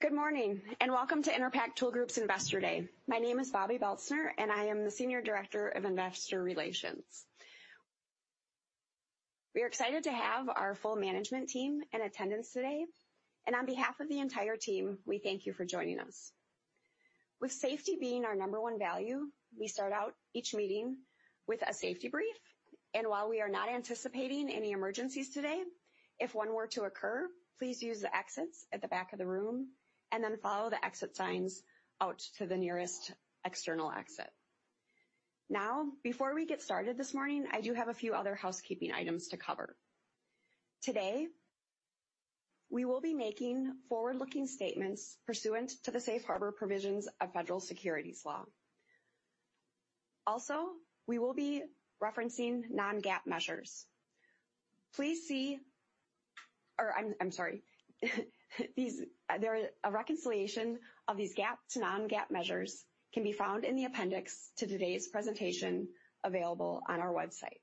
Good morning, and welcome to Enerpac Tool Group's Investor Day. My name is Bobbi Belstner, and I am the Senior Director of Investor Relations. We are excited to have our full management team in attendance today, and on behalf of the entire team, we thank you for joining us. With safety being our number one value, we start out each meeting with a safety brief. While we are not anticipating any emergencies today, if one were to occur, please use the exits at the back of the room and then follow the exit signs out to the nearest external exit. Now, before we get started this morning, I do have a few other housekeeping items to cover. Today, we will be making forward-looking statements pursuant to the safe harbor provisions of federal securities law. Also, we will be referencing non-GAAP measures. I'm sorry. A reconciliation of these GAAP to non-GAAP measures can be found in the appendix to today's presentation, available on our website.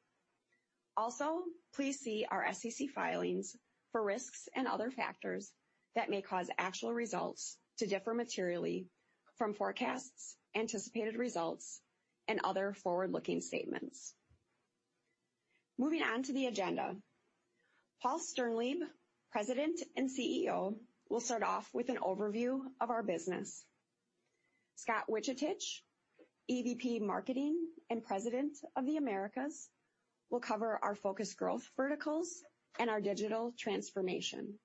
Also, please see our SEC filings for risks and other factors that may cause actual results to differ materially from forecasts, anticipated results, and other forward-looking statements. Moving on to the agenda. Paul Sternlieb, President and CEO, will start off with an overview of our business. Scott Vuchetich, EVP, Marketing, and President of the Americas, will cover our focused growth verticals and our digital transformation.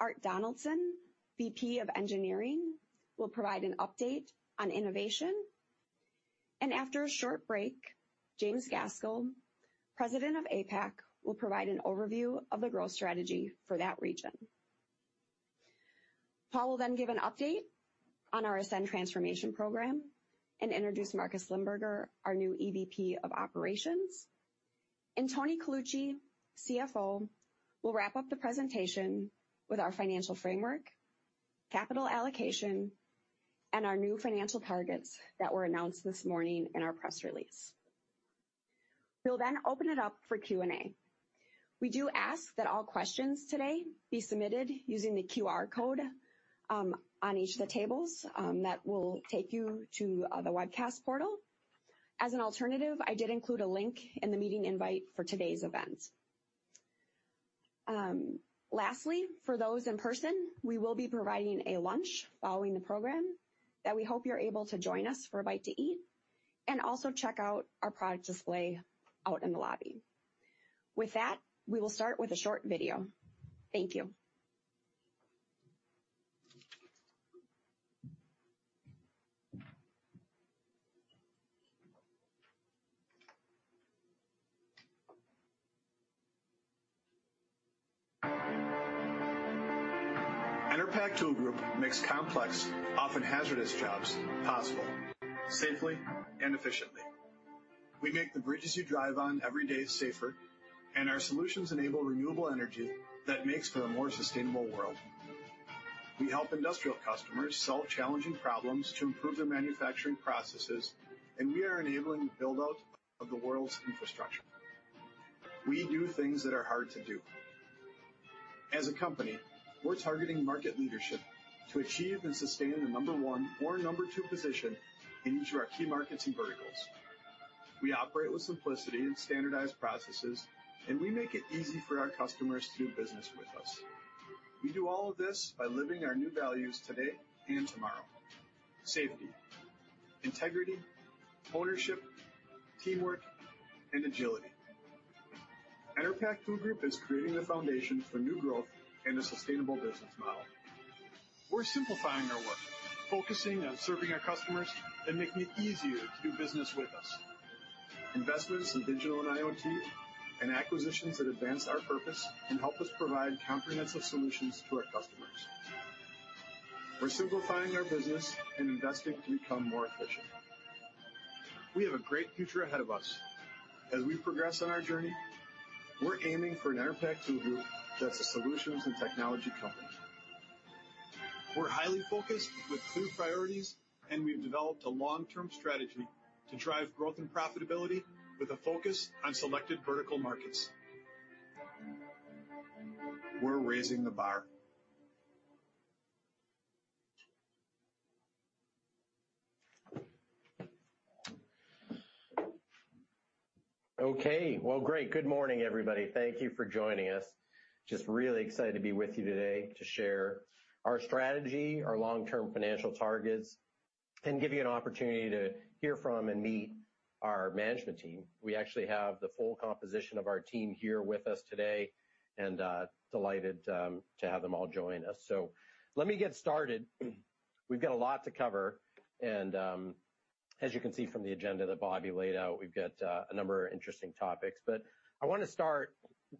Art Donaldson, VP of Engineering, will provide an update on innovation. After a short break, James Gaskell, President of APAC, will provide an overview of the growth strategy for that region. Paul will then give an update on our ASCEND transformation program and introduce Markus Limberger, our new EVP of Operations. Tony Colucci, CFO, will wrap up the presentation with our financial framework, capital allocation, and our new financial targets that were announced this morning in our press release. We'll then open it up for Q&A. We do ask that all questions today be submitted using the QR code on each of the tables that will take you to the webcast portal. As an alternative, I did include a link in the meeting invite for today's event. Lastly, for those in person, we will be providing a lunch following the program, that we hope you're able to join us for a bite to eat, and also check out our product display out in the lobby. With that, we will start with a short video. Thank you. Enerpac Tool Group makes complex, often hazardous jobs possible safely and efficiently. We make the bridges you drive on every day safer, and our solutions enable renewable energy that makes for a more sustainable world. We help industrial customers solve challenging problems to improve their manufacturing processes, and we are enabling the build-out of the world's infrastructure. We do things that are hard to do. As a company, we're targeting market leadership to achieve and sustain a number one or number two position in each of our key markets and verticals. We operate with simplicity and standardized processes, and we make it easy for our customers to do business with us. We do all of this by living our new values today and tomorrow: safety, integrity, ownership, teamwork, and agility. Enerpac Tool Group is creating the foundation for new growth and a sustainable business model. We're simplifying our work, focusing on serving our customers, and making it easier to do business with us. Investments in digital and IoT and acquisitions that advance our purpose can help us provide comprehensive solutions to our customers. We're simplifying our business and investing to become more efficient. We have a great future ahead of us. As we progress on our journey, we're aiming for an Enerpac Tool Group that's a solutions and technology company. We're highly focused with clear priorities, and we've developed a long-term strategy to drive growth and profitability with a focus on selected vertical markets. We're raising the bar. Okay. Well, great. Good morning, everybody. Thank you for joining us. Just really excited to be with you today to share our strategy, our long-term financial targets, and give you an opportunity to hear from and meet our management team. We actually have the full composition of our team here with us today, and delighted to have them all join us. So let me get started. We've got a lot to cover, and as you can see from the agenda that Bobbi laid out, we've got a number of interesting topics. I wanna start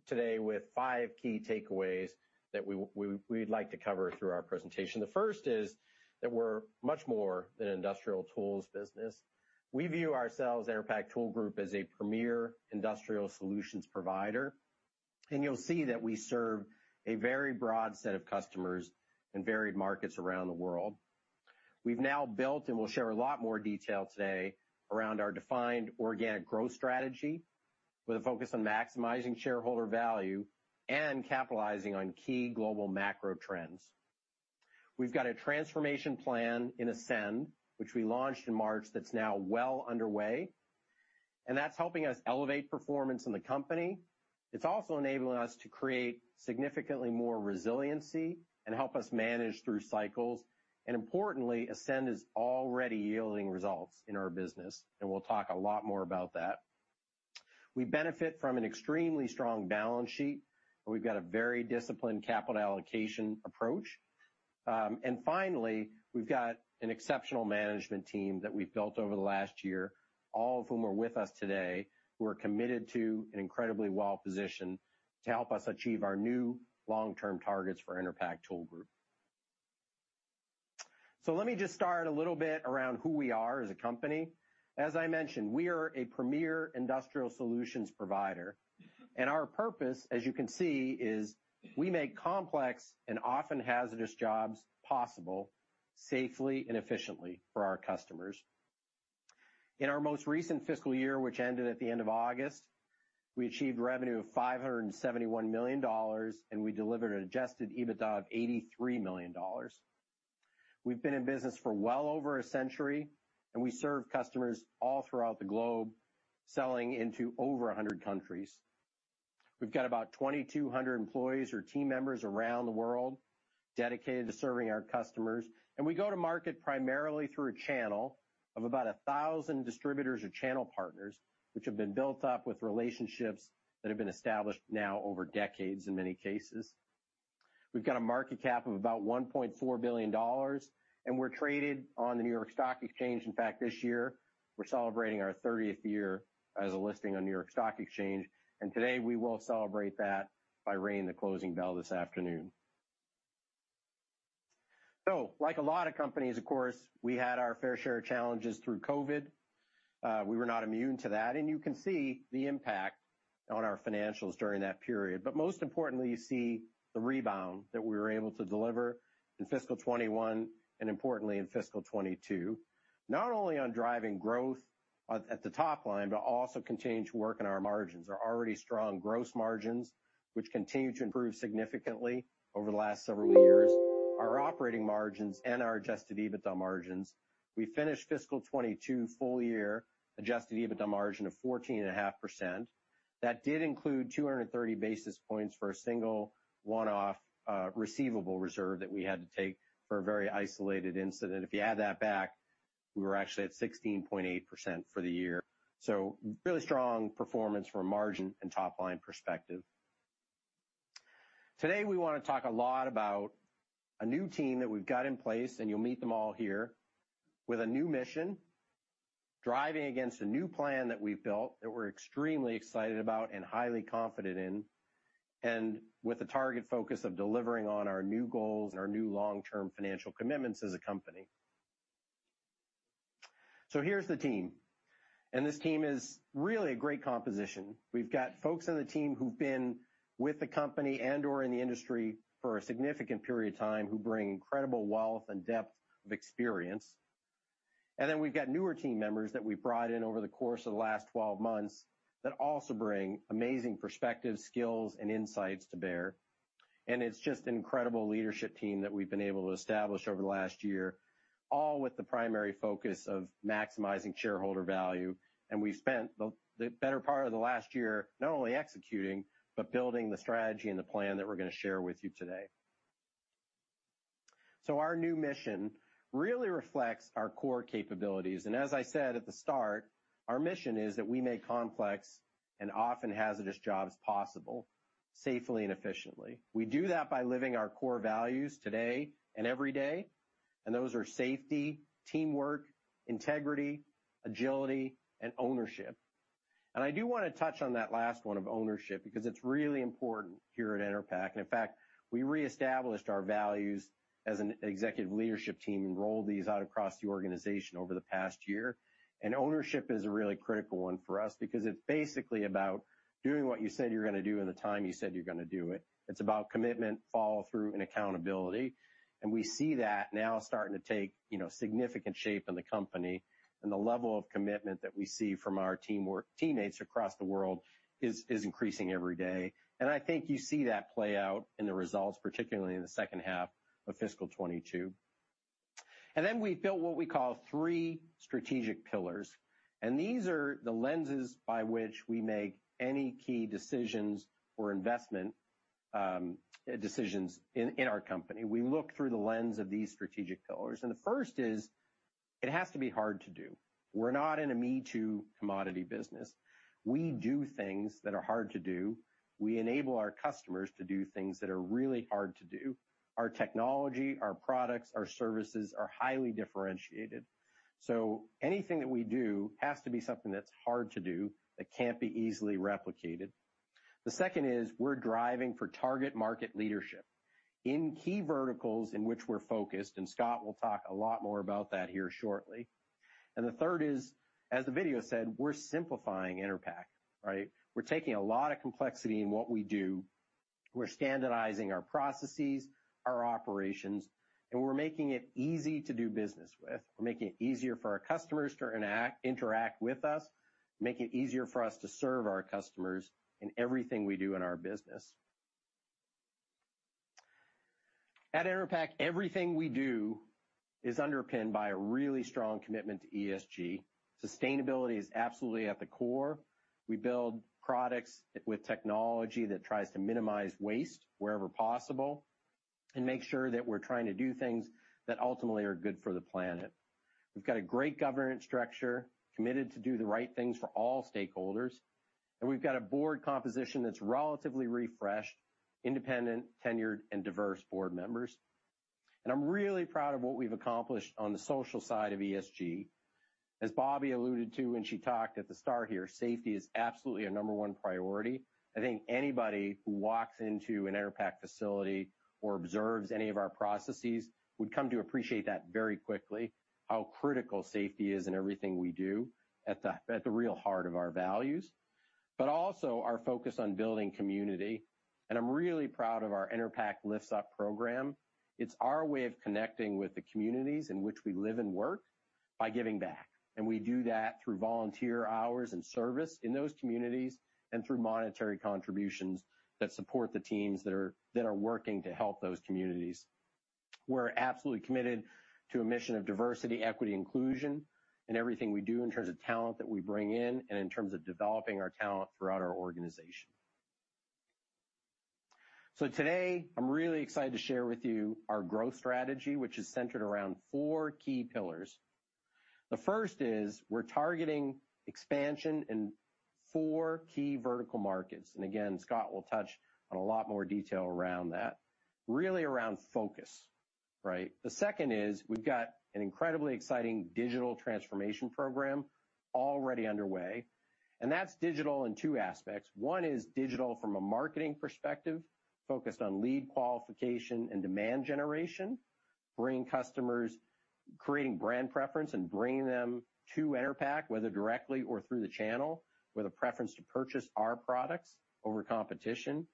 today with five key takeaways that we'd like to cover through our presentation. The first is that we're much more than an industrial tools business. We view ourselves, Enerpac Tool Group, as a premier industrial solutions provider, and you'll see that we serve a very broad set of customers in varied markets around the world. We've now built, and we'll share a lot more detail today, around our defined organic growth strategy with a focus on maximizing shareholder value and capitalizing on key global macro trends. We've got a transformation plan in ASCEND, which we launched in March, that's now well underway, and that's helping us elevate performance in the company. It's also enabling us to create significantly more resiliency and help us manage through cycles. Importantly, ASCEND is already yielding results in our business, and we'll talk a lot more about that. We benefit from an extremely strong balance sheet, and we've got a very disciplined capital allocation approach. Finally, we've got an exceptional management team that we've built over the last year, all of whom are with us today, who are committed to an incredibly well position to help us achieve our new long-term targets for Enerpac Tool Group. Let me just start a little bit around who we are as a company. As I mentioned, we are a premier industrial solutions provider, and our purpose, as you can see, is we make complex and often hazardous jobs possible safely and efficiently for our customers. In our most recent fiscal year, which ended at the end of August, we achieved revenue of $571 million, and we delivered an adjusted EBITDA of $83 million. We've been in business for well over a century, and we serve customers all throughout the globe, selling into over 100 countries. We've got about 2,200 employees or team members around the world dedicated to serving our customers, and we go to market primarily through a channel of about 1,000 distributors or channel partners, which have been built up with relationships that have been established now over decades in many cases. We've got a market cap of about $1.4 billion, and we're traded on the New York Stock Exchange. In fact, this year, we're celebrating our 30th year as a listing on New York Stock Exchange. Today, we will celebrate that by ringing the closing bell this afternoon. Like a lot of companies, of course, we had our fair share of challenges through COVID. We were not immune to that, and you can see the impact on our financials during that period. Most importantly, you see the rebound that we were able to deliver in fiscal 2021 and importantly in fiscal 2022, not only on driving growth at the top line, but also continuing to work on our margins. Our already strong gross margins, which continued to improve significantly over the last several years, our operating margins and our adjusted EBITDA margins. We finished fiscal 2022 full year adjusted EBITDA margin of 14.5%. That did include 230 basis points for a single one-off receivable reserve that we had to take for a very isolated incident. If you add that back, we were actually at 16.8% for the year. Really strong performance from a margin and top-line perspective. Today, we wanna talk a lot about a new team that we've got in place, and you'll meet them all here, with a new mission, driving against a new plan that we've built that we're extremely excited about and highly confident in, and with the target focus of delivering on our new goals and our new long-term financial commitments as a company. Here's the team, and this team is really a great composition. We've got folks on the team who've been with the company and/or in the industry for a significant period of time, who bring incredible wealth and depth of experience. Then we've got newer team members that we brought in over the course of the last 12 months that also bring amazing perspective, skills, and insights to bear. It's just an incredible leadership team that we've been able to establish over the last year, all with the primary focus of maximizing shareholder value. We've spent the better part of the last year not only executing, but building the strategy and the plan that we're gonna share with you today. Our new mission really reflects our core capabilities. As I said at the start, our mission is that we make complex and often hazardous jobs possible safely and efficiently. We do that by living our core values today and every day, and those are safety, teamwork, integrity, agility, and ownership. I do wanna touch on that last one of ownership because it's really important here at Enerpac. In fact, we reestablished our values as an executive leadership team and rolled these out across the organization over the past year. Ownership is a really critical one for us because it's basically about doing what you said you're gonna do in the time you said you're gonna do it. It's about commitment, follow-through, and accountability. We see that now starting to take, you know, significant shape in the company. The level of commitment that we see from our teammates across the world is increasing every day. I think you see that play out in the results, particularly in the second half of fiscal 2022. Then we built what we call three strategic pillars, and these are the lenses by which we make any key decisions or investment decisions in our company. We look through the lens of these strategic pillars, and the first is, it has to be hard to do. We're not in a me-too commodity business. We do things that are hard to do. We enable our customers to do things that are really hard to do. Our technology, our products, our services are highly differentiated. So anything that we do has to be something that's hard to do, that can't be easily replicated. The second is we're driving for target market leadership in key verticals in which we're focused, and Scott will talk a lot more about that here shortly. The third is, as the video said, we're simplifying Enerpac, right? We're taking a lot of complexity in what we do. We're standardizing our processes, our operations, and we're making it easy to do business with. We're making it easier for our customers to interact with us, make it easier for us to serve our customers in everything we do in our business. At Enerpac, everything we do is underpinned by a really strong commitment to ESG. Sustainability is absolutely at the core. We build products with technology that tries to minimize waste wherever possible and make sure that we're trying to do things that ultimately are good for the planet. We've got a great governance structure, committed to do the right things for all stakeholders, and we've got a board composition that's relatively refreshed, independent, tenured, and diverse board members. I'm really proud of what we've accomplished on the social side of ESG. As Bobbi alluded to when she talked at the start here, safety is absolutely our number one priority. I think anybody who walks into an Enerpac facility or observes any of our processes would come to appreciate that very quickly, how critical safety is in everything we do at the real heart of our values, but also our focus on building community. I'm really proud of our Enerpac Lifts Up program. It's our way of connecting with the communities in which we live and work by giving back. We do that through volunteer hours and service in those communities and through monetary contributions that support the teams that are working to help those communities. We're absolutely committed to a mission of diversity, equity, inclusion in everything we do in terms of talent that we bring in and in terms of developing our talent throughout our organization. Today, I'm really excited to share with you our growth strategy, which is centered around four key pillars. The first is we're targeting expansion in four key vertical markets. Again, Scott will touch on a lot more detail around that, really around focus, right? The second is we've got an incredibly exciting digital transformation program already underway, and that's digital in two aspects. One is digital from a marketing perspective, focused on lead qualification and demand generation, creating brand preference and bringing them to Enerpac, whether directly or through the channel, with a preference to purchase our products over competition.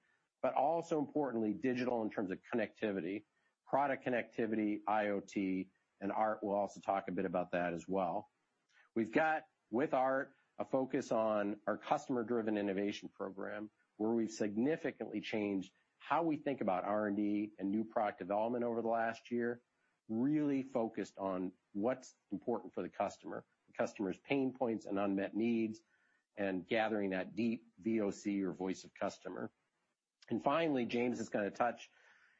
Also importantly, digital in terms of connectivity, product connectivity, IoT, and Art will also talk a bit about that as well. We've got, with Art, a focus on our customer-driven innovation program, where we've significantly changed how we think about R&D and new product development over the last year, really focused on what's important for the customer, the customer's pain points and unmet needs, and gathering that deep VOC or voice of customer. Finally, James is gonna touch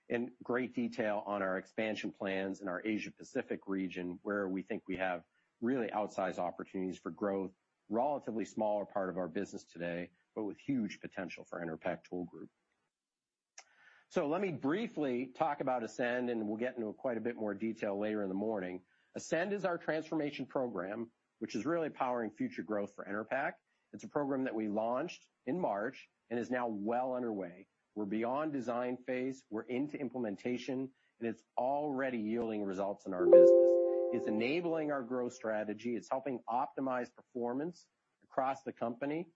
in great detail on our expansion plans in our Asia-Pacific region, where we think we have really outsized opportunities for growth, relatively smaller part of our business today, but with huge potential for Enerpac Tool Group. Let me briefly talk about ASCEND, and we'll get into quite a bit more detail later in the morning. ASCEND is our transformation program, which is really powering future growth for Enerpac. It's a program that we launched in March and is now well underway. We're beyond design phase, we're into implementation, and it's already yielding results in our business. It's enabling our growth strategy, it's helping optimize performance across the company,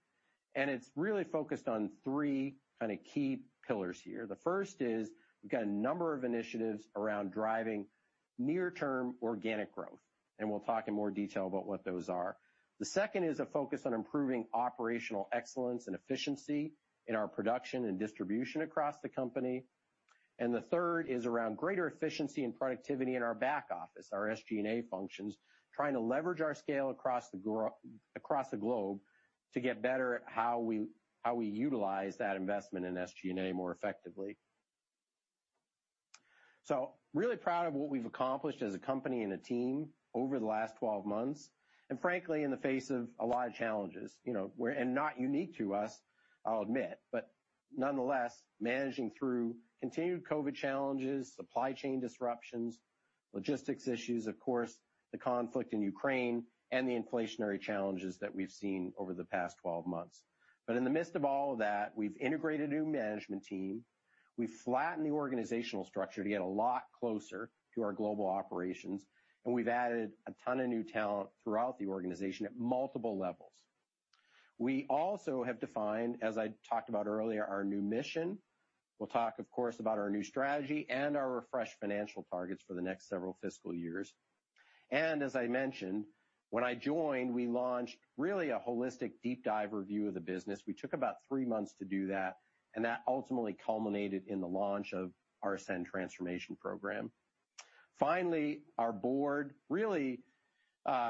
and it's really focused on three kind of key pillars here. The first is we've got a number of initiatives around driving near-term organic growth, and we'll talk in more detail about what those are. The second is a focus on improving operational excellence and efficiency in our production and distribution across the company. The third is around greater efficiency and productivity in our back office, our SG&A functions, trying to leverage our scale across the globe to get better at how we utilize that investment in SG&A more effectively. Really proud of what we've accomplished as a company and a team over the last 12 months, and frankly, in the face of a lot of challenges, you know. Not unique to us, I'll admit, but nonetheless, managing through continued COVID challenges, supply chain disruptions, logistics issues, of course, the conflict in Ukraine, and the inflationary challenges that we've seen over the past 12 months. In the midst of all of that, we've integrated a new management team. We've flattened the organizational structure to get a lot closer to our global operations, and we've added a ton of new talent throughout the organization at multiple levels. We also have defined, as I talked about earlier, our new mission. We'll talk, of course, about our new strategy and our refreshed financial targets for the next several fiscal years. As I mentioned, when I joined, we launched really a holistic, deep dive review of the business. We took about three months to do that, and that ultimately culminated in the launch of our ASCEND transformation program. Finally, our board, really,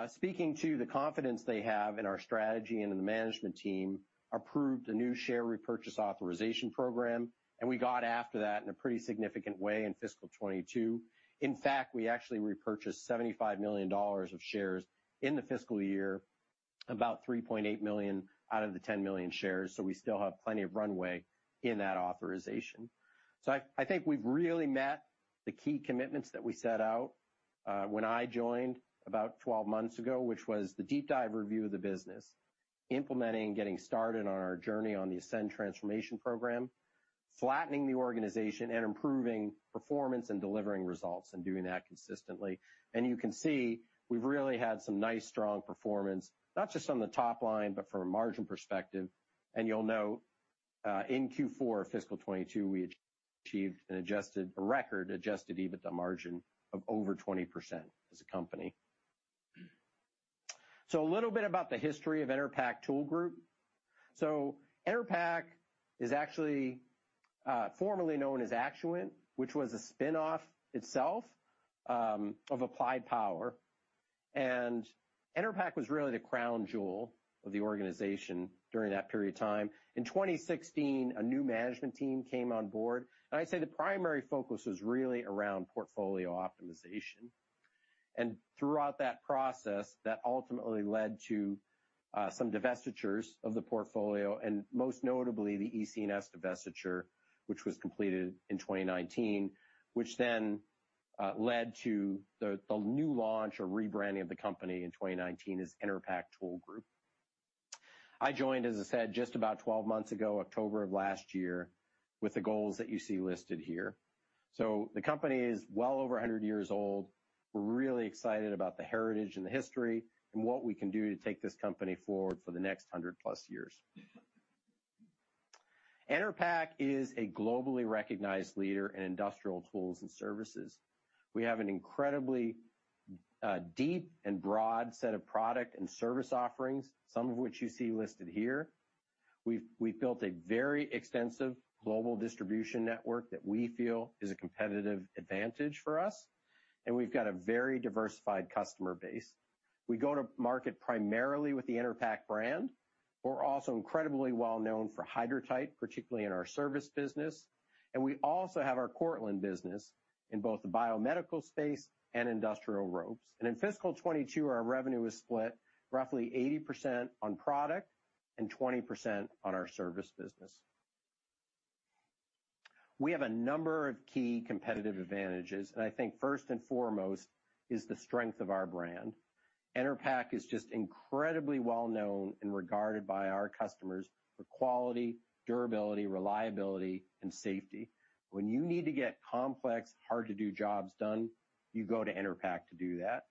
speaking to the confidence they have in our strategy and in the management team, approved a new share repurchase authorization program, and we got after that in a pretty significant way in fiscal 2022. In fact, we actually repurchased $75 million of shares in the fiscal year, about 3.8 million out of the 10 million shares, so we still have plenty of runway in that authorization. I think we've really met the key commitments that we set out, when I joined about 12 months ago, which was the deep dive review of the business, implementing and getting started on our journey on the ASCEND transformation program, flattening the organization, and improving performance and delivering results and doing that consistently. You can see we've really had some nice, strong performance, not just on the top line, but from a margin perspective. You'll note in Q4 fiscal 2022, we achieved a record adjusted EBITDA margin of over 20% as a company. A little bit about the history of Enerpac Tool Group. Enerpac is actually formerly known as Actuant, which was a spinoff itself of Applied Power. Enerpac was really the crown jewel of the organization during that period of time. In 2016, a new management team came on board, and I'd say the primary focus was really around portfolio optimization. Throughout that process, that ultimately led to some divestitures of the portfolio, and most notably the EC&S divestiture, which was completed in 2019. Which then led to the new launch or rebranding of the company in 2019 as Enerpac Tool Group. I joined, as I said, just about 12 months ago, October of last year, with the goals that you see listed here. The company is well over 100 years old. We're really excited about the heritage and the history and what we can do to take this company forward for the next 100+ years. Enerpac is a globally recognized leader in industrial tools and services. We have an incredibly deep and broad set of product and service offerings, some of which you see listed here. We've built a very extensive global distribution network that we feel is a competitive advantage for us, and we've got a very diversified customer base. We go to market primarily with the Enerpac brand. We're also incredibly well known for Hydratight, particularly in our service business, and we also have our Cortland business in both the biomedical space and industrial ropes. In fiscal 2022, our revenue was split roughly 80% on product and 20% on our service business. We have a number of key competitive advantages, and I think first and foremost is the strength of our brand. Enerpac is just incredibly well known and regarded by our customers for quality, durability, reliability, and safety. When you need to get complex, hard-to-do jobs done, you go to Enerpac to do that.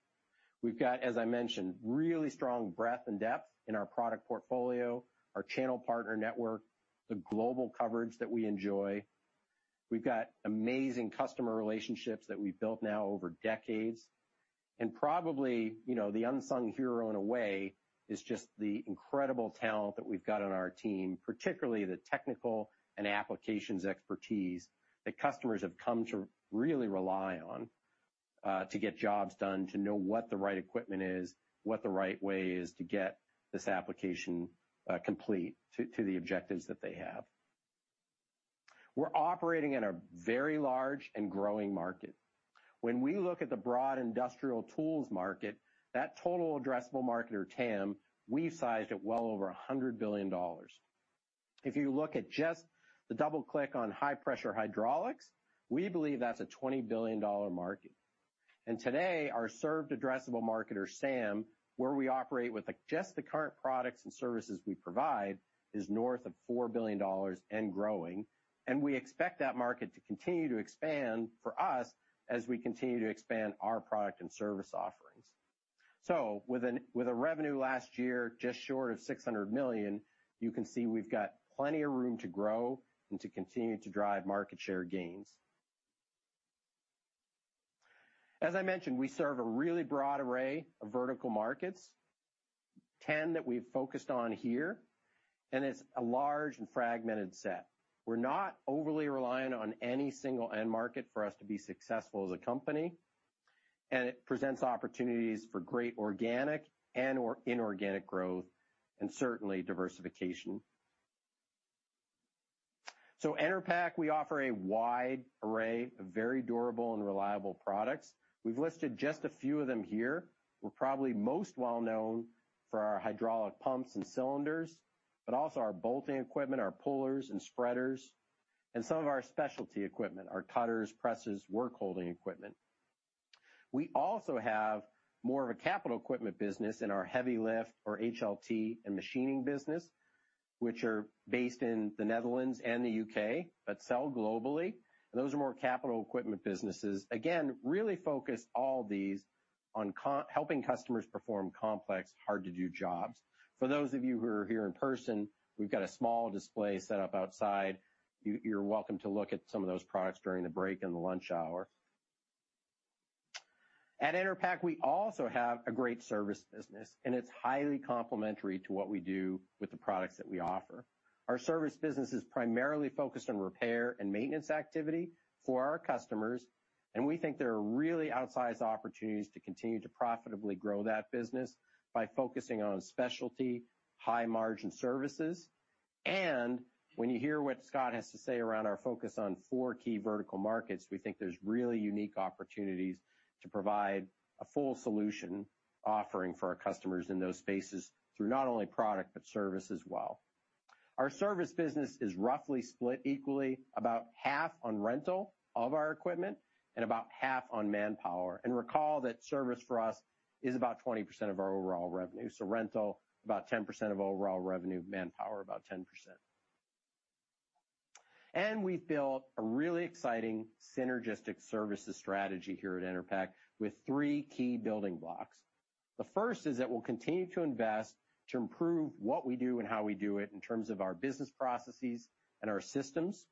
We've got, as I mentioned, really strong breadth and depth in our product portfolio, our channel partner network, the global coverage that we enjoy. We've got amazing customer relationships that we've built now over decades. Probably, you know, the unsung hero in a way is just the incredible talent that we've got on our team, particularly the technical and applications expertise that customers have come to really rely on to get jobs done, to know what the right equipment is, what the right way is to get this application complete to the objectives that they have. We're operating in a very large and growing market. When we look at the broad industrial tools market, that total addressable market or TAM, we've sized at well over $100 billion. If you look at just the double-click on high-pressure hydraulics, we believe that's a $20 billion market. Today, our served addressable market or SAM, where we operate with the current products and services we provide, is north of $4 billion and growing. We expect that market to continue to expand for us as we continue to expand our product and service offerings. With a revenue last year just short of $600 million, you can see we've got plenty of room to grow and to continue to drive market share gains. As I mentioned, we serve a really broad array of vertical markets, 10 that we've focused on here, and it's a large and fragmented set. We're not overly reliant on any single end market for us to be successful as a company, and it presents opportunities for great organic and/or inorganic growth and certainly diversification. Enerpac, we offer a wide array of very durable and reliable products. We've listed just a few of them here. We're probably most well known for our hydraulic pumps and cylinders, but also our bolting equipment, our pullers and spreaders, and some of our specialty equipment, our cutters, presses, work holding equipment. We also have more of a capital equipment business in our heavy lift or HLT and machining business, which are based in the Netherlands and the U.K., but sell globally. Those are more capital equipment businesses. Again, really focus all these on helping customers perform complex, hard-to-do jobs. For those of you who are here in person, we've got a small display set up outside. You're welcome to look at some of those products during the break and the lunch hour. At Enerpac, we also have a great service business, and it's highly complementary to what we do with the products that we offer. Our service business is primarily focused on repair and maintenance activity for our customers, and we think there are really outsized opportunities to continue to profitably grow that business by focusing on specialty, high-margin services. When you hear what Scott has to say around our focus on four key vertical markets, we think there's really unique opportunities to provide a full solution offering for our customers in those spaces through not only product but service as well. Our service business is roughly split equally about half on rental of our equipment and about half on manpower. Recall that service for us is about 20% of our overall revenue. Rental, about 10% of overall revenue. Manpower, about 10%. We've built a really exciting synergistic services strategy here at Enerpac with three key building blocks. The first is that we'll continue to invest to improve what we do and how we do it in terms of our business processes and our systems.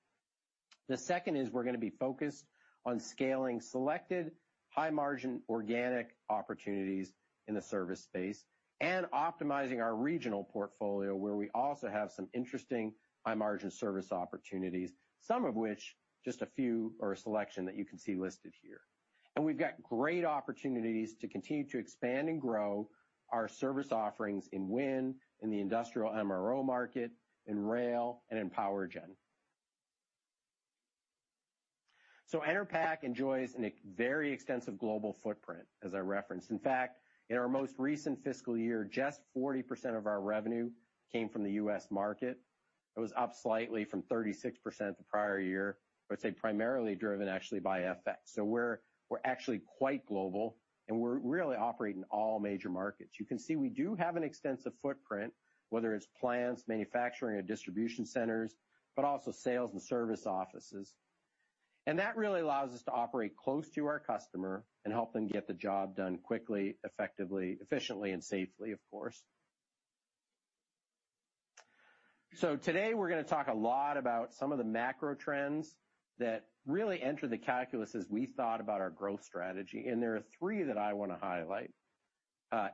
The second is we're gonna be focused on scaling selected high-margin organic opportunities in the service space and optimizing our regional portfolio, where we also have some interesting high-margin service opportunities, some of which just a few or a selection that you can see listed here. We've got great opportunities to continue to expand and grow our service offerings in wind, in the industrial MRO market, in rail, and in power gen. Enerpac enjoys a very extensive global footprint, as I referenced. In fact, in our most recent fiscal year, just 40% of our revenue came from the U.S. market. It was up slightly from 36% the prior year, I'd say primarily driven actually by FX. We're actually quite global, and we're really operating in all major markets. You can see we do have an extensive footprint, whether it's plants, manufacturing, or distribution centers, but also sales and service offices. That really allows us to operate close to our customer and help them get the job done quickly, effectively, efficiently, and safely, of course. Today, we're gonna talk a lot about some of the macro trends that really enter the calculus as we thought about our growth strategy, and there are three that I wanna highlight: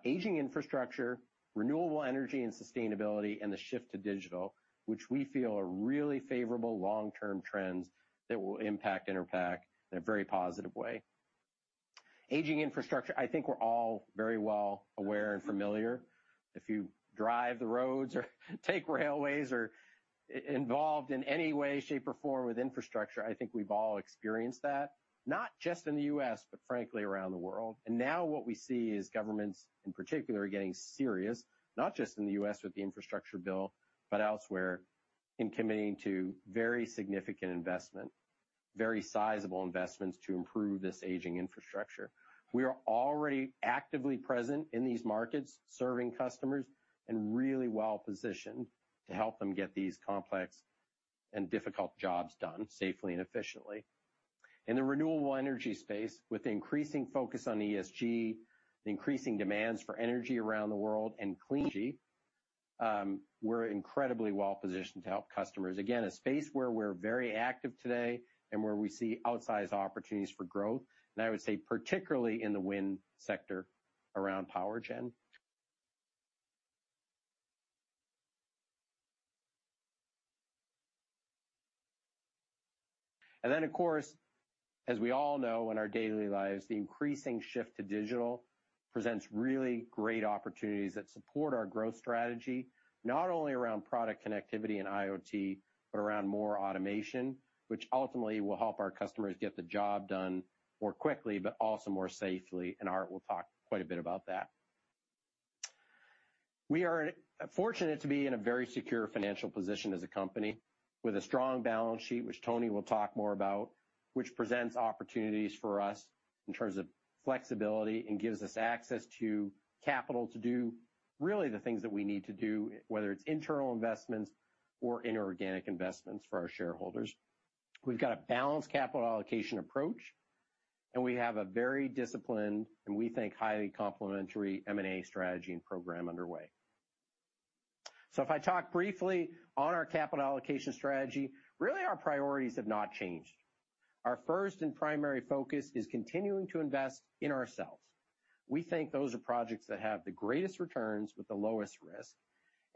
aging infrastructure, renewable energy and sustainability, and the shift to digital, which we feel are really favorable long-term trends that will impact Enerpac in a very positive way. Aging infrastructure, I think we're all very well aware and familiar. If you drive the roads or take railways or involved in any way, shape, or form with infrastructure, I think we've all experienced that, not just in the U.S., but frankly, around the world. Now what we see is governments, in particular, are getting serious, not just in the U.S. with the infrastructure bill, but elsewhere in committing to very significant investment, very sizable investments to improve this aging infrastructure. We are already actively present in these markets, serving customers and really well-positioned to help them get these complex and difficult jobs done safely and efficiently. In the renewable energy space, with increasing focus on ESG, increasing demands for energy around the world and clean energy, we're incredibly well-positioned to help customers. Again, a space where we're very active today and where we see outsized opportunities for growth, and I would say particularly in the wind sector around power gen. Of course, as we all know in our daily lives, the increasing shift to digital presents really great opportunities that support our growth strategy, not only around product connectivity and IoT, but around more automation, which ultimately will help our customers get the job done more quickly, but also more safely, and Art will talk quite a bit about that. We are fortunate to be in a very secure financial position as a company with a strong balance sheet, which Tony will talk more about, which presents opportunities for us in terms of flexibility and gives us access to capital to do really the things that we need to do, whether it's internal investments or inorganic investments for our shareholders. We've got a balanced capital allocation approach, and we have a very disciplined, and we think, highly complementary M&A strategy and program underway. If I talk briefly on our capital allocation strategy, really our priorities have not changed. Our first and primary focus is continuing to invest in ourselves. We think those are projects that have the greatest returns with the lowest risk,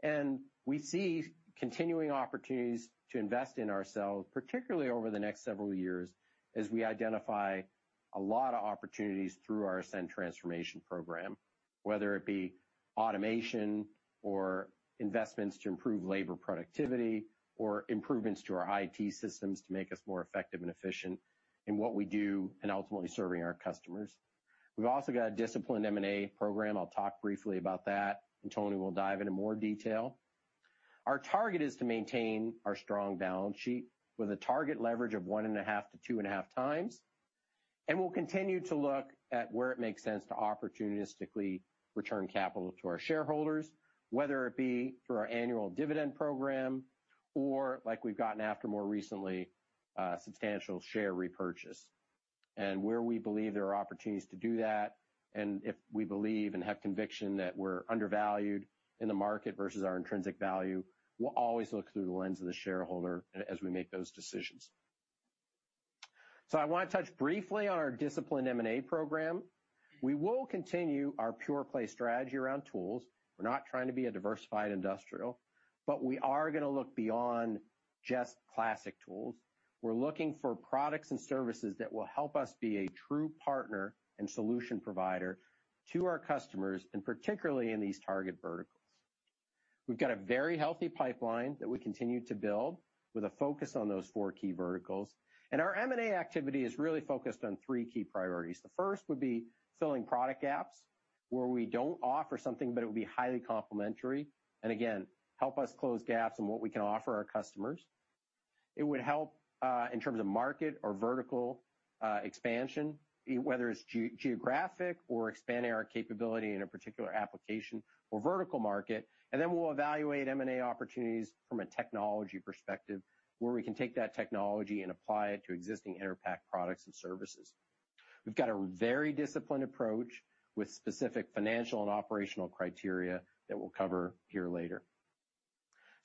and we see continuing opportunities to invest in ourselves, particularly over the next several years, as we identify a lot of opportunities through our ASCEND transformation program, whether it be automation or investments to improve labor productivity or improvements to our IT systems to make us more effective and efficient in what we do and ultimately serving our customers. We've also got a disciplined M&A program. I'll talk briefly about that, and Tony will dive into more detail. Our target is to maintain our strong balance sheet with a target leverage of 1.5x-2.5x. We'll continue to look at where it makes sense to opportunistically return capital to our shareholders, whether it be through our annual dividend program or like we've done more recently, substantial share repurchase. Where we believe there are opportunities to do that, and if we believe and have conviction that we're undervalued in the market versus our intrinsic value, we'll always look through the lens of the shareholder as we make those decisions. I wanna touch briefly on our disciplined M&A program. We will continue our pure play strategy around tools. We're not trying to be a diversified industrial, but we are gonna look beyond just classic tools. We're looking for products and services that will help us be a true partner and solution provider to our customers, and particularly in these target verticals. We've got a very healthy pipeline that we continue to build with a focus on those four key verticals, and our M&A activity is really focused on three key priorities. The first would be filling product gaps where we don't offer something, but it would be highly complementary, and again, help us close gaps on what we can offer our customers. It would help in terms of market or vertical expansion, whether it's geographic or expanding our capability in a particular application or vertical market. We'll evaluate M&A opportunities from a technology perspective where we can take that technology and apply it to existing Enerpac products and services. We've got a very disciplined approach with specific financial and operational criteria that we'll cover here later.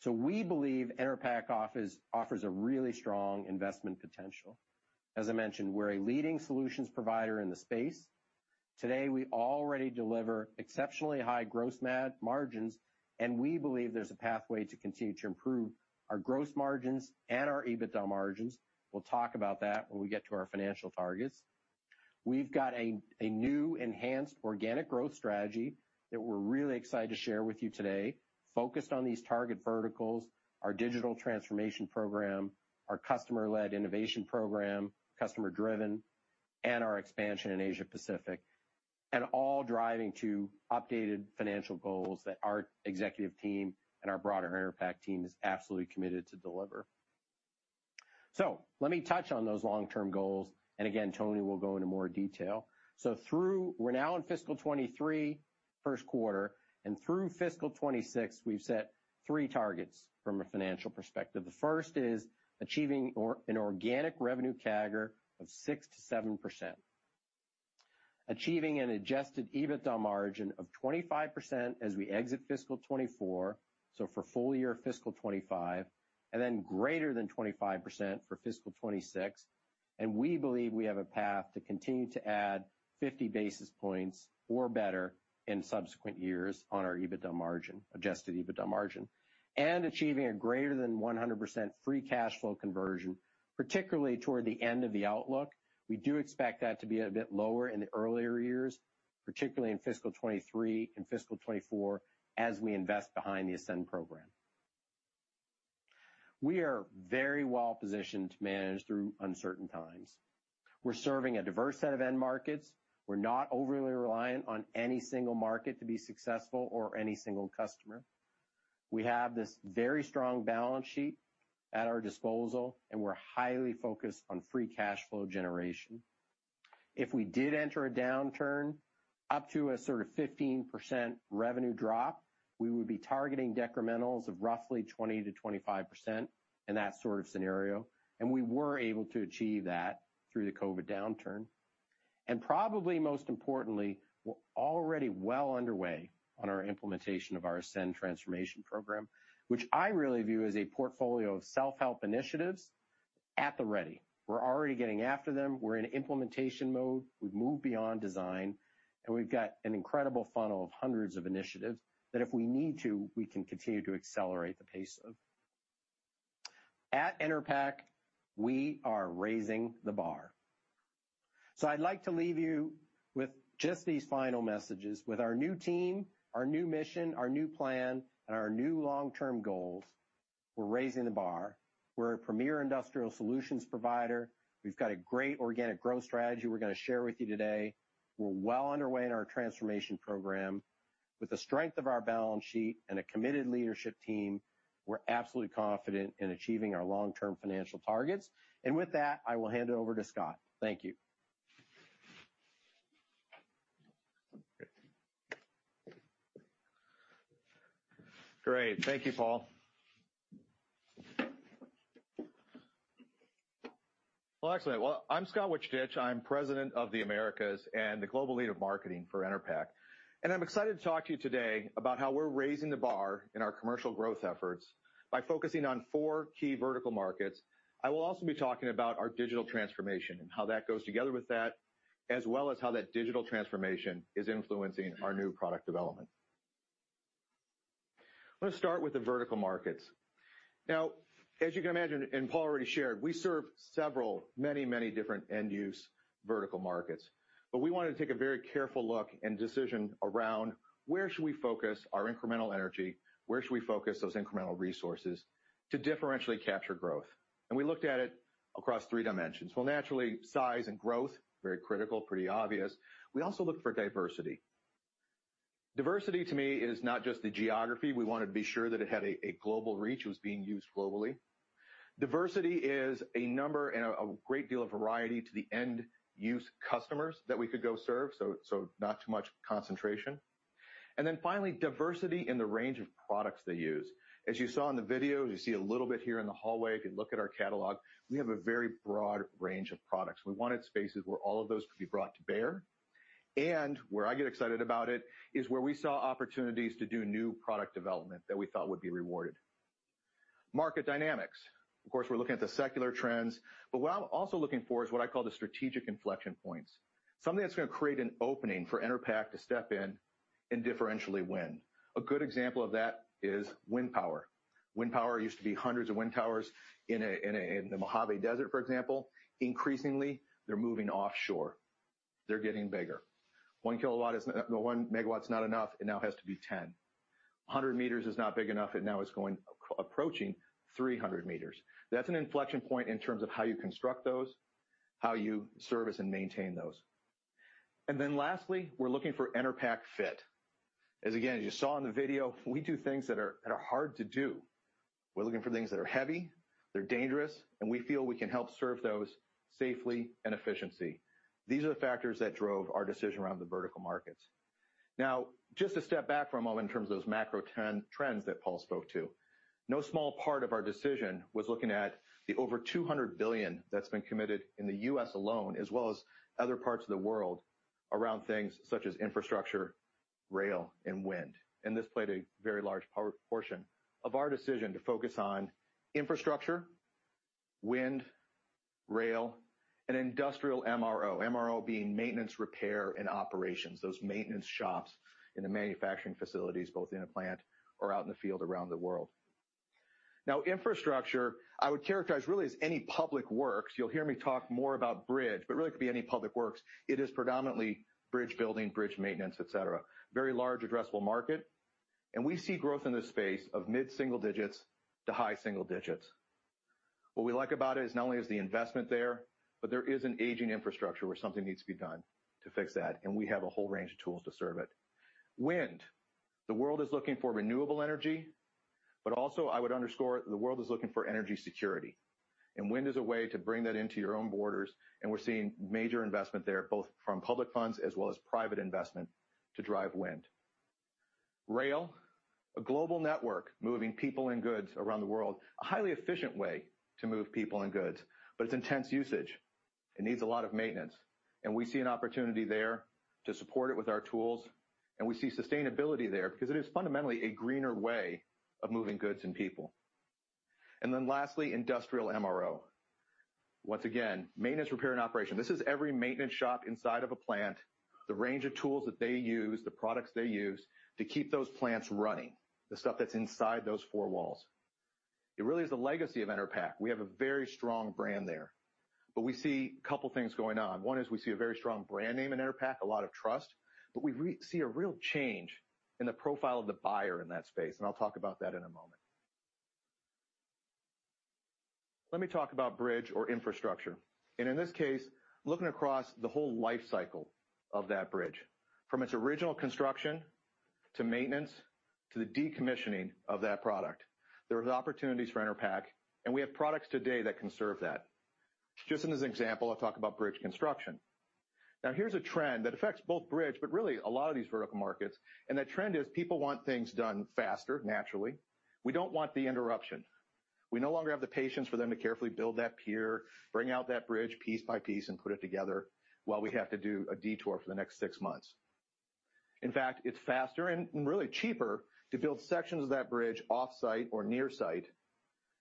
We believe Enerpac offers a really strong investment potential. As I mentioned, we're a leading solutions provider in the space. Today, we already deliver exceptionally high gross margins, and we believe there's a pathway to continue to improve our gross margins and our EBITDA margins. We'll talk about that when we get to our financial targets. We've got a new enhanced organic growth strategy that we're really excited to share with you today, focused on these target verticals, our digital transformation program, our customer-led innovation program, customer driven, and our expansion in Asia-Pacific, and all driving to updated financial goals that our executive team and our broader Enerpac team is absolutely committed to deliver. Let me touch on those long-term goals, and again, Tony will go into more detail. We're now in fiscal 2023 first quarter, and through fiscal 2026, we've set three targets from a financial perspective. The first is achieving an organic revenue CAGR of 6%-7%. Achieving an adjusted EBITDA margin of 25% as we exit fiscal 2024, so for full year fiscal 2025, and then greater than 25% for fiscal 2026. We believe we have a path to continue to add 50 basis points or better in subsequent years on our EBITDA margin, adjusted EBITDA margin. Achieving a greater than 100% free cash flow conversion, particularly toward the end of the outlook. We do expect that to be a bit lower in the earlier years, particularly in fiscal 2023 and fiscal 2024, as we invest behind the ASCEND program. We are very well-positioned to manage through uncertain times. We're serving a diverse set of end markets. We're not overly reliant on any single market to be successful or any single customer. We have this very strong balance sheet at our disposal, and we're highly focused on free cash flow generation. If we did enter a downturn up to a sort of 15% revenue drop, we would be targeting decrementals of roughly 20%-25% in that sort of scenario, and we were able to achieve that through the COVID downturn. Probably most importantly, we're already well underway on our implementation of our ASCEND transformation program, which I really view as a portfolio of self-help initiatives at the ready. We're already getting after them, we're in implementation mode, we've moved beyond design, and we've got an incredible funnel of hundreds of initiatives that if we need to, we can continue to accelerate the pace of. At Enerpac, we are raising the bar. I'd like to leave you with just these final messages. With our new team, our new mission, our new plan, and our new long-term goals, we're raising the bar. We're a premier industrial solutions provider. We've got a great organic growth strategy we're gonna share with you today. We're well underway in our transformation program. With the strength of our balance sheet and a committed leadership team, we're absolutely confident in achieving our long-term financial targets. With that, I will hand it over to Scott. Thank you. Great. Thank you, Paul. Well, excellent. Well, I'm Scott Vuchetich. I'm President of the Americas and the Global Lead of Marketing for Enerpac, and I'm excited to talk to you today about how we're raising the bar in our commercial growth efforts by focusing on four key vertical markets. I will also be talking about our digital transformation and how that goes together with that, as well as how that digital transformation is influencing our new product development. Let's start with the vertical markets. Now, as you can imagine, and Paul already shared, we serve several, many, many different end use vertical markets. We wanted to take a very careful look and decision around where should we focus our incremental energy, where should we focus those incremental resources to differentially capture growth? We looked at it across three dimensions. Well, naturally, size and growth, very critical, pretty obvious. We also looked for diversity. Diversity to me is not just the geography. We wanted to be sure that it had a global reach, it was being used globally. Diversity is a number and a great deal of variety to the end use customers that we could go serve, so not too much concentration. Finally, diversity in the range of products they use. As you saw in the video, you see a little bit here in the hallway, if you look at our catalog, we have a very broad range of products. We wanted spaces where all of those could be brought to bear. Where I get excited about it is where we saw opportunities to do new product development that we thought would be rewarded. Market dynamics. Of course, we're looking at the secular trends, but what I'm also looking for is what I call the strategic inflection points, something that's gonna create an opening for Enerpac to step in and differentially win. A good example of that is wind power. Wind power used to be hundreds of wind towers in the Mojave Desert, for example. Increasingly, they're moving offshore. They're getting bigger. One megawatt's not enough. It now has to be 10. 100 meters is not big enough. It now is going approaching 300 meters. That's an inflection point in terms of how you construct those, how you service and maintain those. Lastly, we're looking for Enerpac fit. As again, as you saw in the video, we do things that are hard to do. We're looking for things that are heavy, they're dangerous, and we feel we can help serve those safely and efficiency. These are the factors that drove our decision around the vertical markets. Now, just to step back for a moment in terms of those macro trends that Paul spoke to. No small part of our decision was looking at the over $200 billion that's been committed in the U.S. alone, as well as other parts of the world around things such as infrastructure, rail, and wind. This played a very large portion of our decision to focus on infrastructure, wind, rail, and industrial MRO. MRO being maintenance, repair, and operations, those maintenance shops in the manufacturing facilities, both in a plant or out in the field around the world. Now infrastructure, I would characterize really as any public works. You'll hear me talk more about bridge, but really it could be any public works. It is predominantly bridge building, bridge maintenance, et cetera. Very large addressable market, and we see growth in this space of mid-single digits to high single digits. What we like about it is not only is the investment there, but there is an aging infrastructure where something needs to be done to fix that, and we have a whole range of tools to serve it. Wind. The world is looking for renewable energy, but also I would underscore the world is looking for energy security, and wind is a way to bring that into your own borders. We're seeing major investment there, both from public funds as well as private investment to drive wind. Rail, a global network, moving people and goods around the world. A highly efficient way to move people and goods, but it's intense usage. It needs a lot of maintenance, and we see an opportunity there to support it with our tools, and we see sustainability there because it is fundamentally a greener way of moving goods and people. Then lastly, industrial MRO. Once again, maintenance, repair, and operation. This is every maintenance shop inside of a plant, the range of tools that they use, the products they use to keep those plants running, the stuff that's inside those four walls. It really is the legacy of Enerpac. We have a very strong brand there, but we see a couple of things going on. One is we see a very strong brand name in Enerpac, a lot of trust, but we see a real change in the profile of the buyer in that space, and I'll talk about that in a moment. Let me talk about bridge or infrastructure. In this case, looking across the whole life cycle of that bridge, from its original construction to maintenance to the decommissioning of that product. There is opportunities for Enerpac, and we have products today that can serve that. Just as an example, I'll talk about bridge construction. Now, here's a trend that affects both bridge, but really a lot of these vertical markets. That trend is people want things done faster, naturally. We don't want the interruption. We no longer have the patience for them to carefully build that pier, bring out that bridge piece by piece, and put it together while we have to do a detour for the next six months. In fact, it's faster and really cheaper to build sections of that bridge off-site or near-site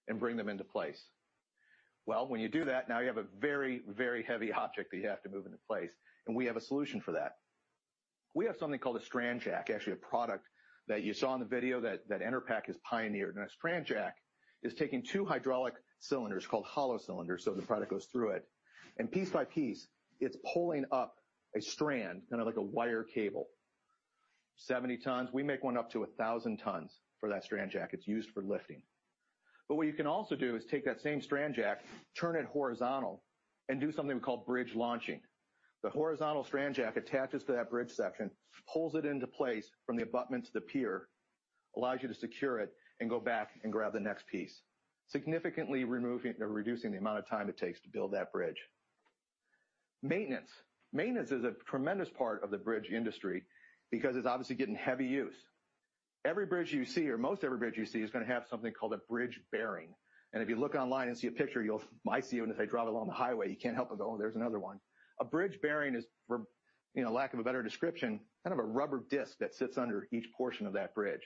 and bring them into place. Well, when you do that, now you have a very, very heavy object that you have to move into place, and we have a solution for that. We have something called a strand jack, actually a product that you saw in the video that Enerpac has pioneered. Now, a strand jack is taking two hydraulic cylinders called hollow cylinders, so the product goes through it. Piece by piece, it's pulling up a strand, kind of like a wire cable, 70 tons. We make one up to 1,000 tons for that strand jack. It's used for lifting. What you can also do is take that same strand jack, turn it horizontal, and do something we call bridge launching. The horizontal strand jack attaches to that bridge section, pulls it into place from the abutment to the pier, allows you to secure it and go back and grab the next piece, significantly removing or reducing the amount of time it takes to build that bridge. Maintenance. Maintenance is a tremendous part of the bridge industry because it's obviously getting heavy use. Every bridge you see or most every bridge you see is gonna have something called a bridge bearing. If you look online and see a picture, I see them as I drive along the highway, you can't help but go, "Oh, there's another one." A bridge bearing is, for you know, lack of a better description, kind of a rubber disc that sits under each portion of that bridge.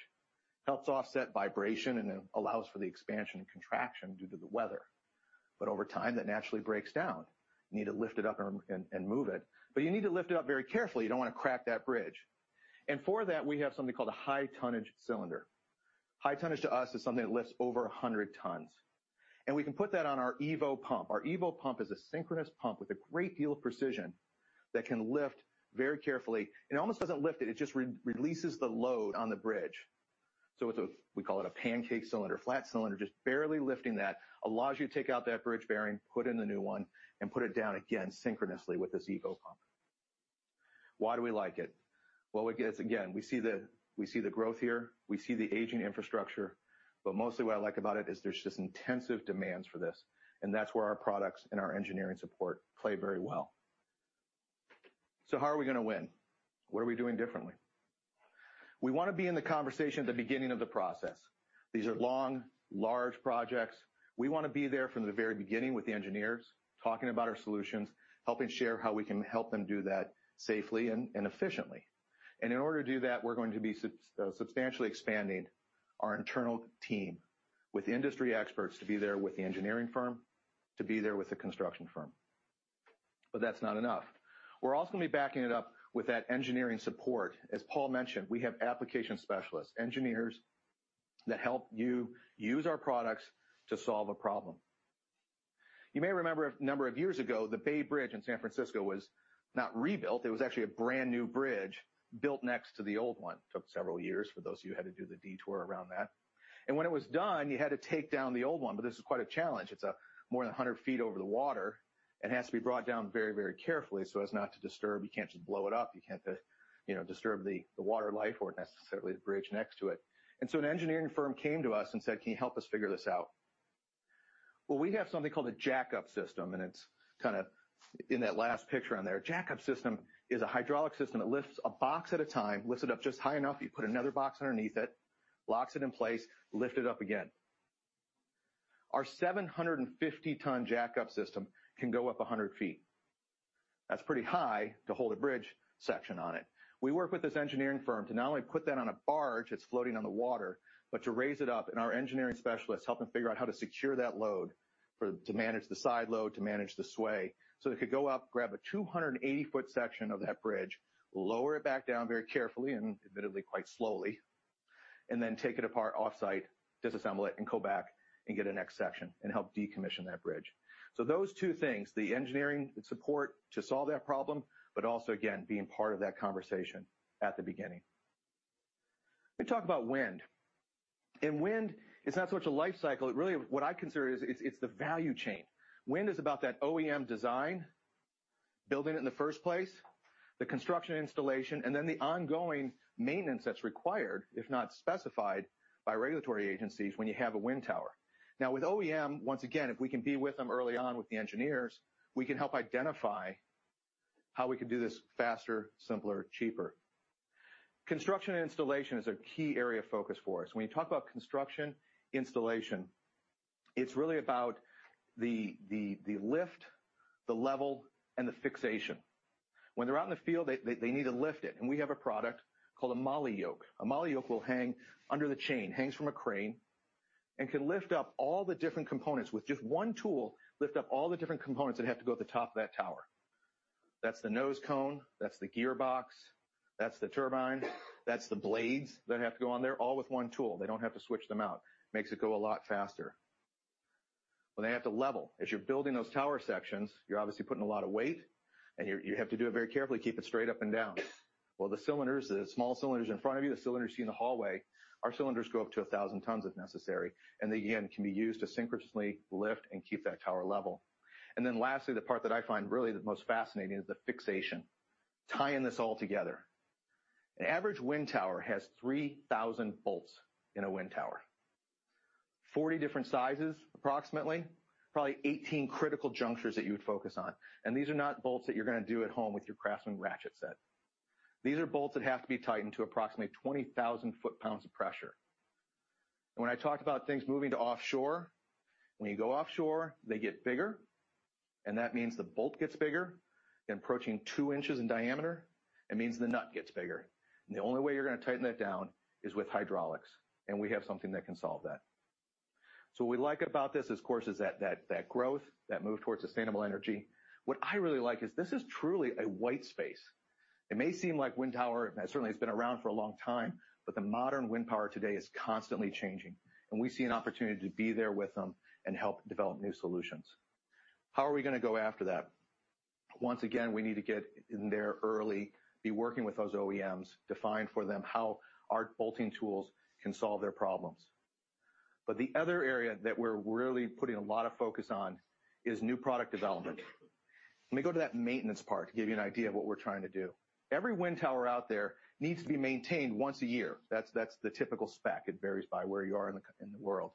Helps offset vibration and then allows for the expansion and contraction due to the weather. Over time, that naturally breaks down. You need to lift it up and move it. You need to lift it up very carefully. You don't want to crack that bridge. For that, we have something called a high-tonnage cylinder. High tonnage to us is something that lifts over 100 tons. We can put that on our EVO pump. Our EVO pump is a synchronous pump with a great deal of precision that can lift very carefully. It almost doesn't lift it just releases the load on the bridge. It's a, we call it a pancake cylinder, flat cylinder, just barely lifting that. Allows you to take out that bridge bearing, put in the new one, and put it down again synchronously with this EVO pump. Why do we like it? Well, we get, again, we see the growth here, we see the aging infrastructure, but mostly what I like about it is there's just intensive demands for this, and that's where our products and our engineering support play very well. How are we gonna win? What are we doing differently? We wanna be in the conversation at the beginning of the process. These are long, large projects. We wanna be there from the very beginning with the engineers, talking about our solutions, helping share how we can help them do that safely and efficiently. In order to do that, we're going to be substantially expanding our internal team with industry experts to be there with the engineering firm, to be there with the construction firm. That's not enough. We're also gonna be backing it up with that engineering support. As Paul mentioned, we have application specialists, engineers that help you use our products to solve a problem. You may remember a number of years ago, the Bay Bridge in San Francisco was not rebuilt. It was actually a brand-new bridge built next to the old one. Took several years for those of you who had to do the detour around that. When it was done, you had to take down the old one, but this was quite a challenge. It's more than 100 feet over the water. It has to be brought down very, very carefully so as not to disturb. You can't just blow it up. You can't you know, disturb the water life or necessarily the bridge next to it. An engineering firm came to us and said, "Can you help us figure this out?" Well, we have something called a Jack-Up System, and it's kind of in that last picture on there. A Jack-Up System is a hydraulic system that lifts a box at a time, lifts it up just high enough. You put another box underneath it, locks it in place, lift it up again. Our 750-ton Jack-Up System can go up 100 feet. That's pretty high to hold a bridge section on it. We work with this engineering firm to not only put that on a barge that's floating on the water, but to raise it up, and our engineering specialists help them figure out how to secure that load to manage the side load, to manage the sway, so they could go up, grab a 280-foot section of that bridge, lower it back down very carefully, and admittedly, quite slowly, and then take it apart off-site, disassemble it, and go back and get the next section and help decommission that bridge. Those two things, the engineering support to solve that problem, but also, again, being part of that conversation at the beginning. Let me talk about wind. Wind is not so much a life cycle. What I consider is, it's the value chain. Wind is about that OEM design, building it in the first place, the construction installation, and then the ongoing maintenance that's required, if not specified by regulatory agencies when you have a wind tower. Now, with OEM, once again, if we can be with them early on with the engineers, we can help identify how we can do this faster, simpler, cheaper. Construction and installation is a key area of focus for us. When you talk about construction, installation, it's really about the lift, the level, and the fixation. When they're out in the field, they need to lift it. We have a product called a Molly Yoke. A Molly Yoke will hang under the chain, hangs from a crane, and can lift up all the different components with just one tool, lift up all the different components that have to go at the top of that tower. That's the nose cone, that's the gearbox, that's the turbine, that's the blades that have to go on there, all with one tool. They don't have to switch them out. Makes it go a lot faster. When they have to level, as you're building those tower sections, you're obviously putting a lot of weight, and you have to do it very carefully, keep it straight up and down. Well, the cylinders, the small cylinders in front of you, the cylinders you see in the hallway, our cylinders go up to 1,000 tons if necessary, and they, again, can be used to synchronously lift and keep that tower level. Then lastly, the part that I find really the most fascinating is the fixation, tying this all together. An average wind tower has 3,000 bolts in a wind tower, 40 different sizes, approximately, probably 18 critical junctures that you would focus on. These are not bolts that you're gonna do at home with your Craftsman ratchet set. These are bolts that have to be tightened to approximately 20,000 foot-pounds of pressure. When I talk about things moving to offshore, when you go offshore, they get bigger, and that means the bolt gets bigger, approaching 2 inches in diameter. It means the nut gets bigger. The only way you're gonna tighten that down is with hydraulics, and we have something that can solve that. What we like about this, of course, is that growth, that move towards sustainable energy. What I really like is this is truly a white space. It may seem like wind tower, and certainly it's been around for a long time, but the modern wind power today is constantly changing, and we see an opportunity to be there with them and help develop new solutions. How are we gonna go after that? Once again, we need to get in there early, be working with those OEMs, define for them how our bolting tools can solve their problems. But the other area that we're really putting a lot of focus on is new product development. Let me go to that maintenance part to give you an idea of what we're trying to do. Every wind tower out there needs to be maintained once a year. That's the typical spec. It varies by where you are in the world.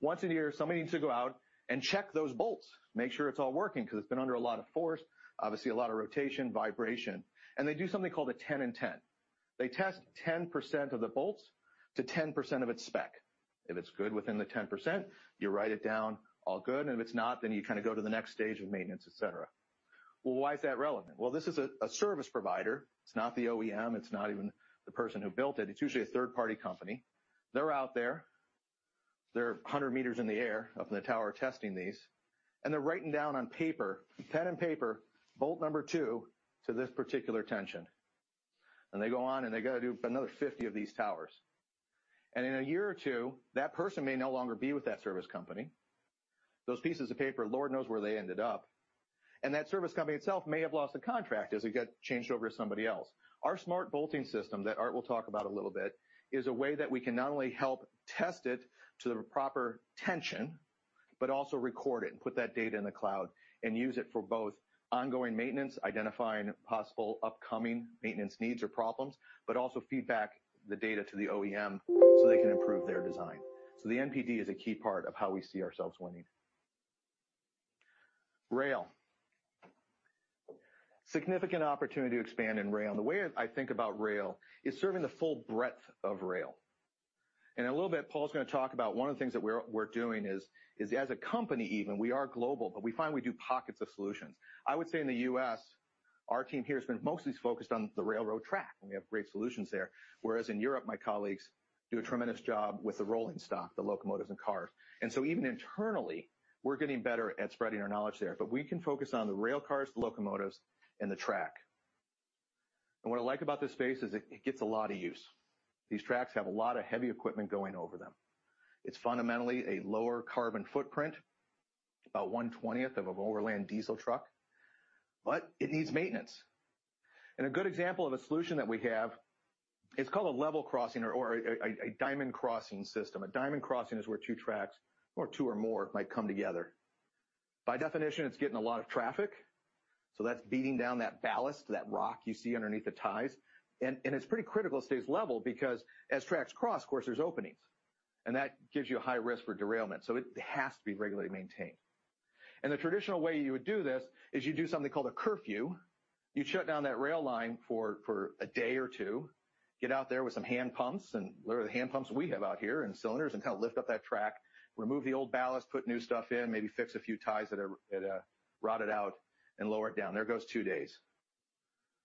Once a year, somebody needs to go out and check those bolts, make sure it's all working because it's been under a lot of force, obviously a lot of rotation, vibration. They do something called a 10 and 10. They test 10% of the bolts to 10% of its spec. If it's good within the 10%, you write it down, all good. If it's not, then you kind of go to the next stage of maintenance, et cetera. Well, why is that relevant? Well, this is a service provider. It's not the OEM. It's not even the person who built it. It's usually a third-party company. They're out there. They're 100 meters in the air, up in the tower, testing these. They're writing down on paper, pen and paper, bolt number two to this particular tension. They go on, and they go do another 50 of these towers. In a year or two, that person may no longer be with that service company. Those pieces of paper, Lord knows where they ended up. That service company itself may have lost the contract as it got changed over to somebody else. Our smart bolting system that Art will talk about a little bit is a way that we can not only help test it to the proper tension but also record it and put that data in the cloud and use it for both ongoing maintenance, identifying possible upcoming maintenance needs or problems, but also feedback the data to the OEM so they can improve their design. The NPD is a key part of how we see ourselves winning. Rail. Significant opportunity to expand in rail. The way I think about rail is serving the full breadth of rail. In a little bit, Paul's gonna talk about one of the things that we're doing is as a company even, we are global, but we find we do pockets of solutions. I would say in the U.S., our team here has been mostly focused on the railroad track, and we have great solutions there. Whereas in Europe, my colleagues do a tremendous job with the rolling stock, the locomotives and cars. Even internally, we're getting better at spreading our knowledge there. We can focus on the rail cars, the locomotives, and the track. What I like about this space is it gets a lot of use. These tracks have a lot of heavy equipment going over them. It's fundamentally a lower carbon footprint, about one-twentieth of an overland diesel truck, but it needs maintenance. A good example of a solution that we have is called a level crossing or a diamond crossing system. A diamond crossing is where two tracks or two or more might come together. By definition, it's getting a lot of traffic, so that's beating down that ballast, that rock you see underneath the ties. It's pretty critical it stays level because as tracks cross, of course, there's openings, and that gives you a high risk for derailment. It has to be regularly maintained. The traditional way you would do this is you do something called a curfew. You'd shut down that rail line for a day or two, get out there with some hand pumps and literally the hand pumps we have out here and cylinders and kind of lift up that track, remove the old ballast, put new stuff in, maybe fix a few ties that are rotted out and lower it down. There goes two days.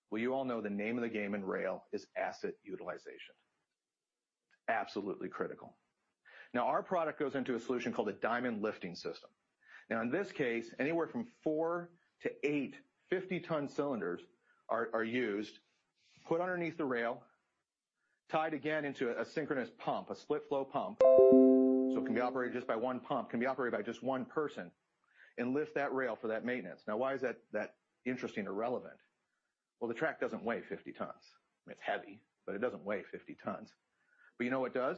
Well, you all know the name of the game in rail is asset utilization. Absolutely critical. Now our product goes into a solution called a diamond lifting system. Now in this case, anywhere from four to eight 50-ton cylinders are used, put underneath the rail, tied again into a synchronous pump, a split flow pump, so it can be operated just by one pump, can be operated by just one person and lift that rail for that maintenance. Now why is that interesting or relevant? Well, the track doesn't weigh 50 tons. It's heavy, but it doesn't weigh 50 tons. But you know what does?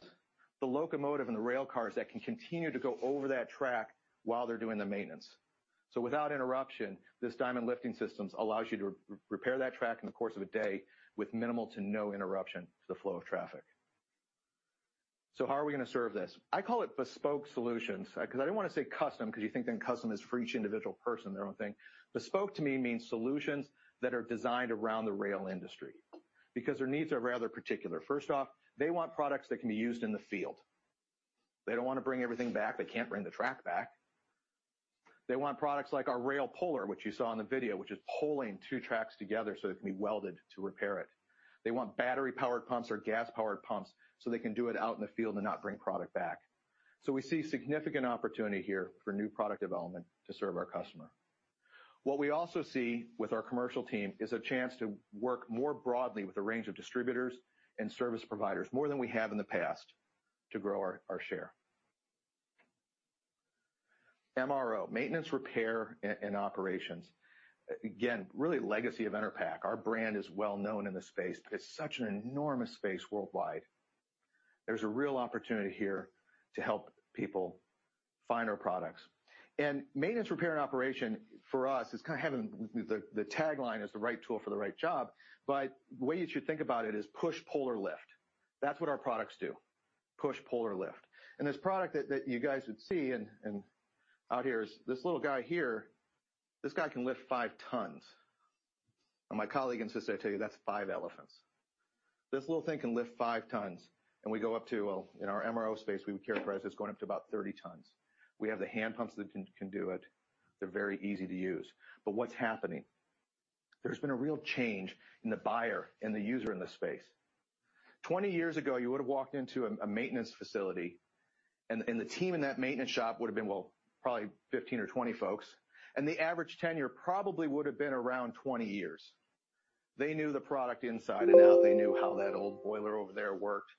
The locomotive and the rail cars that can continue to go over that track while they're doing the maintenance. Without interruption, this diamond lifting systems allows you to repair that track in the course of a day with minimal to no interruption to the flow of traffic. How are we gonna serve this? I call it bespoke solutions, 'cause I didn't wanna say custom, 'cause you think then custom is for each individual person, their own thing. Bespoke to me means solutions that are designed around the rail industry, because their needs are rather particular. First off, they want products that can be used in the field. They don't wanna bring everything back. They can't bring the track back. They want products like our rail puller, which you saw in the video, which is pulling two tracks together, so they can be welded to repair it. They want battery-powered pumps or gas-powered pumps, so they can do it out in the field and not bring product back. We see significant opportunity here for new product development to serve our customer. What we also see with our commercial team is a chance to work more broadly with a range of distributors and service providers, more than we have in the past to grow our share. MRO, maintenance, repair, and operations. Again, really legacy of Enerpac. Our brand is well known in this space. It's such an enormous space worldwide. There's a real opportunity here to help people find our products. Maintenance, repair, and operations for us is kinda having the tagline is the right tool for the right job, but the way you should think about it is push, pull, or lift. That's what our products do push, pull, or lift. This product that you guys would see and out here is this little guy here, this guy can lift 5 tons. My colleague insists I tell you that's five elephants. This little thing can lift 5 tons, and we go up to, well, in our MRO space, we would characterize this going up to about 30 tons. We have the hand pumps that can do it. They're very easy to use. But what's happening? There's been a real change in the buyer and the user in this space. 20 years ago, you would've walked into a maintenance facility and the team in that maintenance shop would've been, well, probably 15 or 20 folks, and the average tenure probably would've been around 20 years. They knew the product inside and out. They knew how that old boiler over there worked.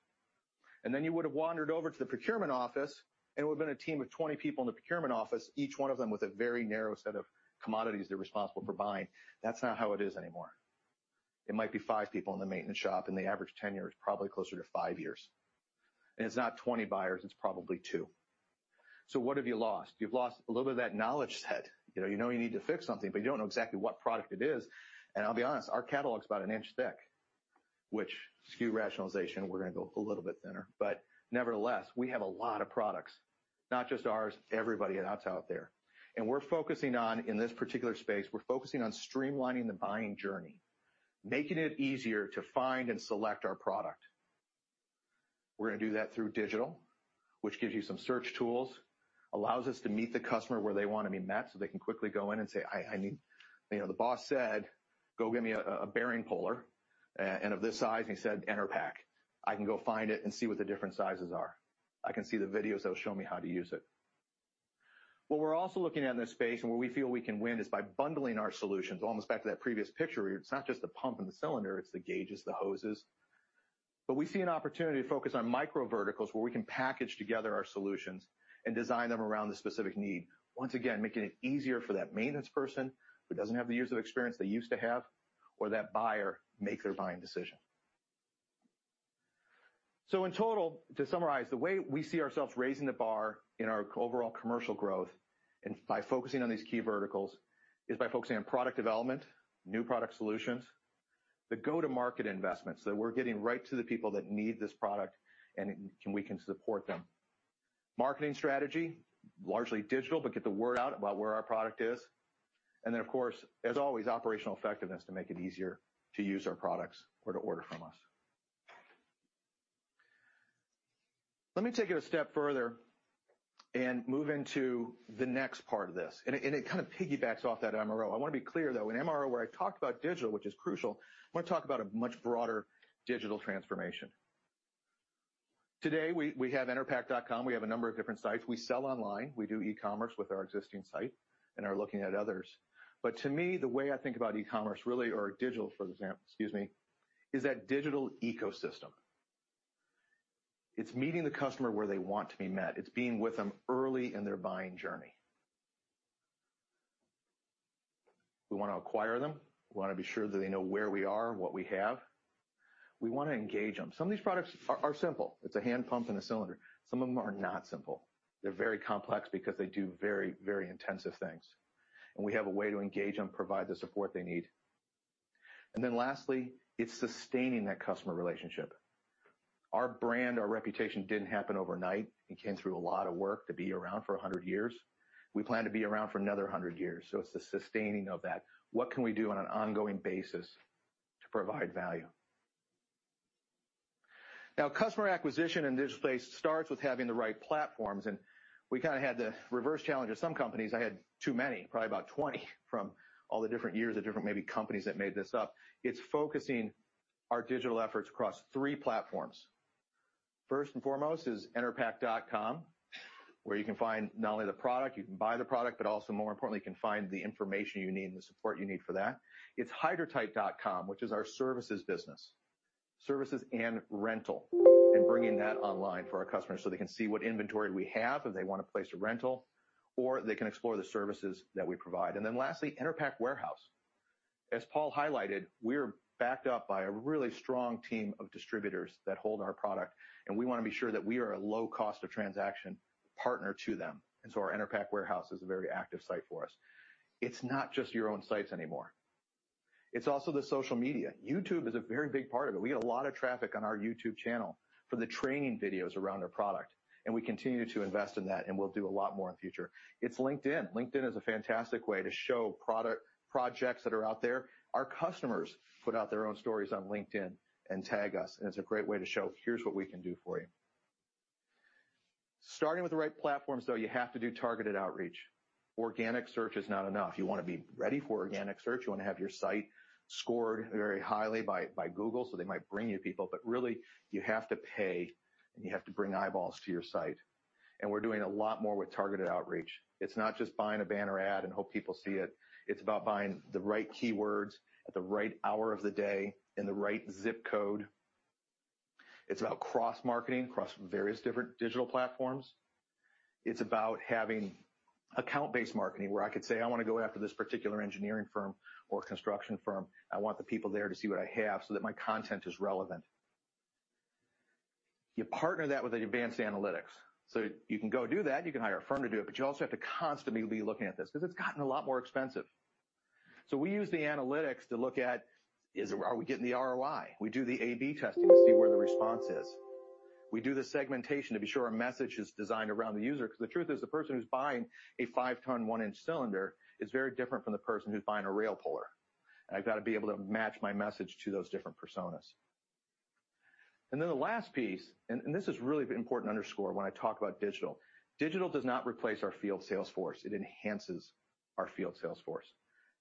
Then you would've wandered over to the procurement office, and it would've been a team of 20 people in the procurement office, each one of them with a very narrow set of commodities they're responsible for buying. That's not how it is anymore. It might be five people in the maintenance shop, and the average tenure is probably closer to five years. It's not 20 buyers, it's probably two. So what have you lost? You've lost a little bit of that knowledge set. You know you need to fix something, but you don't know exactly what product it is. I'll be honest, our catalog's about 1 inch thick, with SKU rationalization, we're gonna go a little bit thinner. Nevertheless, we have a lot of products. Not just ours, everybody that's out there. We're focusing on, in this particular space, we're focusing on streamlining the buying journey, making it easier to find and select our product. We're gonna do that through digital, which gives you some search tools, allows us to meet the customer where they wanna be met, so they can quickly go in and say, "I need... You know, the boss said, 'Go get me a bearing puller, and of this size.' And he said, 'Enerpac.' I can go find it and see what the different sizes are. I can see the videos that'll show me how to use it." What we're also looking at in this space and where we feel we can win is by bundling our solutions, almost back to that previous picture where it's not just the pump and the cylinder, it's the gauges, the hoses. We see an opportunity to focus on micro verticals where we can package together our solutions and design them around the specific need. Once again, making it easier for that maintenance person who doesn't have the years of experience they used to have or that buyer make their buying decision. In total, to summarize, the way we see ourselves raising the bar in our overall commercial growth and by focusing on these key verticals is by focusing on product development, new product solutions, the go-to-market investments, so we're getting right to the people that need this product and we can support them. Marketing strategy, largely digital, but get the word out about where our product is. Then of course, as always, operational effectiveness to make it easier to use our products or to order from us. Let me take it a step further and move into the next part of this, and it kind of piggybacks off that MRO. I wanna be clear, though, in MRO, where I talked about digital, which is crucial, I wanna talk about a much broader digital transformation. Today, we have enerpac.com. We have a number of different sites. We sell online. We do e-commerce with our existing site and are looking at others. To me, the way I think about e-commerce really is that digital ecosystem. It's meeting the customer where they want to be met. It's being with them early in their buying journey. We want to acquire them. We want to be sure that they know where we are and what we have. We want to engage them. Some of these products are simple. It's a hand pump and a cylinder. Some of them are not simple. They're very complex because they do very, very intensive things, and we have a way to engage them, provide the support they need. Then lastly, it's sustaining that customer relationship. Our brand, our reputation didn't happen overnight. It came through a lot of work to be around for 100 years. We plan to be around for another 100 years, so it's the sustaining of that. What can we do on an ongoing basis to provide value? Now, customer acquisition in this place starts with having the right platforms, and we kinda had the reverse challenge of some companies. I had too many, probably about 20, from all the different years of different maybe companies that made this up. It's focusing our digital efforts across three platforms. First and foremost is enerpac.com, where you can find not only the product, you can buy the product, but also more importantly, you can find the information you need and the support you need for that. It's hydratight.com, which is our services business, services and rental, and bringing that online for our customers so they can see what inventory we have if they want to place a rental or they can explore the services that we provide. Then lastly, Enerpac Warehouse. As Paul highlighted, we're backed up by a really strong team of distributors that hold our product, and we wanna be sure that we are a low cost of transaction partner to them. Our Enerpac Warehouse is a very active site for us. It's not just your own sites anymore. It's also the social media. YouTube is a very big part of it. We get a lot of traffic on our YouTube channel for the training videos around our product, and we continue to invest in that, and we'll do a lot more in the future. It's LinkedIn. LinkedIn is a fantastic way to show projects that are out there. Our customers put out their own stories on LinkedIn and tag us, and it's a great way to show here's what we can do for you. Starting with the right platforms, though, you have to do targeted outreach. Organic search is not enough. You wanna be ready for organic search. You wanna have your site scored very highly by Google, so they might bring you people, but really, you have to pay, and you have to bring eyeballs to your site. We're doing a lot more with targeted outreach. It's not just buying a banner ad and hope people see it. It's about buying the right keywords at the right hour of the day in the right zip code. It's about cross-marketing across various different digital platforms. It's about having account-based marketing, where I could say, "I wanna go after this particular engineering firm or construction firm. I want the people there to see what I have so that my content is relevant." You partner that with advanced analytics. You can go do that. You can hire a firm to do it, but you also have to constantly be looking at this 'cause it's gotten a lot more expensive. We use the analytics to look at, are we getting the ROI? We do the A/B testing to see where the response is. We do the segmentation to be sure our message is designed around the user 'cause the truth is, the person who's buying a 5-ton 1-inch cylinder is very different from the person who's buying a rail puller. I've gotta be able to match my message to those different personas. Then the last piece, and this is really the important underscore when I talk about digital. Digital does not replace our field sales force. It enhances our field sales force.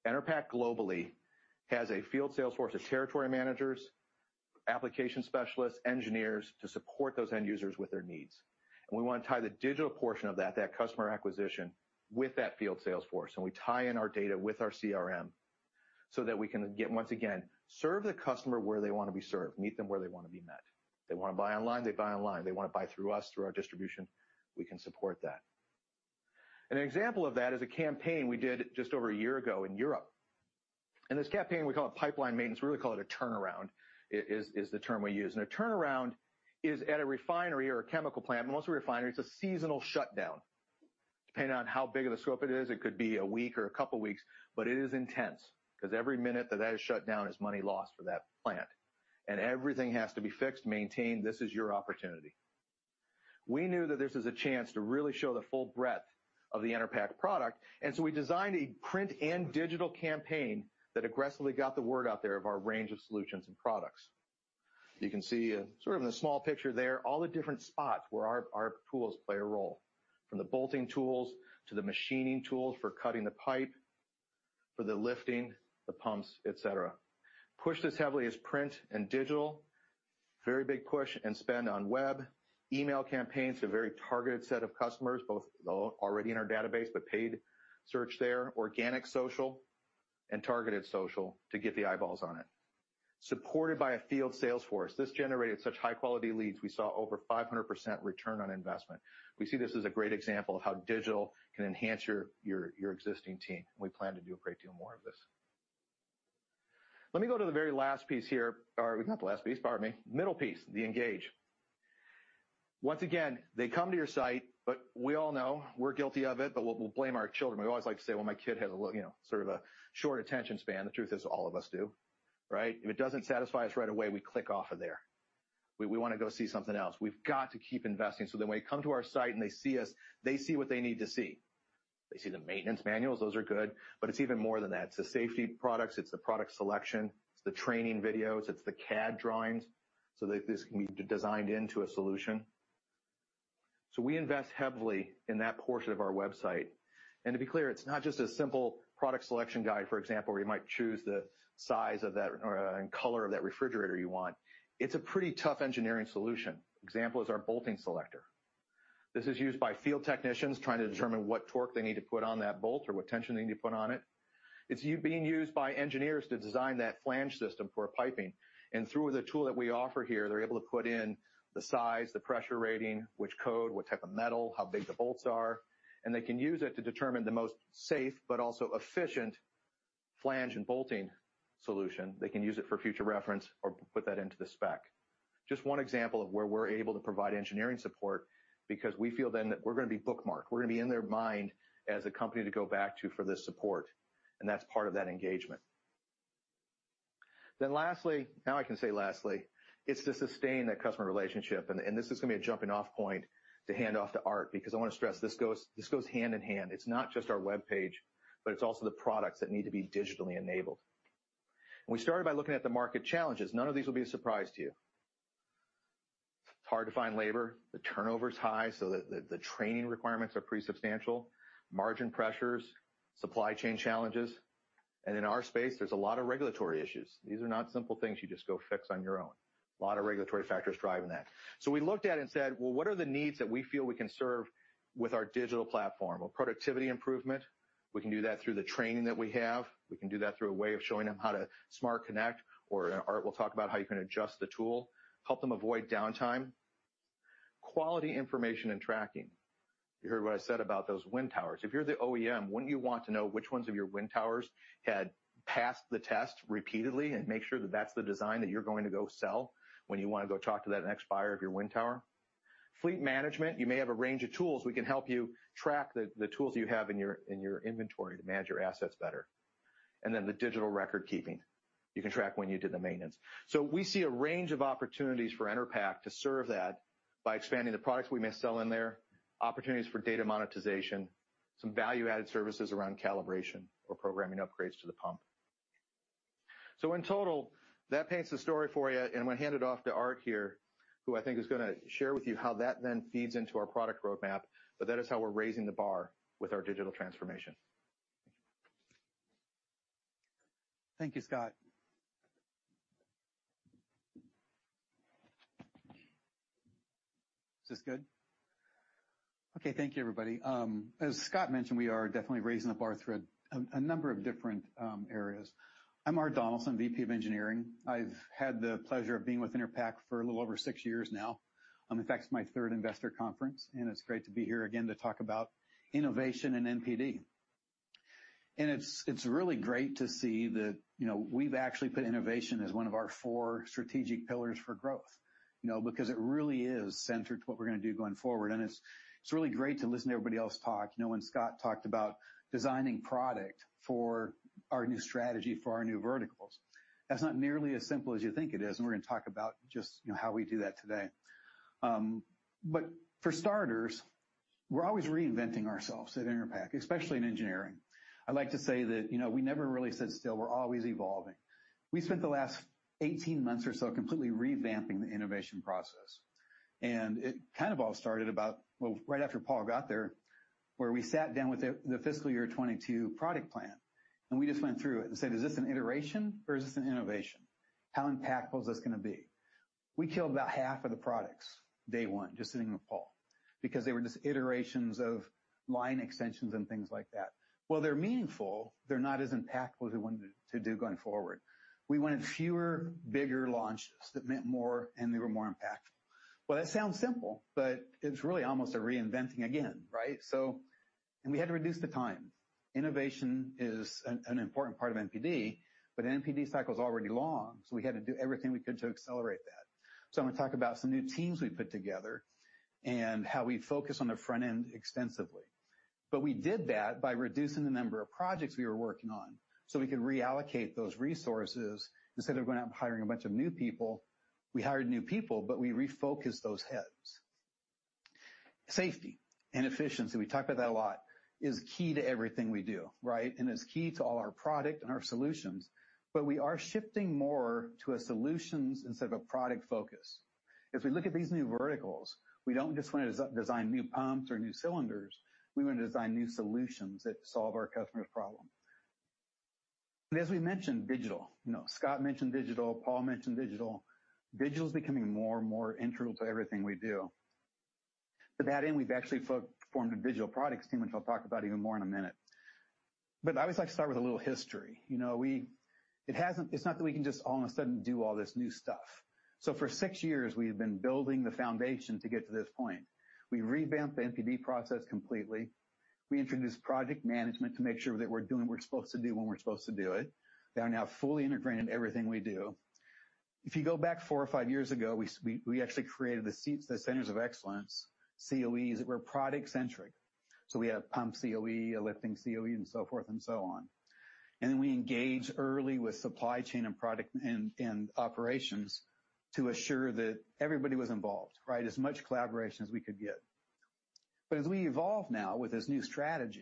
Enerpac globally has a field sales force of territory managers, application specialists, engineers to support those end users with their needs. We wanna tie the digital portion of that customer acquisition, with that field sales force, and we tie in our data with our CRM so that we can get, once again, serve the customer where they wanna be served, meet them where they wanna be met. They wanna buy online, they buy online. They wanna buy through us, through our distribution, we can support that. An example of that is a campaign we did just over a year ago in Europe. This campaign, we call it pipeline maintenance. We really call it a turnaround, is the term we use. A turnaround is at a refinery or a chemical plant, but mostly refinery, it's a seasonal shutdown. Depending on how big of a scope it is, it could be a week or a couple weeks, but it is intense 'cause every minute that is shut down is money lost for that plant, and everything has to be fixed, maintained. This is your opportunity. We knew that this was a chance to really show the full breadth of the Enerpac product, and so we designed a print and digital campaign that aggressively got the word out there of our range of solutions and products. You can see, sort of in the small picture there, all the different spots where our tools play a role, from the bolting tools to the machining tools for cutting the pipe, for the lifting the pumps, et cetera. Pushed as heavily as print and digital, very big push and spend on web, email campaigns to a very targeted set of customers, both already in our database, but paid search there, organic social and targeted social to get the eyeballs on it. Supported by a field sales force, this generated such high-quality leads. We saw over 500% return on investment. We see this as a great example of how digital can enhance your existing team. We plan to do a great deal more of this. Let me go to the very last piece here. Not the last piece, pardon me. Middle piece, the engage. Once again, they come to your site, but we all know, we're guilty of it, but we'll blame our children. We always like to say, "Well, my kid has a little, you know, sort of a short attention span." The truth is, all of us do, right? If it doesn't satisfy us right away, we click off of there. We wanna go see something else. We've got to keep investing so that when they come to our site and they see us, they see what they need to see. They see the maintenance manuals. Those are good. But it's even more than that. It's the safety products. It's the product selection. It's the training videos. It's the CAD drawings so that this can be designed into a solution. So we invest heavily in that portion of our website. To be clear, it's not just a simple product selection guide, for example, where you might choose the size of that or and color of that refrigerator you want. It's a pretty tough engineering solution. Example is our bolting selector. This is used by field technicians trying to determine what torque they need to put on that bolt or what tension they need to put on it. It's being used by engineers to design that flange system for piping. Through the tool that we offer here, they're able to put in the size, the pressure rating, which code, what type of metal, how big the bolts are, and they can use it to determine the most safe but also efficient flange and bolting solution. They can use it for future reference or put that into the spec. Just one example of where we're able to provide engineering support because we feel then that we're gonna be bookmarked, we're gonna be in their mind as a company to go back to for this support, and that's part of that engagement. Lastly, now I can say lastly, it's to sustain that customer relationship. This is gonna be a jumping off point to hand off to Art because I wanna stress this goes hand in hand. It's not just our webpage, but it's also the products that need to be digitally enabled. We started by looking at the market challenges. None of these will be a surprise to you. It's hard to find labor. The turnover is high, so the training requirements are pretty substantial. Margin pressures, supply chain challenges, and in our space, there's a lot of regulatory issues. These are not simple things you just go fix on your own. A lot of regulatory factors driving that. We looked at it and said, "Well, what are the needs that we feel we can serve with our digital platform?" Well, productivity improvement, we can do that through the training that we have. We can do that through a way of showing them how to smart connect or, and Art will talk about how you can adjust the tool, help them avoid downtime. Quality information and tracking. You heard what I said about those wind towers. If you're the OEM, wouldn't you want to know which ones of your wind towers had passed the test repeatedly and make sure that that's the design that you're going to go sell when you wanna go talk to that next buyer of your wind tower? Fleet management, you may have a range of tools. We can help you track the tools you have in your inventory to manage your assets better. The digital record keeping. You can track when you did the maintenance. We see a range of opportunities for Enerpac to serve that by expanding the products we may sell in there, opportunities for data monetization, some value-added services around calibration or programming upgrades to the pump. In total, that paints the story for you, and I'm gonna hand it off to Art here, who I think is gonna share with you how that then feeds into our product roadmap. That is how we're raising the bar with our digital transformation. Thank you, Scott. Is this good? Okay. Thank you, everybody. As Scott mentioned, we are definitely raising the bar through a number of different areas. I'm Art Donaldson, VP of Engineering. I've had the pleasure of being with Enerpac for a little over six years now. In fact, it's my third investor conference, and it's great to be here again to talk about innovation and NPD. It's really great to see that, you know, we've actually put innovation as one of our four strategic pillars for growth, you know. It really is central to what we're gonna do going forward, and it's really great to listen to everybody else talk. You know, when Scott talked about designing product for our new strategy for our new verticals, that's not nearly as simple as you think it is, and we're gonna talk about just, you know, how we do that today. For starters, we're always reinventing ourselves at Enerpac, especially in engineering. I'd like to say that, you know, we never really sit still. We're always evolving. We spent the last 18 months or so completely revamping the innovation process, and it kind of all started about, well, right after Paul got there, where we sat down with the fiscal year 2022 product plan, and we just went through it and said, "Is this an iteration, or is this an innovation? How impactful is this gonna be?" We killed about half of the products day one, just sitting with Paul, because they were just iterations of line extensions and things like that. While they're meaningful, they're not as impactful as we wanted to do going forward. We wanted fewer, bigger launches that meant more and they were more impactful. Well, that sounds simple, but it's really almost a reinventing again, right? We had to reduce the time. Innovation is an important part of NPD, but NPD cycle's already long, so we had to do everything we could to accelerate that. I'm gonna talk about some new teams we put together and how we focus on the front end extensively. We did that by reducing the number of projects we were working on, so we could reallocate those resources. Instead of going out and hiring a bunch of new people, we hired new people, but we refocused those heads. Safety and efficiency, we talk about that a lot, is key to everything we do, right? It's key to all our product and our solutions, but we are shifting more to a solutions instead of a product focus. If we look at these new verticals, we don't just wanna design new pumps or new cylinders. We wanna design new solutions that solve our customer's problem. As we mentioned, digital. You know, Scott mentioned digital. Paul mentioned digital. Digital is becoming more and more integral to everything we do. To that end, we've actually formed a digital products team, which I'll talk about even more in a minute. I always like to start with a little history. You know, it's not that we can just all of a sudden do all this new stuff. For six years, we have been building the foundation to get to this point. We revamped the NPD process completely. We introduced project management to make sure that we're doing what we're supposed to do when we're supposed to do it. They are now fully integrated into everything we do. If you go back four or five years ago, we actually created the COEs, the Centers of Excellence, COEs, that were product-centric. We have pump COE, a lifting COE, and so forth and so on. Then we engaged early with supply chain and product and operations to assure that everybody was involved, right? As much collaboration as we could get. As we evolve now with this new strategy,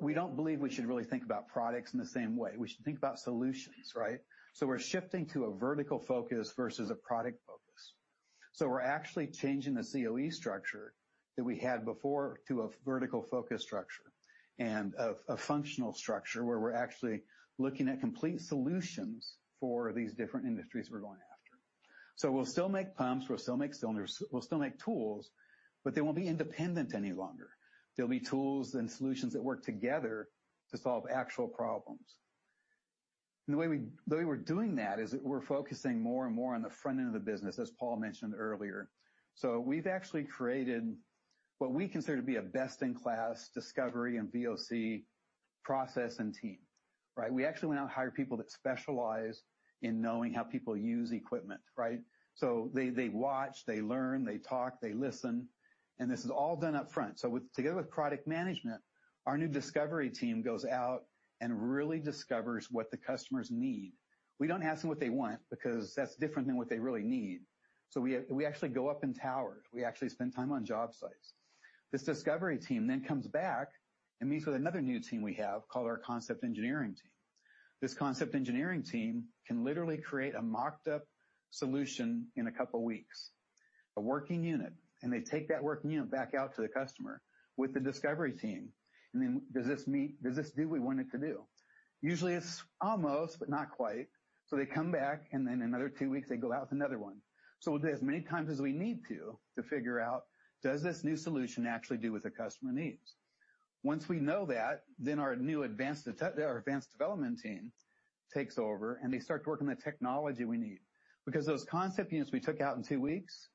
we don't believe we should really think about products in the same way. We should think about solutions, right? We're shifting to a vertical focus versus a product focus. We're actually changing the COE structure that we had before to a vertical focus structure and a functional structure where we're actually looking at complete solutions for these different industries we're going after. We'll still make pumps, we'll still make cylinders, we'll still make tools, but they won't be independent any longer. They'll be tools and solutions that work together to solve actual problems. The way we're doing that is that we're focusing more and more on the front end of the business, as Paul mentioned earlier. We've actually created what we consider to be a best-in-class discovery and VOC process and team, right? We actually went out and hired people that specialize in knowing how people use equipment, right? They watch, they learn, they talk, they listen, and this is all done up front. Together with product management, our new discovery team goes out and really discovers what the customers need. We don't ask them what they want because that's different than what they really need. We actually go up in towers. We actually spend time on job sites. This discovery team then comes back and meets with another new team we have called our concept engineering team. This concept engineering team can literally create a mocked-up solution in a couple weeks, a working unit, and they take that working unit back out to the customer with the discovery team. Does this do what we want it to do? Usually, it's almost, but not quite. They come back, and then another two weeks, they go out with another one. We do it as many times as we need to figure out, does this new solution actually do what the customer needs? Once we know that, our new advanced development team takes over, and they start to work on the technology we need. Because those concept units we took out in two weeks,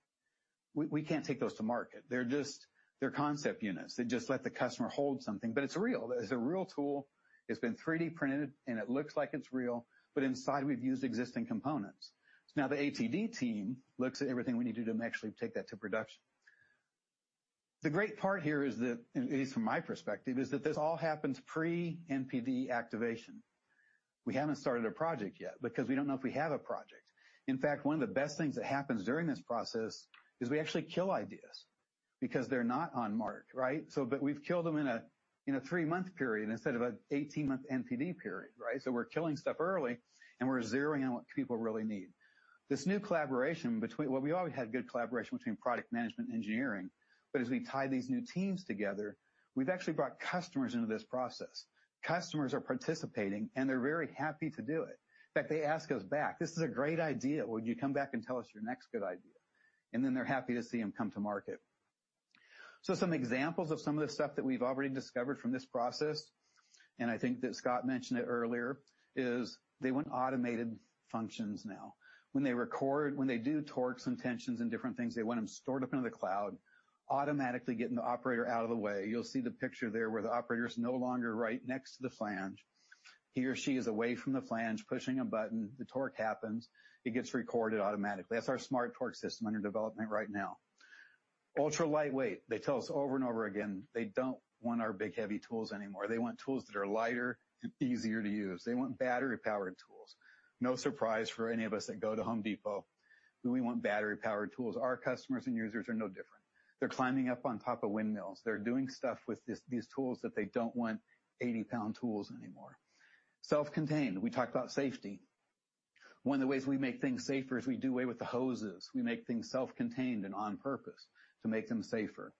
we can't take those to market. They're just concept units. They just let the customer hold something, but it's real. It's a real tool. It's been 3D-printed, and it looks like it's real, but inside we've used existing components. Now the ATD team looks at everything we need to do to actually take that to production. The great part here is that, at least from my perspective, is that this all happens pre-NPD activation. We haven't started a project yet because we don't know if we have a project. In fact, one of the best things that happens during this process is we actually kill ideas because they're not on mark, right? We've killed them in a three-month period instead of an 18-month NPD period, right? We're killing stuff early, and we're zeroing in on what people really need. Well, we've always had good collaboration between product management and engineering, but as we tie these new teams together, we've actually brought customers into this process. Customers are participating, and they're very happy to do it. In fact, they ask us back, "This is a great idea. Would you come back and tell us your next good idea?" They're happy to see them come to market. Some examples of some of the stuff that we've already discovered from this process, and I think that Scott mentioned it earlier, is they want automated functions now. When they record, when they do torques and tensions and different things, they want them stored up into the cloud, automatically getting the operator out of the way. You'll see the picture there where the operator is no longer right next to the flange. He or she is away from the flange, pushing a button. The torque happens. It gets recorded automatically. That's our smart torque system under development right now. Ultra-lightweight. They tell us over and over again they don't want our big, heavy tools anymore. They want tools that are lighter and easier to use. They want battery-powered tools. No surprise for any of us that go to Home Depot. We want battery-powered tools. Our customers and users are no different. They're climbing up on top of windmills. They're doing stuff with these tools that they don't want 80-pound tools anymore. Self-contained. We talked about safety. One of the ways we make things safer is we do away with the hoses. We make things self-contained and on purpose to make them safer.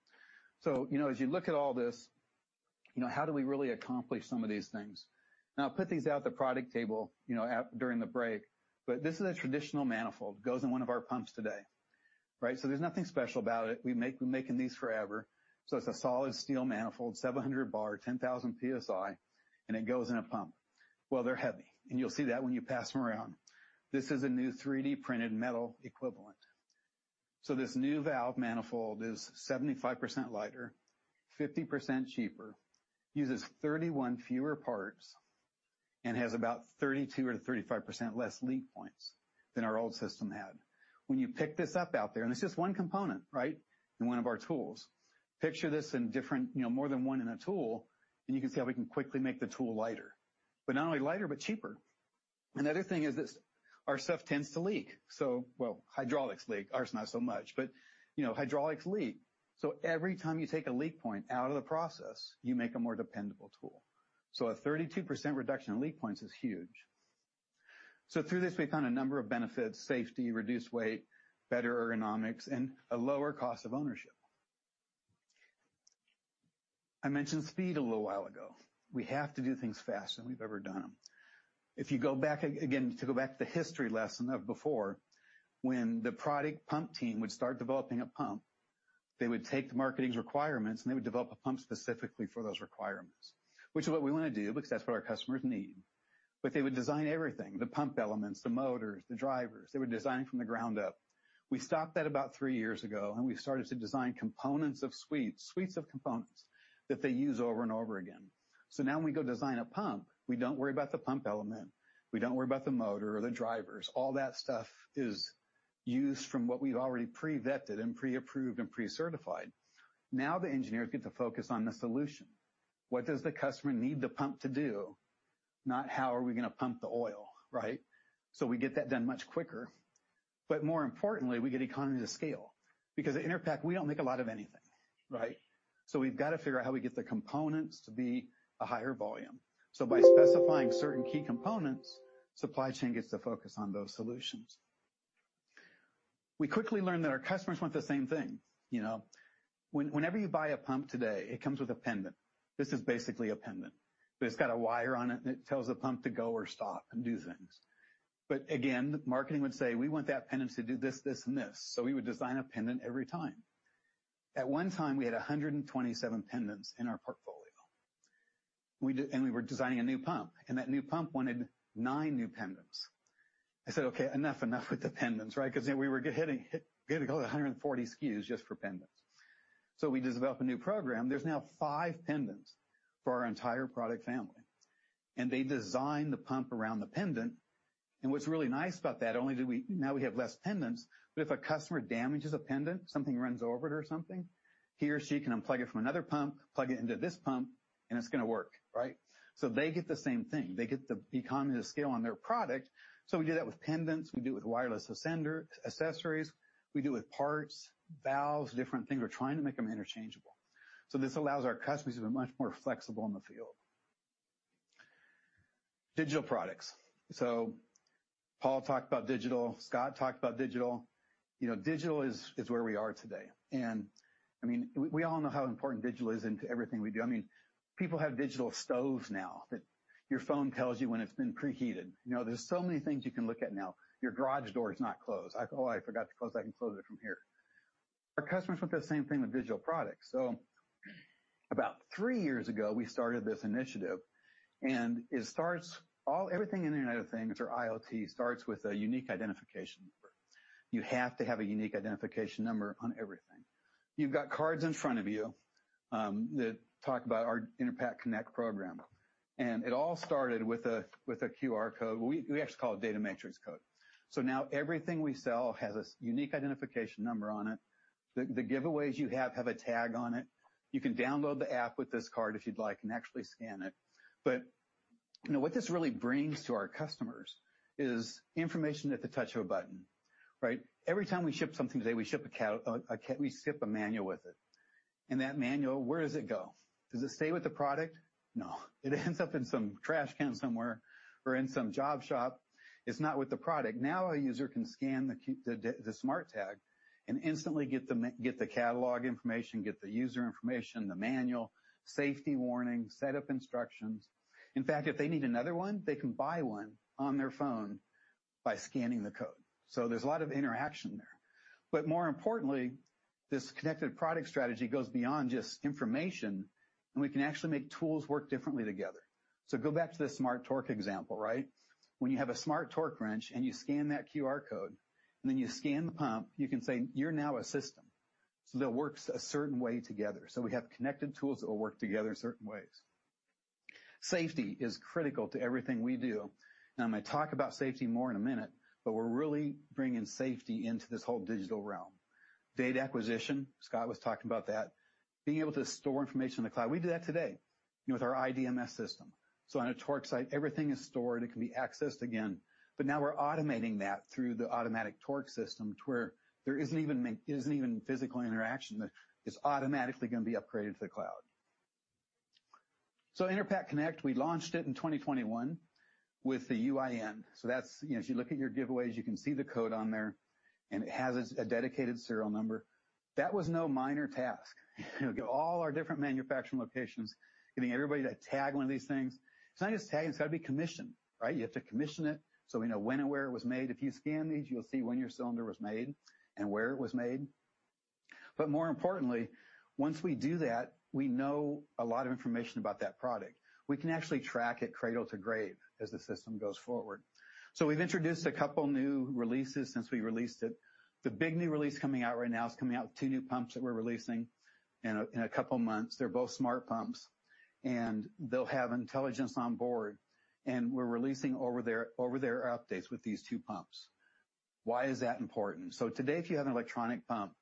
You know, as you look at all this, you know, how do we really accomplish some of these things? Now, I put these out at the product table, you know, during the break, but this is a traditional manifold. Goes in one of our pumps today, right? So there's nothing special about it. We've been making these forever. It's a solid steel manifold, 700 bar, 10,000 PSI, and it goes in a pump. Well, they're heavy, and you'll see that when you pass them around. This is a new 3D-printed metal equivalent. This new valve manifold is 75% lighter, 50% cheaper, uses 31 fewer parts, and has about 32% or 35% less leak points than our old system had. When you pick this up out there, and this is one component, right? In one of our tools. Picture this in different, you know, more than one in a tool, and you can see how we can quickly make the tool lighter. Not only lighter, but cheaper. Another thing is this, our stuff tends to leak. Well, hydraulics leak. Ours not so much, but you know, hydraulics leak. Every time you take a leak point out of the process, you make a more dependable tool. A 32% reduction in leak points is huge. Through this, we found a number of benefits, safety, reduced weight, better ergonomics, and a lower cost of ownership. I mentioned speed a little while ago. We have to do things faster than we've ever done them. If you go back again to the history lesson of before, when the product pump team would start developing a pump, they would take the marketing's requirements, and they would develop a pump specifically for those requirements. Which is what we wanna do because that's what our customers need. They would design everything, the pump elements, the motors, the drivers. They would design from the ground up. We stopped that about three years ago, and we started to design components of suites of components that they use over and over again. Now when we go design a pump, we don't worry about the pump element. We don't worry about the motor or the drivers. All that stuff is used from what we've already pre-vetted and pre-approved and pre-certified. Now, the engineers get to focus on the solution. What does the customer need the pump to do, not how are we gonna pump the oil, right? We get that done much quicker. More importantly, we get economies of scale because at Enerpac, we don't make a lot of anything, right? We've got to figure out how we get the components to be a higher volume. By specifying certain key components, supply chain gets to focus on those solutions. We quickly learned that our customers want the same thing. You know? Whenever you buy a pump today, it comes with a pendant. This is basically a pendant. But it's got a wire on it, and it tells the pump to go or stop and do things. But again, marketing would say, "We want that pendants to do this and this." We would design a pendant every time. At one time, we had 127 pendants in our portfolio. We were designing a new pump, and that new pump wanted nine new pendants. I said, "Okay, enough. Enough with the pendants," right? 'Cause we were hitting we had to go to 140 SKUs just for pendants. We developed a new program. There's now five pendants for our entire product family, and they design the pump around the pendant. What's really nice about that, now we have less pendants, but if a customer damages a pendant, something runs over it or something, he or she can unplug it from another pump, plug it into this pump, and it's gonna work, right? They get the same thing. They get the economies of scale on their product. We do that with pendants. We do it with wireless ascender accessories. We do with parts, valves, different things. We're trying to make them interchangeable. This allows our customers to be much more flexible in the field. Digital products. Paul talked about digital. Scott talked about digital. You know, digital is where we are today. I mean, we all know how important digital is to everything we do. I mean, people have digital stoves now that your phone tells you when it's been preheated. You know, there's so many things you can look at now. Your garage door is not closed. Oh, I forgot to close that, I can close it from here. Our customers want that same thing with digital products. About three years ago, we started this initiative, and everything in Internet of Things, or IoT, starts with a unique identification number. You have to have a unique identification number on everything. You've got cards in front of you that talk about our Enerpac Connect program. It all started with a QR code. We actually call it Data Matrix code. Now everything we sell has a unique identification number on it. The giveaways you have a tag on it. You can download the app with this card if you'd like and actually scan it. You know, what this really brings to our customers is information at the touch of a button, right? Every time we ship something today, we ship a manual with it. That manual, where does it go? Does it stay with the product? No. It ends up in some trash can somewhere or in some job shop. It's not with the product. Now, a user can scan the smart tag and instantly get the catalog information, get the user information, the manual, safety warning, setup instructions. In fact, if they need another one, they can buy one on their phone by scanning the code. There's a lot of interaction there. More importantly, this connected product strategy goes beyond just information, and we can actually make tools work differently together. Go back to the smart torque example, right? When you have a smart torque wrench and you scan that QR code, and then you scan the pump, you can say you're now a system. That works a certain way together. We have connected tools that will work together in certain ways. Safety is critical to everything we do. Now I'm gonna talk about safety more in a minute, but we're really bringing safety into this whole digital realm. Data acquisition, Scott was talking about that. Being able to store information in the cloud. We do that today, you know, with our iDMS system. On a torque site, everything is stored, it can be accessed again. Now we're automating that through the smart torque system to where there isn't even physical interaction that it's automatically gonna be upgraded to the cloud. Enerpac Connect, we launched it in 2021 with the UIN. That's, you know, as you look at your giveaways, you can see the code on there, and it has its dedicated serial number. That was no minor task. You know, get all our different manufacturing locations, getting everybody to tag one of these things. It's not just tags, it's gotta be commissioned, right? You have to commission it so we know when and where it was made. If you scan these, you'll see when your cylinder was made and where it was made. More importantly, once we do that, we know a lot of information about that product. We can actually track it cradle to grave as the system goes forward. We've introduced a couple new releases since we released it. The big new release coming out right now is coming out with two new pumps that we're releasing in a couple of months. They're both smart pumps, and they'll have intelligence on board, and we're releasing over-the-air updates with these two pumps. Why is that important? Today, if you have an electronic pump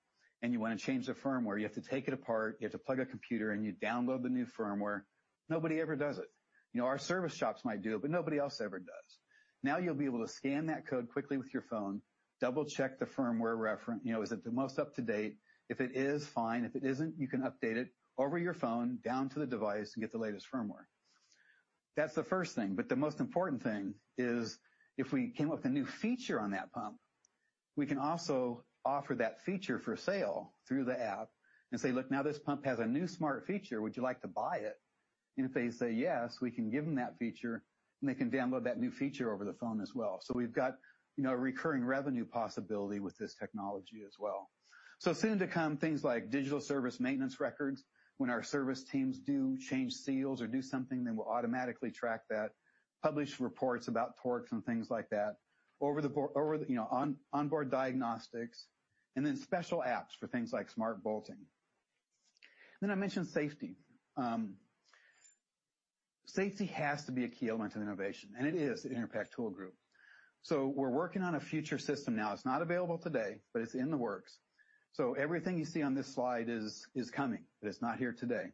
and you wanna change the firmware, you have to take it apart, you have to plug in a computer, and you download the new firmware. Nobody ever does it. You know, our service shops might do it, but nobody else ever does. Now, you'll be able to scan that code quickly with your phone, double-check the firmware. You know, is it the most up to date? If it is, fine. If it isn't, you can update it over your phone down to the device and get the latest firmware. That's the first thing. The most important thing is if we came up with a new feature on that pump, we can also offer that feature for sale through the app and say, "Look, now this pump has a new smart feature. Would you like to buy it?" If they say yes, we can give them that feature, and they can download that new feature over the phone as well. We've got, you know, a recurring revenue possibility with this technology as well. Soon to come, things like digital service maintenance records. When our service teams do change seals or do something, then we'll automatically track that, publish reports about torques and things like that. Over the, you know, onboard diagnostics, and then special apps for things like smart bolting. I mentioned safety. Safety has to be a key element in innovation, and it is at Enerpac Tool Group. We're working on a future system now. It's not available today, but it's in the works. Everything you see on this slide is coming, but it's not here today.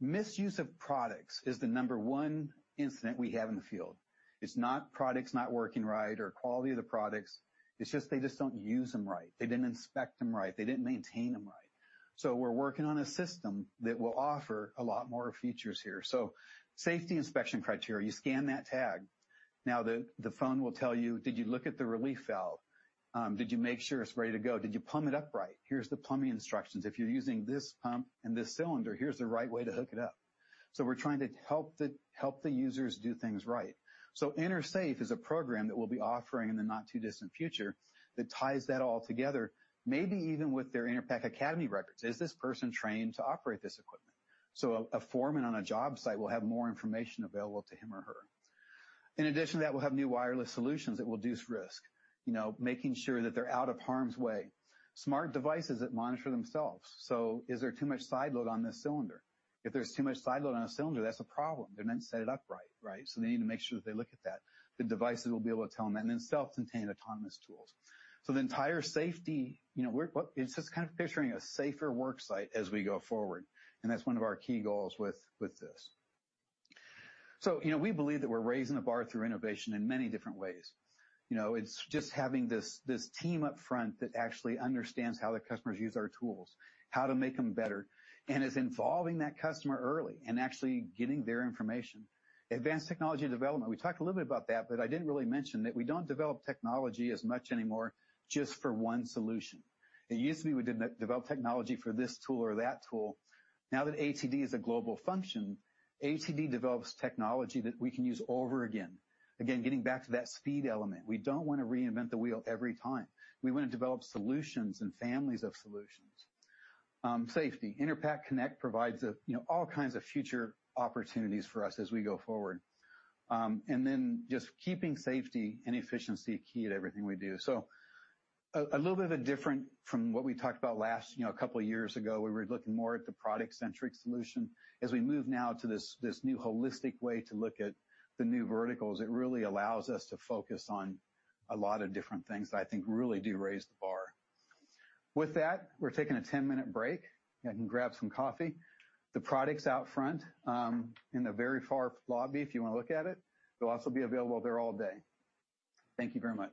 Misuse of products is the number one incident we have in the field. It's not products not working right or quality of the products. It's just they just don't use them right. They didn't inspect them right. They didn't maintain them right. We're working on a system that will offer a lot more features here. Safety inspection criteria, you scan that tag. Now, the phone will tell you, "Did you look at the relief valve? Did you make sure it's ready to go? Did you plumb it up right? Here's the plumbing instructions. If you're using this pump and this cylinder, here's the right way to hook it up." We're trying to help the users do things right. EnerSafe is a program that we'll be offering in the not too distant future that ties that all together, maybe even with their Enerpac Academy records. Is this person trained to operate this equipment? A foreman on a job site will have more information available to him or her. In addition to that, we'll have new wireless solutions that will reduce risk, making sure that they're out of harm's way. Smart devices that monitor themselves. Is there too much side load on this cylinder? If there's too much side load on a cylinder, that's a problem. They didn't set it up right. They need to make sure that they look at that. The devices will be able to tell them that, and then self-contained autonomous tools. The entire safety, it's just kind of picturing a safer work site as we go forward. That's one of our key goals with this. We believe that we're raising the bar through innovation in many different ways. It's just having this team up front that actually understands how the customers use our tools, how to make them better, and is involving that customer early and actually getting their information. Advanced technology development, we talked a little bit about that, but I didn't really mention that we don't develop technology as much anymore just for one solution. It used to be we developed technology for this tool or that tool. Now that ATD is a global function, ATD develops technology that we can use over again. Again, getting back to that speed element. We don't want to reinvent the wheel every time. We want to develop solutions and families of solutions. Safety. Enerpac Connect provides all kinds of future opportunities for us as we go forward. Keeping safety and efficiency key to everything we do. A little bit different from what we talked about last. A couple of years ago, we were looking more at the product-centric solution. As we move now to this new holistic way to look at the new verticals, it really allows us to focus on a lot of different things that I think really do raise the bar. With that, we're taking a 10-minute break. You can grab some coffee. The products are out front in the very far lobby if you want to look at it. They'll also be available there all day. Thank you very much.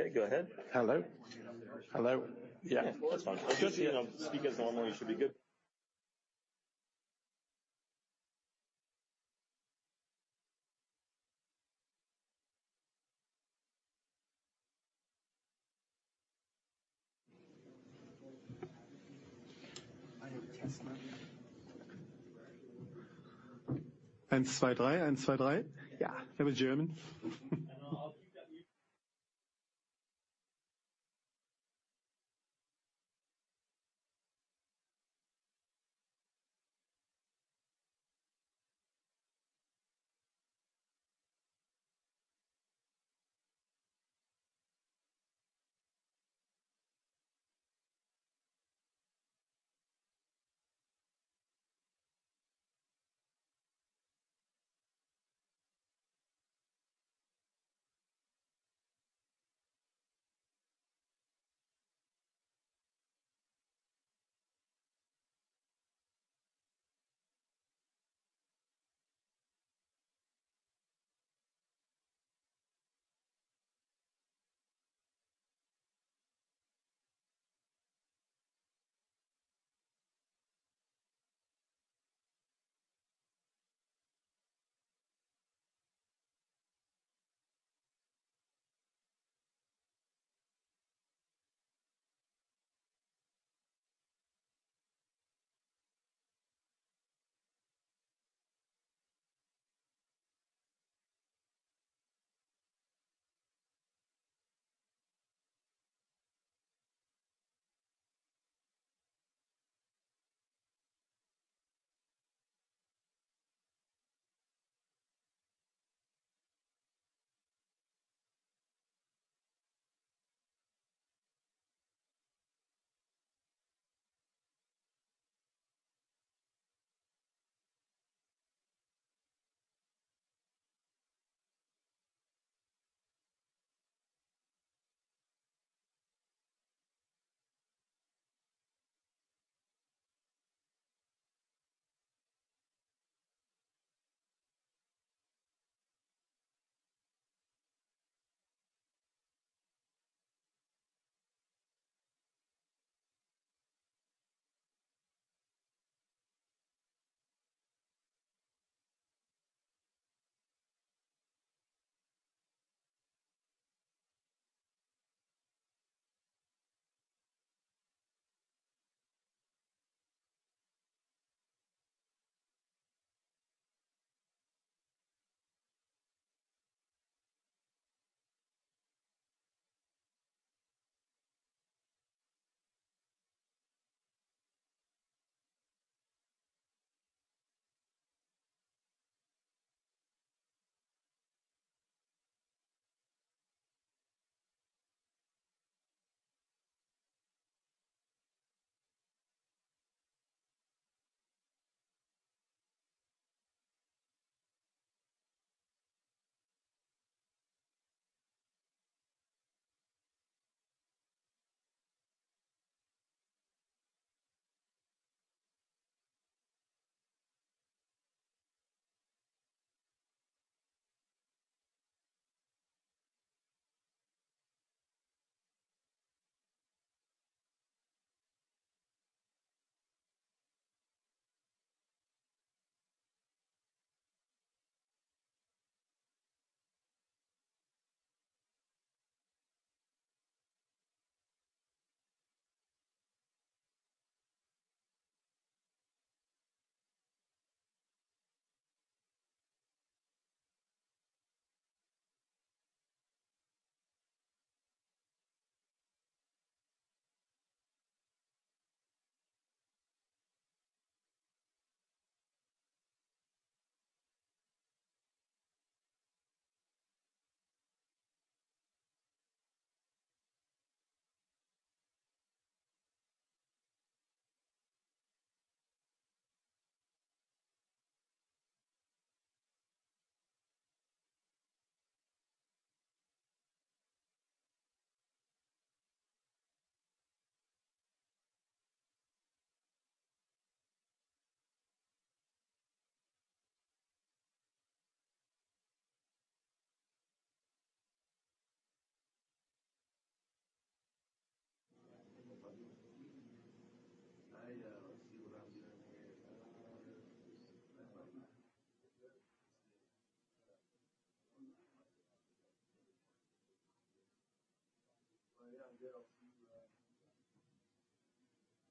Okay, go ahead. Hello? Hello? Yeah, that's fine. Just, you know, speakers normally should be good. Eins, zwei, drei. Eins, zwei, drei. Ja, a bit German.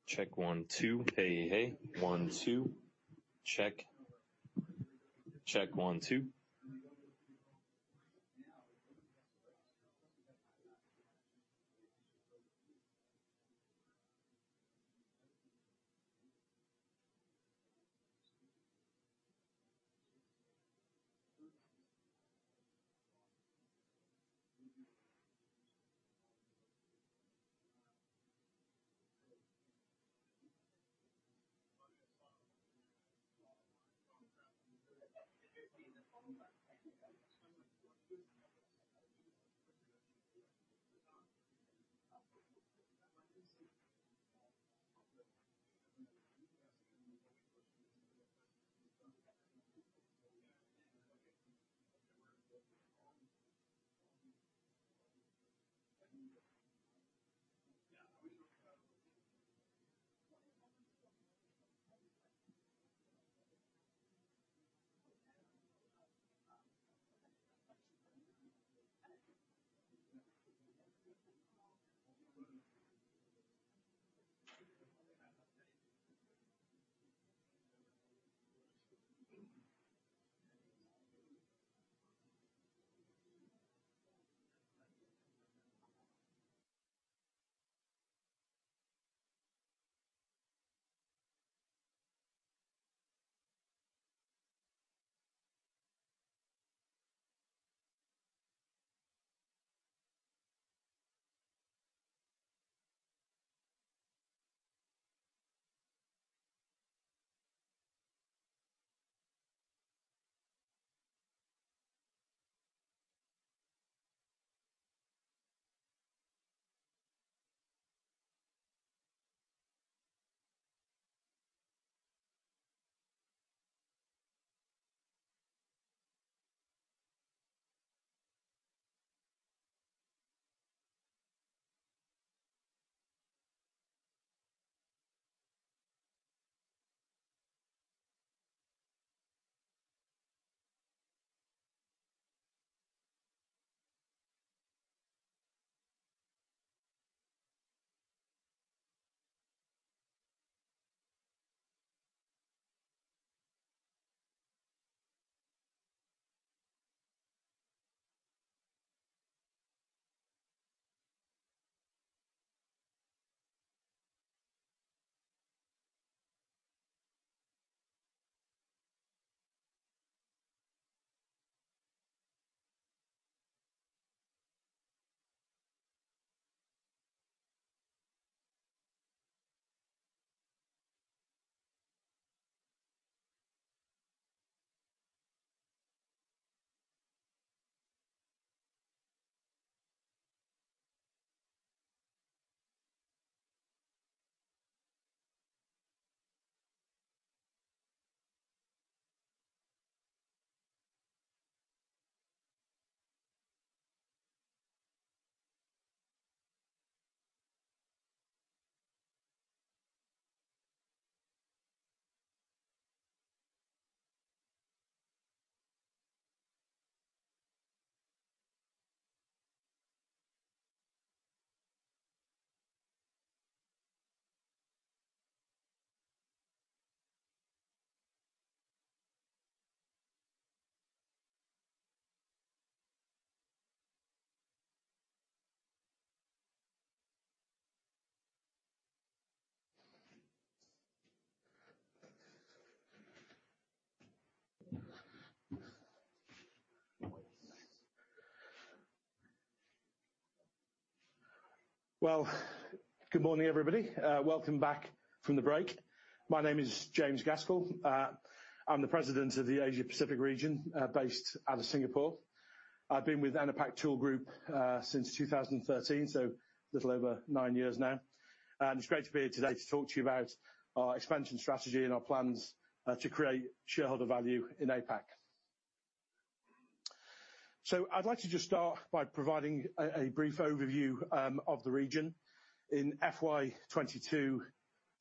Check one, two. Hey, hey. One, two. Check. Check one, two. Well, good morning, everybody. Welcome back from the break. My name is James Gaskell. I'm the president of the Asia-Pacific region, based out of Singapore. I've been with Enerpac Tool Group since 2013, so a little over nine years now. It's great to be here today to talk to you about our expansion strategy and our plans to create shareholder value in APAC. I'd like to just start by providing a brief overview of the region. In FY 2022,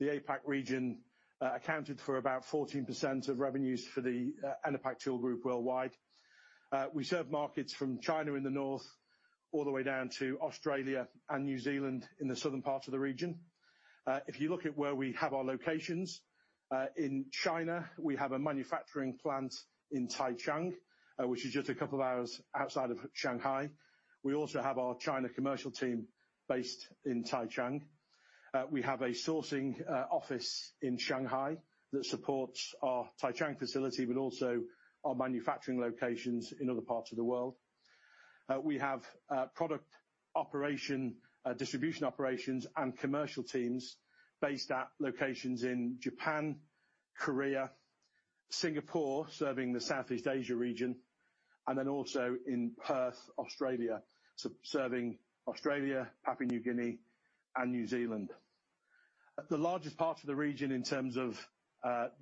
the APAC region accounted for about 14% of revenues for the Enerpac Tool Group worldwide. We serve markets from China in the north all the way down to Australia and New Zealand in the southern part of the region. If you look at where we have our locations in China, we have a manufacturing plant in Taicang, which is just a couple of hours outside of Shanghai. We also have our China commercial team based in Taicang. We have a sourcing office in Shanghai that supports our Taicang facility, but also our manufacturing locations in other parts of the world. We have product operation, distribution operations, and commercial teams based at locations in Japan, Korea, Singapore, serving the Southeast Asia region, and then also in Perth, Australia, serving Australia, Papua New Guinea and New Zealand. The largest part of the region in terms of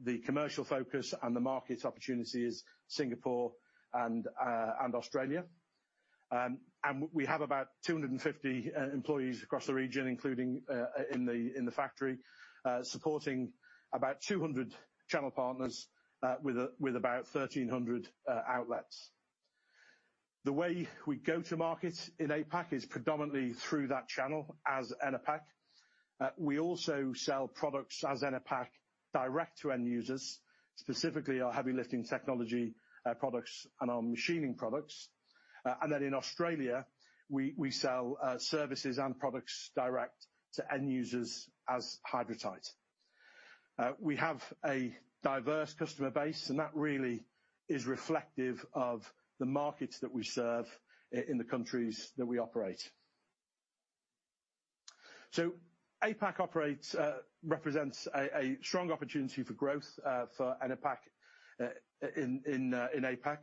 the commercial focus and the market opportunity is Singapore and Australia. We have about 250 employees across the region, including in the factory, supporting about 200 channel partners, with about 1,300 outlets. The way we go to market in APAC is predominantly through that channel as Enerpac. We also sell products as Enerpac direct to end users, specifically our heavy lifting technology products and our machining products. In Australia, we sell services and products direct to end users as Hydratight. We have a diverse customer base, and that really is reflective of the markets that we serve in the countries that we operate. APAC represents a strong opportunity for growth for Enerpac in APAC.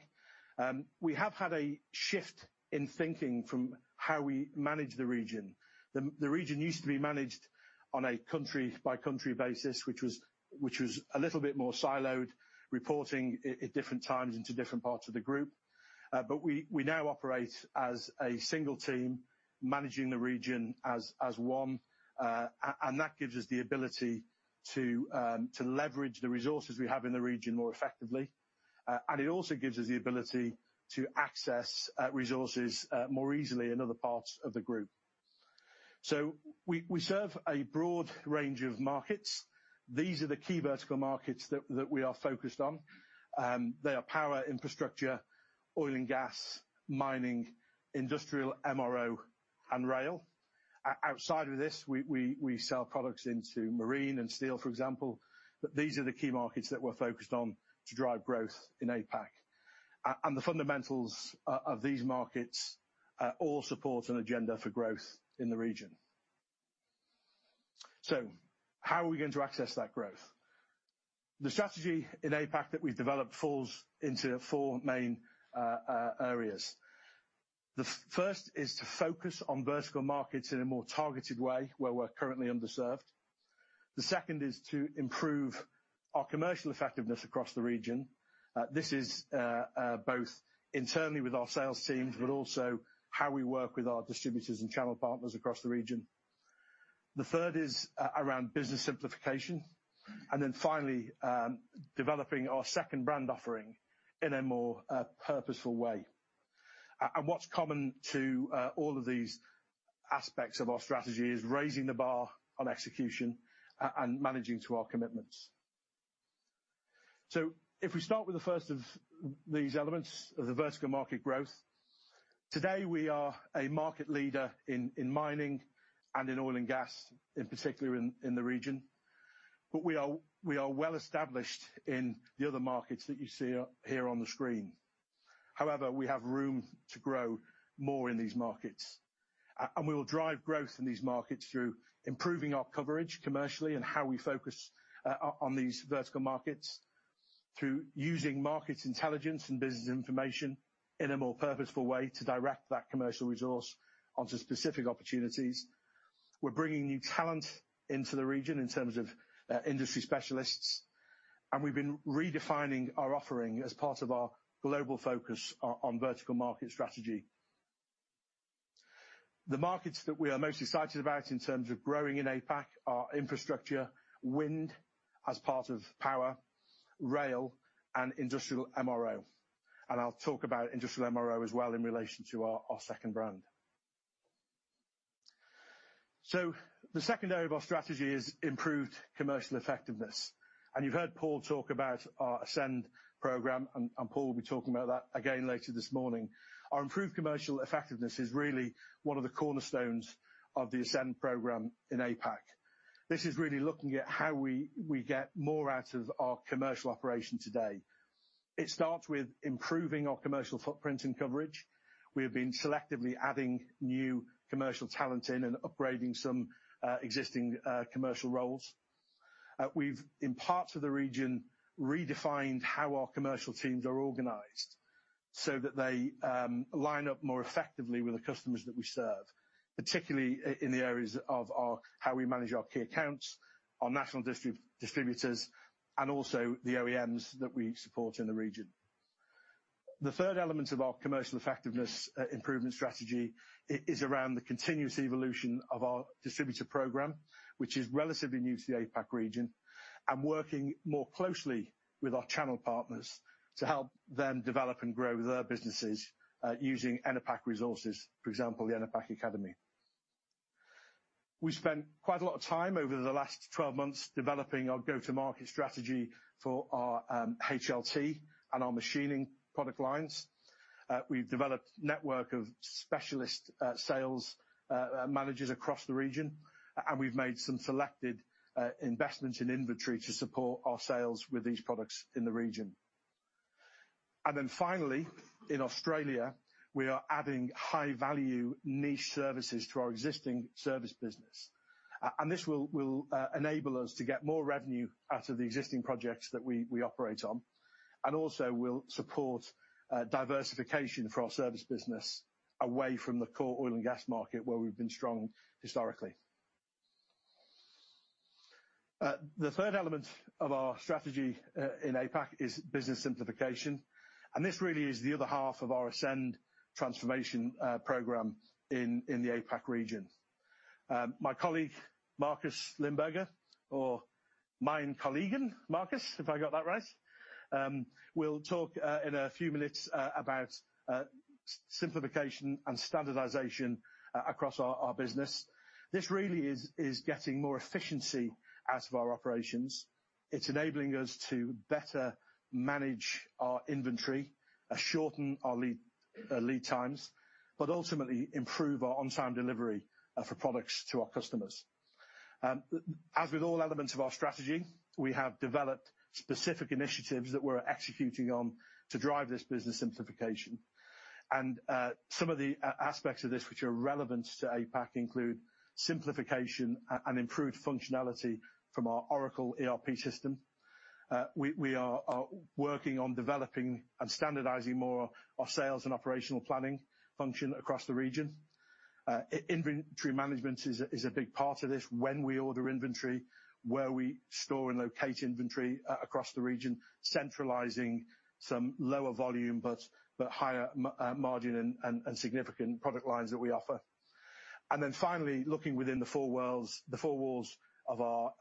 We have had a shift in thinking from how we manage the region. The region used to be managed on a country-by-country basis, which was a little bit more siloed, reporting at different times into different parts of the group. We now operate as a single team managing the region as one. That gives us the ability to leverage the resources we have in the region more effectively. It also gives us the ability to access resources more easily in other parts of the group. We serve a broad range of markets. These are the key vertical markets that we are focused on. They are power infrastructure, oil and gas, mining, industrial MRO, and rail. Outside of this, we sell products into marine and steel, for example, but these are the key markets that we're focused on to drive growth in APAC. The fundamentals of these markets all support an agenda for growth in the region. How are we going to access that growth? The strategy in APAC that we've developed falls into four main areas. The first is to focus on vertical markets in a more targeted way where we're currently underserved. The second is to improve our commercial effectiveness across the region. This is both internally with our sales teams, but also how we work with our distributors and channel partners across the region. The third is around business simplification, and then finally, developing our second brand offering in a more purposeful way. What's common to all of these aspects of our strategy is raising the bar on execution and managing to our commitments. If we start with the first of these elements of the vertical market growth, today we are a market leader in mining and in oil and gas, in particular in the region, but we are well established in the other markets that you see out here on the screen. However, we have room to grow more in these markets, and we will drive growth in these markets through improving our coverage commercially and how we focus on these vertical markets through using market intelligence and business information in a more purposeful way to direct that commercial resource onto specific opportunities. We're bringing new talent into the region in terms of industry specialists, and we've been redefining our offering as part of our global focus on vertical market strategy. The markets that we are most excited about in terms of growing in APAC are infrastructure, wind as part of power, rail, and industrial MRO. I'll talk about industrial MRO as well in relation to our second brand. The second area of our strategy is improved commercial effectiveness. You've heard Paul talk about our ASCEND program, and Paul will be talking about that again later this morning. Our improved commercial effectiveness is really one of the cornerstones of the ASCEND program in APAC. This is really looking at how we get more out of our commercial operation today. It starts with improving our commercial footprint and coverage. We have been selectively adding new commercial talent in and upgrading some existing commercial roles. We've in parts of the region redefined how our commercial teams are organized so that they line up more effectively with the customers that we serve, particularly in the areas of our how we manage our key accounts, our national distributors, and also the OEMs that we support in the region. The third element of our commercial effectiveness improvement strategy is around the continuous evolution of our distributor program, which is relatively new to the APAC region, and working more closely with our channel partners to help them develop and grow their businesses, using Enerpac resources, for example, the Enerpac Academy. We spent quite a lot of time over the last 12 months developing our go-to-market strategy for our HLT and our machining product lines. We've developed network of specialist sales managers across the region, and we've made some selected investments in inventory to support our sales with these products in the region. Finally, in Australia, we are adding high-value niche services to our existing service business. This will enable us to get more revenue out of the existing projects that we operate on, and also will support diversification for our service business away from the core oil and gas market where we've been strong historically. The third element of our strategy in APAC is business simplification, and this really is the other half of our ASCEND transformation program in the APAC region. My colleague Markus Limberger or mein kollegen, Markus, if I got that right. We'll talk in a few minutes about simplification and standardization across our business. This really is getting more efficiency out of our operations. It's enabling us to better manage our inventory, shorten our lead times, but ultimately improve our on-time delivery for products to our customers. As with all elements of our strategy, we have developed specific initiatives that we're executing on to drive this business simplification. Some of the aspects of this which are relevant to APAC include simplification and improved functionality from our Oracle ERP system. We are working on developing and standardizing more our sales and operational planning function across the region. Inventory management is a big part of this. When we order inventory, where we store and locate inventory across the region, centralizing some lower volume but higher margin and significant product lines that we offer. Finally, looking within the four walls of our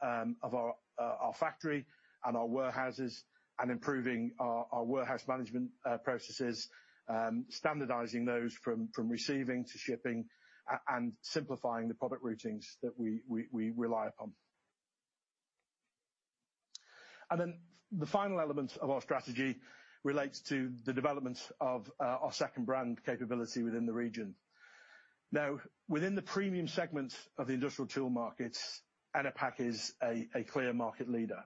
factory and our warehouses, and improving our warehouse management processes, standardizing those from receiving to shipping, and simplifying the product routings that we rely upon. The final element of our strategy relates to the development of our second brand capability within the region. Now, within the premium segment of the industrial tool markets, Enerpac is a clear market leader.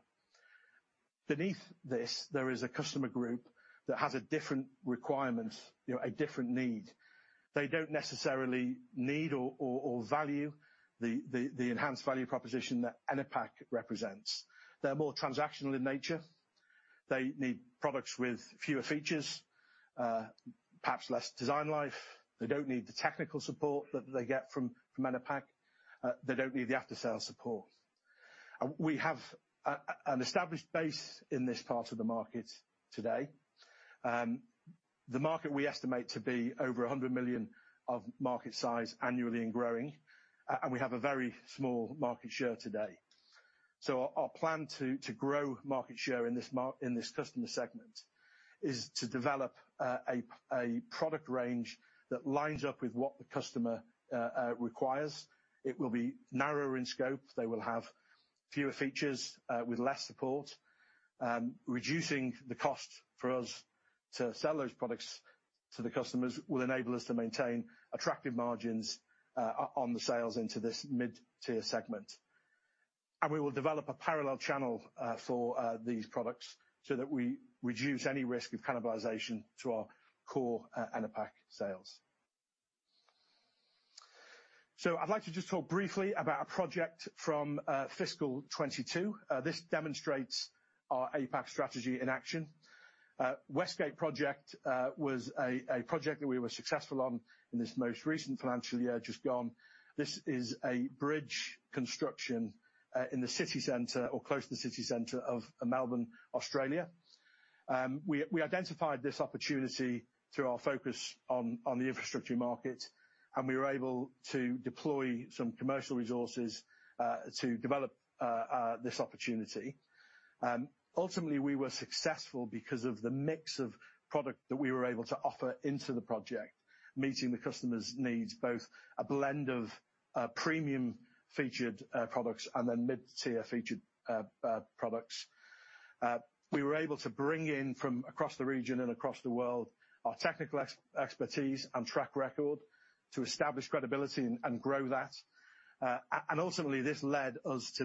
Beneath this, there is a customer group that has a different requirement, you know, a different need. They don't necessarily need or value the enhanced value proposition that Enerpac represents. They're more transactional in nature. They need products with fewer features, perhaps less design life. They don't need the technical support that they get from Enerpac. They don't need the after-sales support. We have an established base in this part of the market today. The market we estimate to be over $100 million of market size annually and growing, and we have a very small market share today. Our plan to grow market share in this customer segment is to develop a product range that lines up with what the customer requires. It will be narrower in scope. They will have fewer features with less support. Reducing the cost for us to sell those products to the customers will enable us to maintain attractive margins on the sales into this mid-tier segment. We will develop a parallel channel for these products so that we reduce any risk of cannibalization to our core Enerpac sales. I'd like to just talk briefly about a project from fiscal 2022. This demonstrates our APAC strategy in action. West Gate project was a project that we were successful on in this most recent financial year just gone. This is a bridge construction in the city center or close to the city center of Melbourne, Australia. We identified this opportunity through our focus on the infrastructure market, and we were able to deploy some commercial resources to develop this opportunity. Ultimately, we were successful because of the mix of product that we were able to offer into the project, meeting the customer's needs, both a blend of premium featured products and then mid-tier featured products. We were able to bring in from across the region and across the world our technical expertise and track record to establish credibility and grow that. Ultimately, this led us to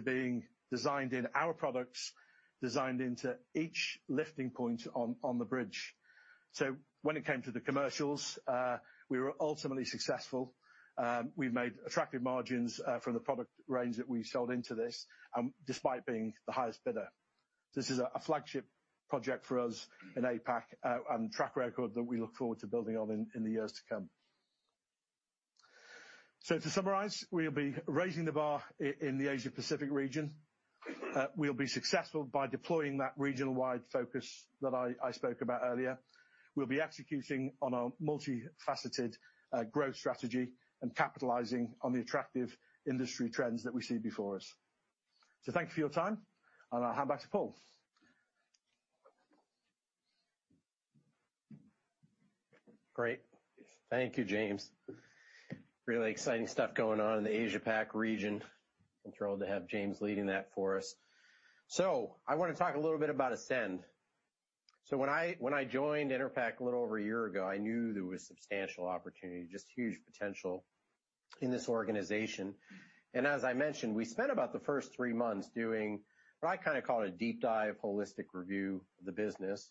our products being designed into each lifting point on the bridge. When it came to the commercials, we were ultimately successful. We made attractive margins from the product range that we sold into this despite being the highest bidder. This is a flagship project for us in APAC and track record that we look forward to building on in the years to come. To summarize, we'll be raising the bar in the Asia Pacific region. We'll be successful by deploying that regional wide focus that I spoke about earlier. We'll be executing on our multifaceted growth strategy and capitalizing on the attractive industry trends that we see before us. Thank you for your time, and I'll hand back to Paul. Great. Thank you, James. Really exciting stuff going on in the Asia Pac region. Enthralled to have James leading that for us. I wanna talk a little bit about ASCEND. When I joined Enerpac a little over a year ago, I knew there was substantial opportunity, just huge potential in this organization. As I mentioned, we spent about the first three months doing what I kinda call a deep dive, holistic review of the business.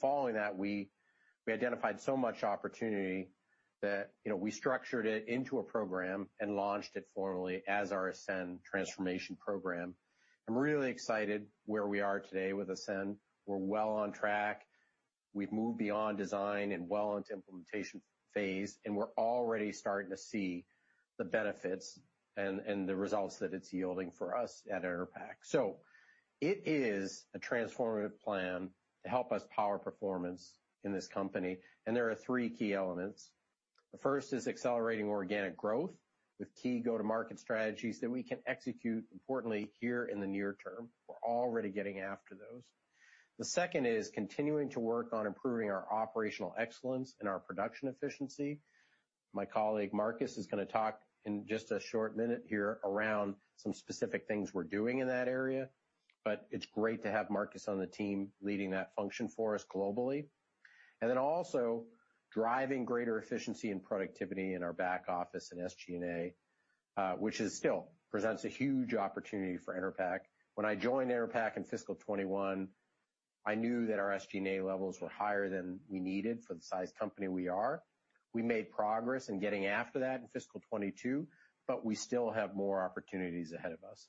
Following that, we identified so much opportunity that, you know, we structured it into a program and launched it formally as our ASCEND transformation program. I'm really excited where we are today with ASCEND. We're well on track. We've moved beyond design and well into implementation phase, and we're already starting to see the benefits and the results that it's yielding for us at Enerpac. It is a transformative plan to help us power performance in this company, and there are three key elements. The first is accelerating organic growth with key go-to-market strategies that we can execute importantly here in the near term. We're already getting after those. The second is continuing to work on improving our operational excellence and our production efficiency. My colleague, Markus, is gonna talk in just a short minute here around some specific things we're doing in that area, but it's great to have Markus on the team leading that function for us globally. Also driving greater efficiency and productivity in our back office in SG&A, which still presents a huge opportunity for Enerpac. When I joined Enerpac in fiscal 2021, I knew that our SG&A levels were higher than we needed for the size company we are. We made progress in getting after that in fiscal 2022, but we still have more opportunities ahead of us.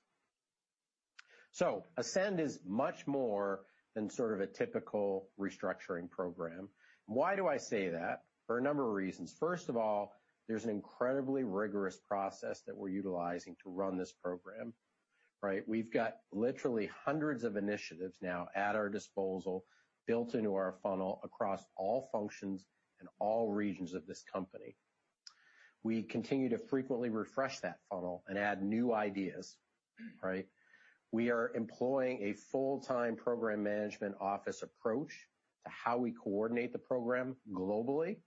ASCEND is much more than sort of a typical restructuring program. Why do I say that? For a number of reasons. First of all, there's an incredibly rigorous process that we're utilizing to run this program, right? We've got literally hundreds of initiatives now at our disposal built into our funnel across all functions and all regions of this company. We continue to frequently refresh that funnel and add new ideas, right? We are employing a full-time program management office approach to how we coordinate the program globally.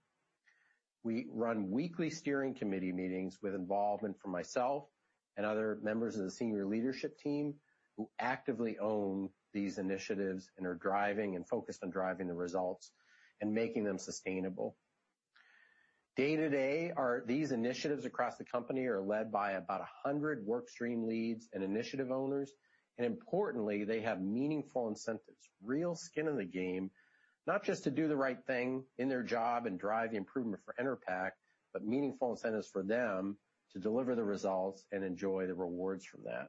We run weekly steering committee meetings with involvement from myself and other members of the senior leadership team who actively own these initiatives and are driving and focused on driving the results and making them sustainable. These initiatives across the company are led by about 100 work stream leads and initiative owners, and importantly, they have meaningful incentives, real skin in the game, not just to do the right thing in their job and drive the improvement for Enerpac, but meaningful incentives for them to deliver the results and enjoy the rewards from that.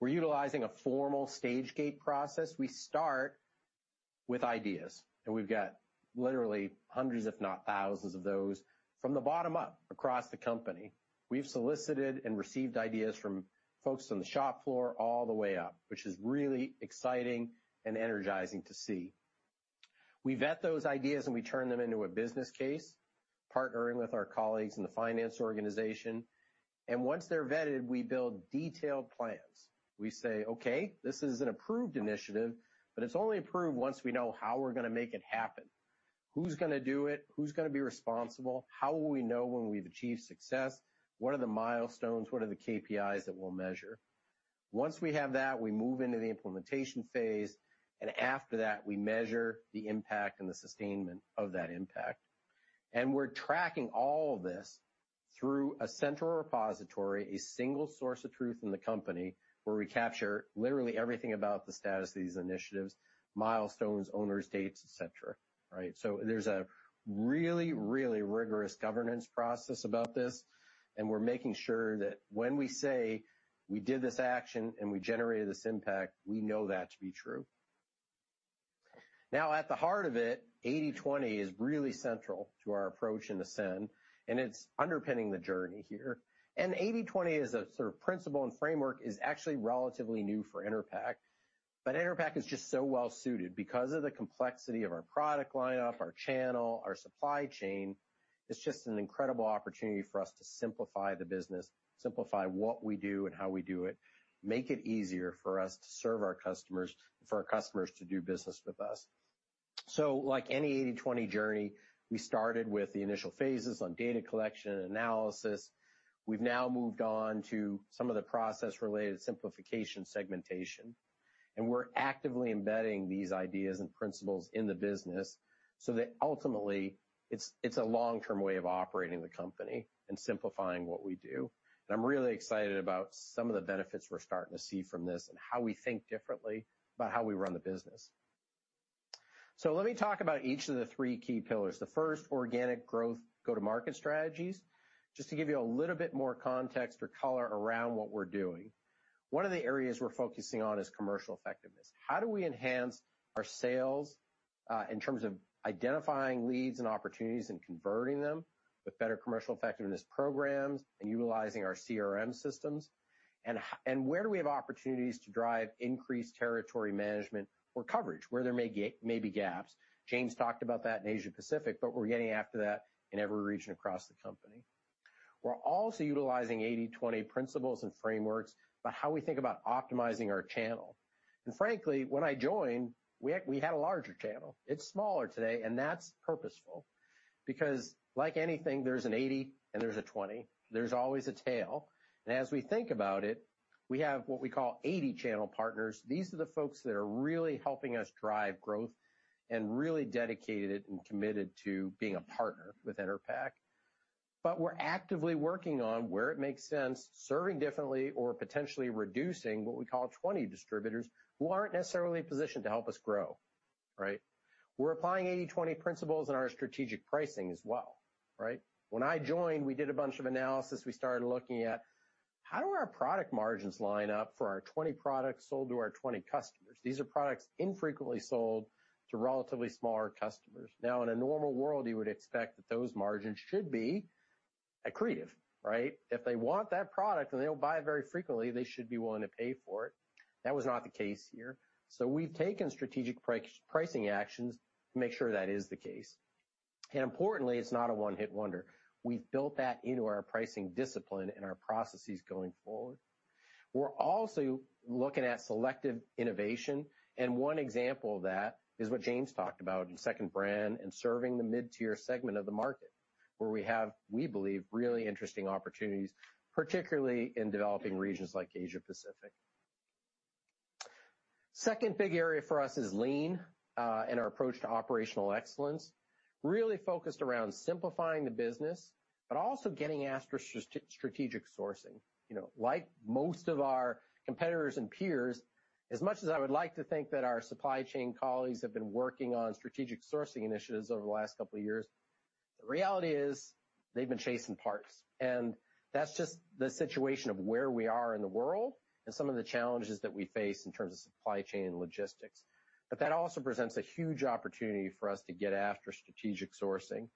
We're utilizing a formal stage gate process. We start with ideas and we've got literally hundreds, if not thousands of those from the bottom up across the company. We've solicited and received ideas from folks on the shop floor all the way up, which is really exciting and energizing to see. We vet those ideas and we turn them into a business case, partnering with our colleagues in the finance organization. Once they're vetted, we build detailed plans. We say, "Okay, this is an approved initiative," but it's only approved once we know how we're gonna make it happen. Who's gonna do it? Who's gonna be responsible? How will we know when we've achieved success? What are the milestones? What are the KPIs that we'll measure? Once we have that, we move into the implementation phase, and after that, we measure the impact and the sustainment of that impact. We're tracking all of this through a central repository, a single source of truth in the company, where we capture literally everything about the status of these initiatives, milestones, owners, dates, et cetera. Right? There's a really, really rigorous governance process about this, and we're making sure that when we say we did this action and we generated this impact, we know that to be true. Now, at the heart of it, 80/20 is really central to our approach in ASCEND, and it's underpinning the journey here. 80/20 as a sort of principle and framework is actually relatively new for Enerpac, but Enerpac is just so well suited. Because of the complexity of our product line up, our channel, our supply chain, it's just an incredible opportunity for us to simplify the business, simplify what we do and how we do it, make it easier for us to serve our customers, for our customers to do business with us. Like any 80/20 journey, we started with the initial phases on data collection and analysis. We've now moved on to some of the process-related simplification segmentation, and we're actively embedding these ideas and principles in the business so that ultimately, it's a long-term way of operating the company and simplifying what we do. I'm really excited about some of the benefits we're starting to see from this and how we think differently about how we run the business. Let me talk about each of the three key pillars. The first, organic growth go-to-market strategies. Just to give you a little bit more context or color around what we're doing. One of the areas we're focusing on is commercial effectiveness. How do we enhance our sales in terms of identifying leads and opportunities and converting them with better commercial effectiveness programs and utilizing our CRM systems? Where do we have opportunities to drive increased territory management or coverage where there may be gaps? James talked about that in Asia Pacific. We're getting after that in every region across the company. We're also utilizing 80/20 principles and frameworks about how we think about optimizing our channel. Frankly, when I joined, we had a larger channel. It's smaller today, and that's purposeful because like anything, there's an 80 and there's a 20. There's always a tail. As we think about it, we have what we call 80 channel partners. These are the folks that are really helping us drive growth and really dedicated and committed to being a partner with Enerpac. But we're actively working on, where it makes sense, serving differently or potentially reducing what we call 20 distributors who aren't necessarily positioned to help us grow, right? We're applying 80/20 principles in our strategic pricing as well, right? When I joined, we did a bunch of analysis. We started looking at how do our product margins line up for our 20 products sold to our 20 customers. These are products infrequently sold to relatively smaller customers. In a normal world, you would expect that those margins should be accretive, right? If they want that product and they don't buy it very frequently, they should be willing to pay for it. That was not the case here. We've taken strategic pricing actions to make sure that is the case. Importantly, it's not a one-hit wonder. We've built that into our pricing discipline and our processes going forward. We're also looking at selective innovation, and one example of that is what James talked about in second brand and serving the mid-tier segment of the market, where we have, we believe, really interesting opportunities, particularly in developing regions like Asia-Pacific. Second big area for us is lean and our approach to operational excellence. Really focused around simplifying the business, but also getting after strategic sourcing. You know, like most of our competitors and peers, as much as I would like to think that our supply chain colleagues have been working on strategic sourcing initiatives over the last couple of years, the reality is they've been chasing parts. That's just the situation of where we are in the world and some of the challenges that we face in terms of supply chain and logistics. That also presents a huge opportunity for us to get after strategic sourcing.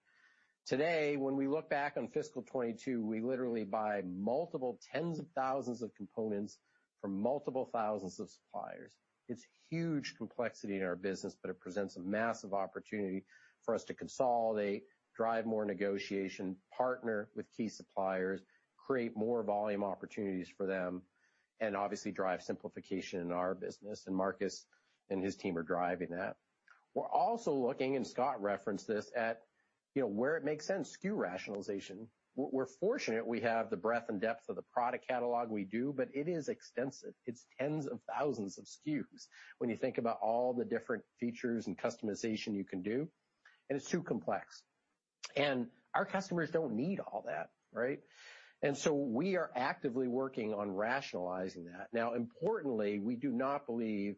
Today, when we look back on fiscal 2022, we literally buy multiple tens of thousands of components from multiple thousands of suppliers. It's huge complexity in our business, but it presents a massive opportunity for us to consolidate, drive more negotiation, partner with key suppliers, create more volume opportunities for them, and obviously drive simplification in our business. Markus and his team are driving that. We're also looking, and Scott referenced this, at, you know, where it makes sense, SKU rationalization. We're fortunate we have the breadth and depth of the product catalog we do, but it is extensive. It's tens of thousands of SKUs when you think about all the different features and customization you can do, and it's too complex. Our customers don't need all that, right? We are actively working on rationalizing that. Now, importantly, we do not believe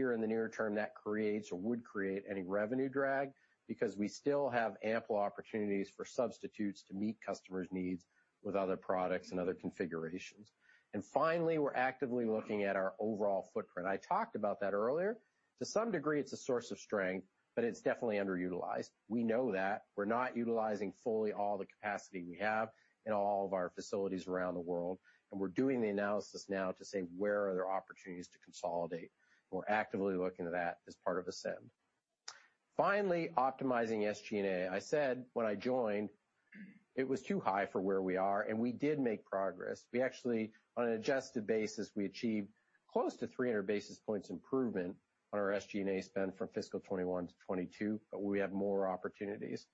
here in the near term that creates or would create any revenue drag because we still have ample opportunities for substitutes to meet customers' needs with other products and other configurations. Finally, we're actively looking at our overall footprint. I talked about that earlier. To some degree, it's a source of strength, but it's definitely underutilized. We know that. We're not utilizing fully all the capacity we have in all of our facilities around the world, and we're doing the analysis now to say, where are there opportunities to consolidate? We're actively looking at that as part of ASCEND. Finally, optimizing SG&A. I said when I joined it was too high for where we are, and we did make progress. We actually, on an adjusted basis, we achieved close to 300 basis points improvement on our SG&A spend from fiscal 2021-2022, but we have more opportunities.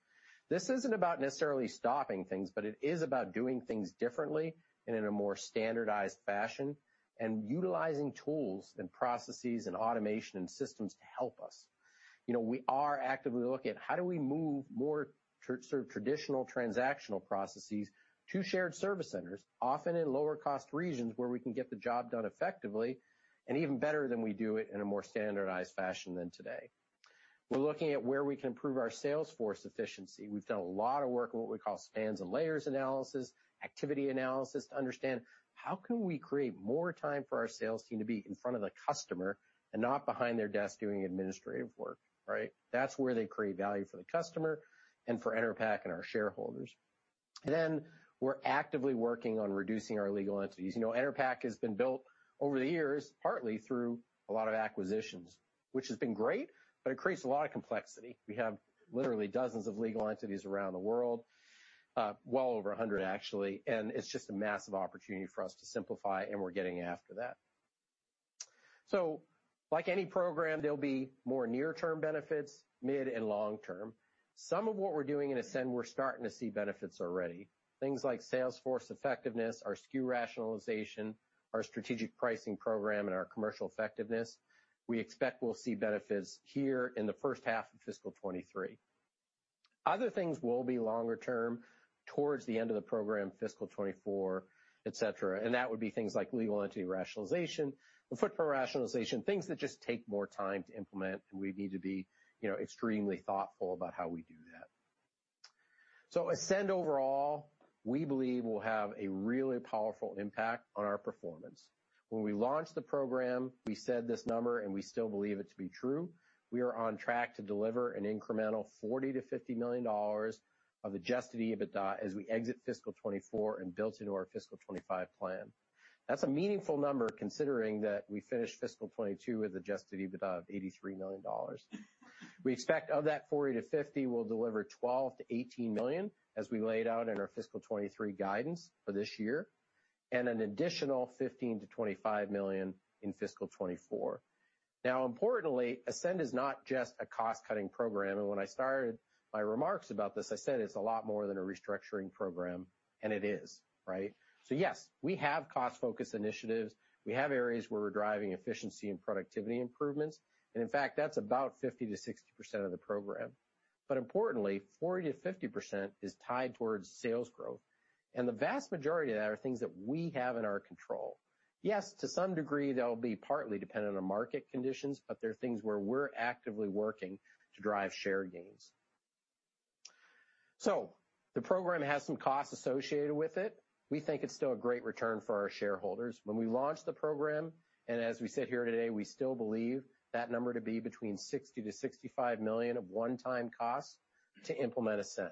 This isn't about necessarily stopping things, but it is about doing things differently and in a more standardized fashion, and utilizing tools and processes and automation and systems to help us. You know, we are actively looking at how do we move more sort of traditional transactional processes to shared service centers, often in lower cost regions where we can get the job done effectively and even better than we do it in a more standardized fashion than today. We're looking at where we can improve our sales force efficiency. We've done a lot of work on what we call spans and layers analysis, activity analysis to understand how can we create more time for our sales team to be in front of the customer and not behind their desk doing administrative work, right? That's where they create value for the customer and for Enerpac and our shareholders. We're actively working on reducing our legal entities. You know, Enerpac has been built over the years, partly through a lot of acquisitions, which has been great, but it creates a lot of complexity. We have literally dozens of legal entities around the world, well over 100 actually, and it's just a massive opportunity for us to simplify, and we're getting after that. Like any program, there'll be more near-term benefits, mid and long term. Some of what we're doing in ASCEND, we're starting to see benefits already. Things like sales force effectiveness, our SKU rationalization, our strategic pricing program, and our commercial effectiveness. We expect we'll see benefits here in the first half of fiscal 2023. Other things will be longer term towards the end of the program, fiscal 2024, et cetera. That would be things like legal entity rationalization and footprint rationalization, things that just take more time to implement, and we need to be, you know, extremely thoughtful about how we do that. ASCEND overall, we believe, will have a really powerful impact on our performance. When we launched the program, we said this number, and we still believe it to be true. We are on track to deliver an incremental $40 million-$50 million of adjusted EBITDA as we exit fiscal 2024 and built into our fiscal 2025 plan. That's a meaningful number considering that we finished fiscal 2022 with adjusted EBITDA of $83 million. We expect of that $40 million-$50 million, we'll deliver $12 million-$18 million as we laid out in our fiscal 2023 guidance for this year, and an additional $15 million-$25 million in fiscal 2024. Now importantly, ASCEND is not just a cost-cutting program. When I started my remarks about this, I said it's a lot more than a restructuring program, and it is, right? Yes, we have cost-focused initiatives. We have areas where we're driving efficiency and productivity improvements. In fact, that's about 50%-60% of the program. Importantly, 40%-50% is tied towards sales growth. The vast majority of that are things that we have in our control. Yes, to some degree, they'll be partly dependent on market conditions, but they're things where we're actively working to drive share gains. The program has some costs associated with it. We think it's still a great return for our shareholders. When we launched the program, and as we sit here today, we still believe that number to be between $60 million-$65 million of one-time cost to implement ASCEND.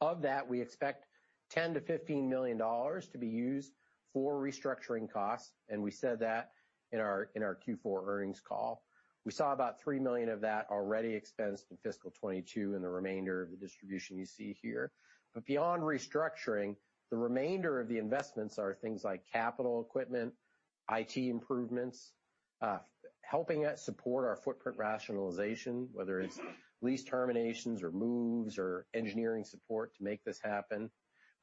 Of that, we expect $10 million-$15 million to be used for restructuring costs, and we said that in our Q4 earnings call. We saw about $3 million of that already expensed in fiscal 2022, and the remainder of the distribution you see here. Beyond restructuring, the remainder of the investments are things like capital equipment, IT improvements, helping us support our footprint rationalization, whether it's lease terminations, or moves, or engineering support to make this happen.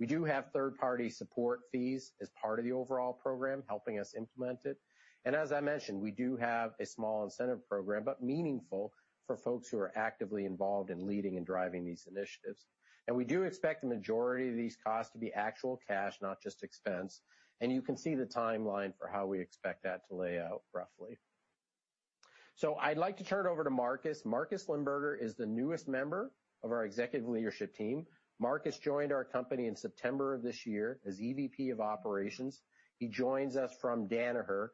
We do have third-party support fees as part of the overall program, helping us implement it. As I mentioned, we do have a small incentive program, but meaningful for folks who are actively involved in leading and driving these initiatives. We do expect the majority of these costs to be actual cash, not just expense. You can see the timeline for how we expect that to lay out roughly. I'd like to turn it over to Markus. Markus Limberger is the newest member of our executive leadership team. Markus joined our company in September of this year as EVP of Operations. He joins us from Danaher,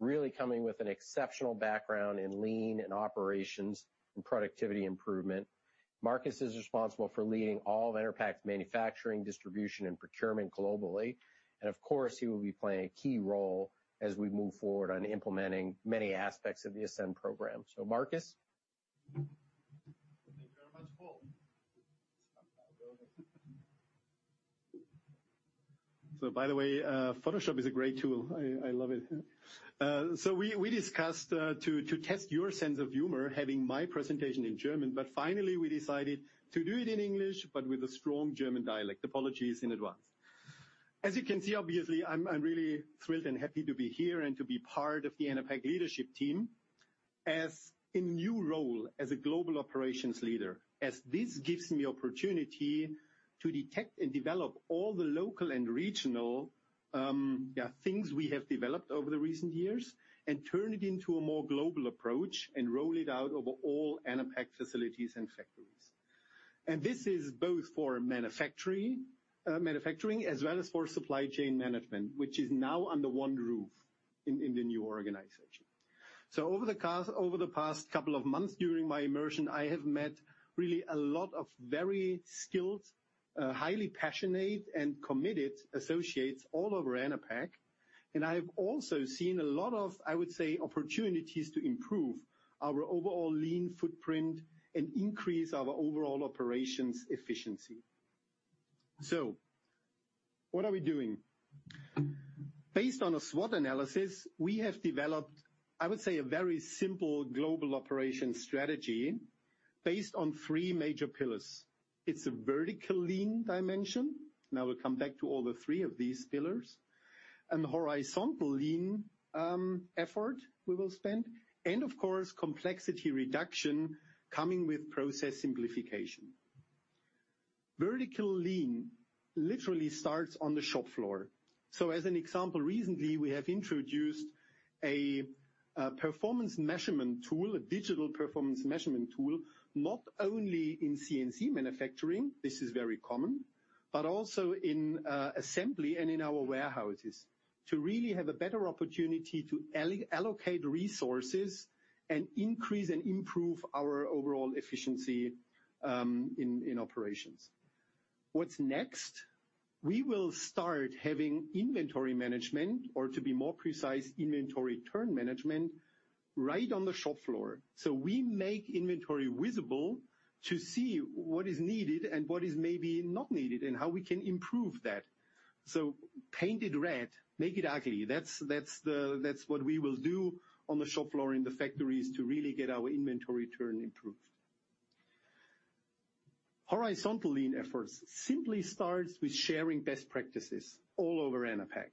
really coming with an exceptional background in lean and operations and productivity improvement. Markus is responsible for leading all of Enerpac's manufacturing, distribution, and procurement globally. Of course, he will be playing a key role as we move forward on implementing many aspects of the ASCEND program. Markus. By the way, Photoshop is a great tool. I love it. We discussed to test your sense of humor, having my presentation in German. But finally, we decided to do it in English, but with a strong German dialect. Apologies in advance. As you can see, obviously, I'm really thrilled and happy to be here and to be part of the Enerpac leadership team as a new role as a global operations leader, as this gives me opportunity to detect and develop all the local and regional things we have developed over the recent years and turn it into a more global approach and roll it out over all Enerpac facilities and factories. This is both for manufacturing as well as for supply chain management, which is now under one roof in the new organization. Over the past couple of months during my immersion, I have met really a lot of very skilled, highly passionate and committed associates all over Enerpac. I've also seen a lot of, I would say, opportunities to improve our overall lean footprint and increase our overall operations efficiency. What are we doing? Based on a SWOT analysis, we have developed, I would say, a very simple global operation strategy based on three major pillars. It's a vertical lean dimension, and I will come back to all the three of these pillars. Horizontal lean effort we will spend and of course, complexity reduction coming with process simplification. Vertical lean literally starts on the shop floor. As an example, recently we have introduced a performance measurement tool, a digital performance measurement tool, not only in CNC manufacturing, this is very common, but also in assembly and in our warehouses to really have a better opportunity to allocate resources and increase and improve our overall efficiency in operations. What's next? We will start having inventory management or to be more precise, inventory turn management right on the shop floor. We make inventory visible to see what is needed and what is maybe not needed, and how we can improve that. Paint it red, make it ugly. That's what we will do on the shop floor in the factories to really get our inventory turn improved. Horizontal lean efforts simply starts with sharing best practices all over Enerpac,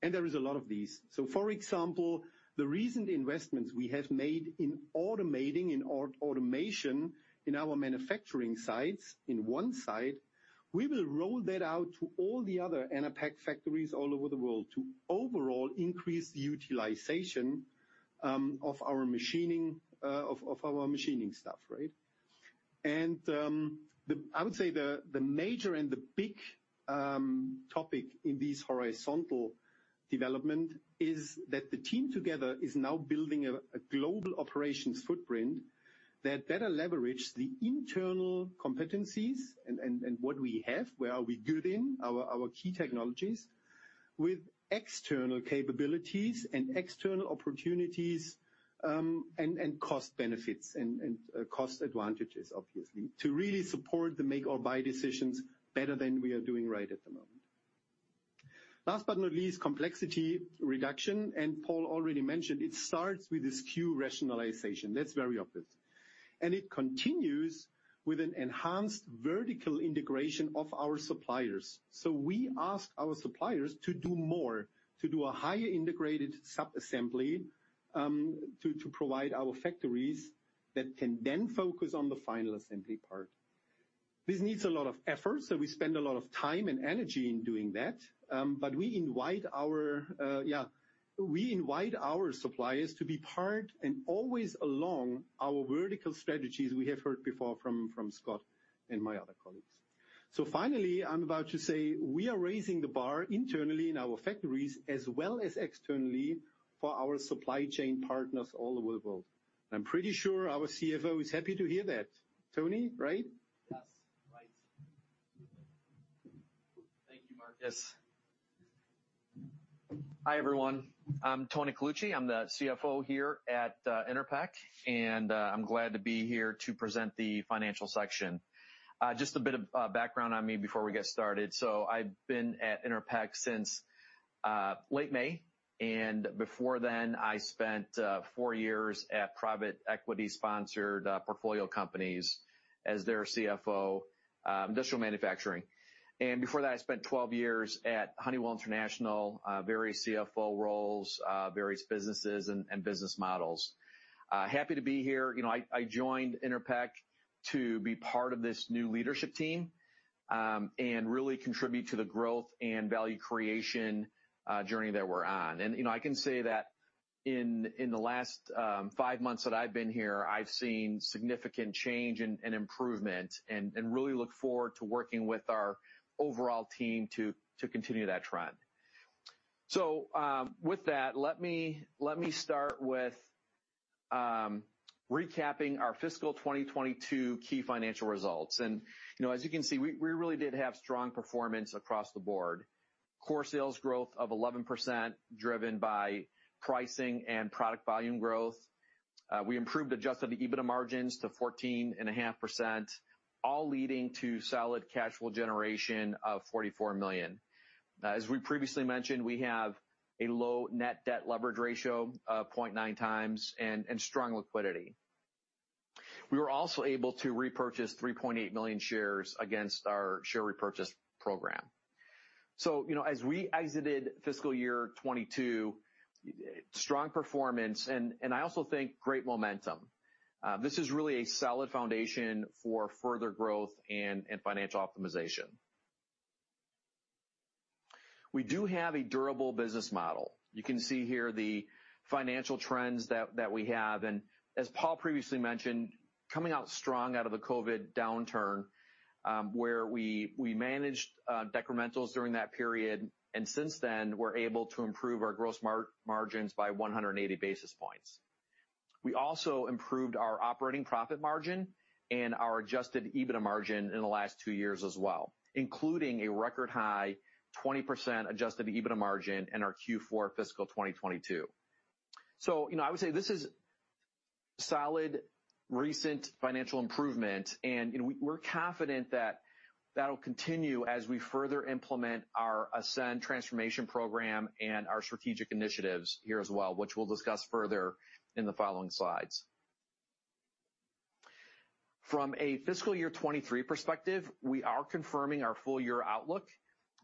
and there is a lot of these. For example, the recent investments we have made in automation in our manufacturing sites. In one site, we will roll that out to all the other Enerpac factories all over the world to overall increase the utilization of our machining stuff, right? I would say the major and the big topic in this horizontal development is that the team together is now building a global operations footprint that better leverage the internal competencies and what we have, where are we good in our key technologies, with external capabilities and external opportunities and cost benefits and cost advantages, obviously, to really support the make or buy decisions better than we are doing right at the moment. Last but not least, complexity reduction. Paul already mentioned it starts with the SKU rationalization. That's very obvious. It continues with an enhanced vertical integration of our suppliers. We ask our suppliers to do more, to do a higher integrated sub-assembly, to provide our factories that can then focus on the final assembly part. This needs a lot of effort, so we spend a lot of time and energy in doing that. We invite our suppliers to be part and always along our vertical strategies we have heard before from Scott and my other colleagues. Finally, I'm about to say we are raising the bar internally in our factories as well as externally for our supply chain partners all over the world. I'm pretty sure our CFO is happy to hear that. Tony, right? Yes. Thank you, Markus. Hi, everyone. I'm Tony Colucci. I'm the CFO here at Enerpac, and I'm glad to be here to present the financial section. Just a bit of background on me before we get started. I've been at Enerpac since late May, and before then, I spent four years at private equity-sponsored portfolio companies as their CFO, industrial manufacturing. Before that, I spent 12 years at Honeywell International, various CFO roles, various businesses and business models. Happy to be here. I joined Enerpac to be part of this new leadership team and really contribute to the growth and value creation journey that we're on. You know, I can say that in the last five months that I've been here, I've seen significant change and improvement and really look forward to working with our overall team to continue that trend. With that, let me start with recapping our fiscal 2022 key financial results. You know, as you can see, we really did have strong performance across the board. Core sales growth of 11%, driven by pricing and product volume growth. We improved adjusted EBITDA margins to 14.5%, all leading to solid cash flow generation of $44 million. As we previously mentioned, we have a low net debt leverage ratio of 0.9x and strong liquidity. We were also able to repurchase 3.8 million shares against our share repurchase program. You know, as we exited fiscal year 2022, strong performance and I also think great momentum. This is really a solid foundation for further growth and financial optimization. We do have a durable business model. You can see here the financial trends that we have. As Paul previously mentioned, coming out strong out of the COVID downturn, where we managed decrementals during that period. Since then, we're able to improve our gross margins by 180 basis points. We also improved our operating profit margin and our adjusted EBITDA margin in the last two years as well, including a record high 20% adjusted EBITDA margin in our Q4 fiscal 2022. You know, I would say this is solid recent financial improvement, and we're confident that that'll continue as we further implement our ASCEND transformation program and our strategic initiatives here as well, which we'll discuss further in the following slides. From a fiscal year 2023 perspective, we are confirming our full year outlook,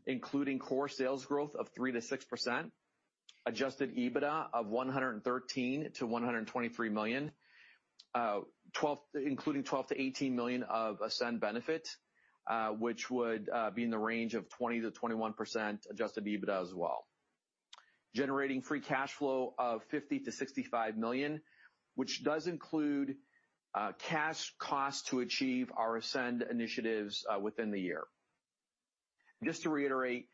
including core sales growth of 3%-6%, adjusted EBITDA of $113 million-$123 million, including $12 million-$18 million of ASCEND benefits, which would be in the range of 20%-21% adjusted EBITDA as well. Generating free cash flow of $50 million-$65 million, which does include cash costs to achieve our ASCEND initiatives within the year. Just to reiterate,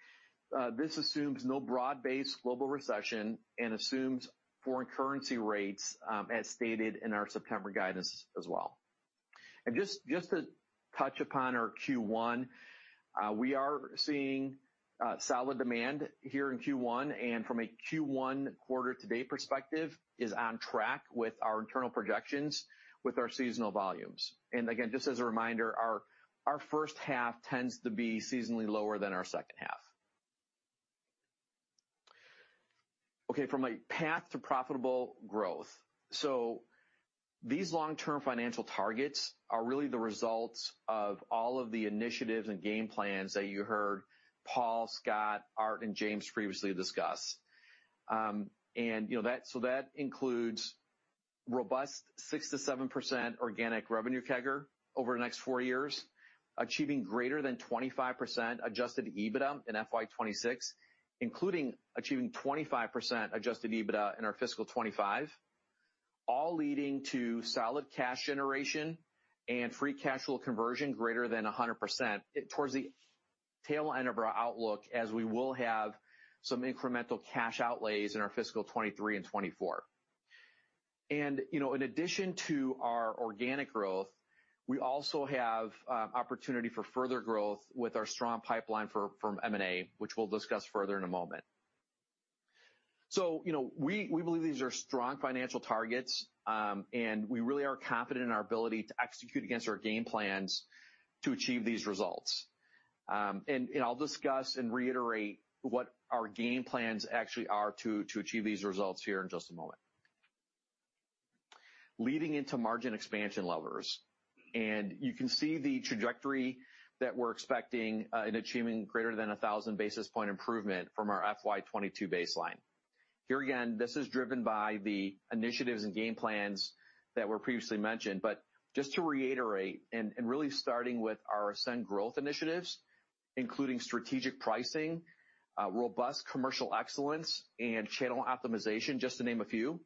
this assumes no broad-based global recession and assumes foreign currency rates, as stated in our September guidance as well. Just to touch upon our Q1, we are seeing solid demand here in Q1, and from a Q1 quarter to date perspective is on track with our internal projections with our seasonal volumes. Again, just as a reminder, our first half tends to be seasonally lower than our second half. Okay, from a path to profitable growth. These long-term financial targets are really the results of all of the initiatives and game plans that you heard Paul, Scott, Art, and James previously discuss. You know, that includes robust 6%-7% organic revenue CAGR over the next four years, achieving greater than 25% adjusted EBITDA in FY 2026, including achieving 25% adjusted EBITDA in our fiscal 2025, all leading to solid cash generation and free cash flow conversion greater than 100% towards the tail end of our outlook as we will have some incremental cash outlays in our fiscal 2023 and 2024. You know, in addition to our organic growth, we also have opportunity for further growth with our strong pipeline from M&A, which we'll discuss further in a moment. You know, we believe these are strong financial targets, and we really are confident in our ability to execute against our game plans to achieve these results. I'll discuss and reiterate what our game plans actually are to achieve these results here in just a moment. Leading into margin expansion levers, and you can see the trajectory that we're expecting in achieving greater than 1,000 basis point improvement from our FY 2022 baseline. Here again, this is driven by the initiatives and game plans that were previously mentioned. Just to reiterate and really starting with our ASCEND growth initiatives, including strategic pricing, robust commercial excellence, and channel optimization, just to name a few.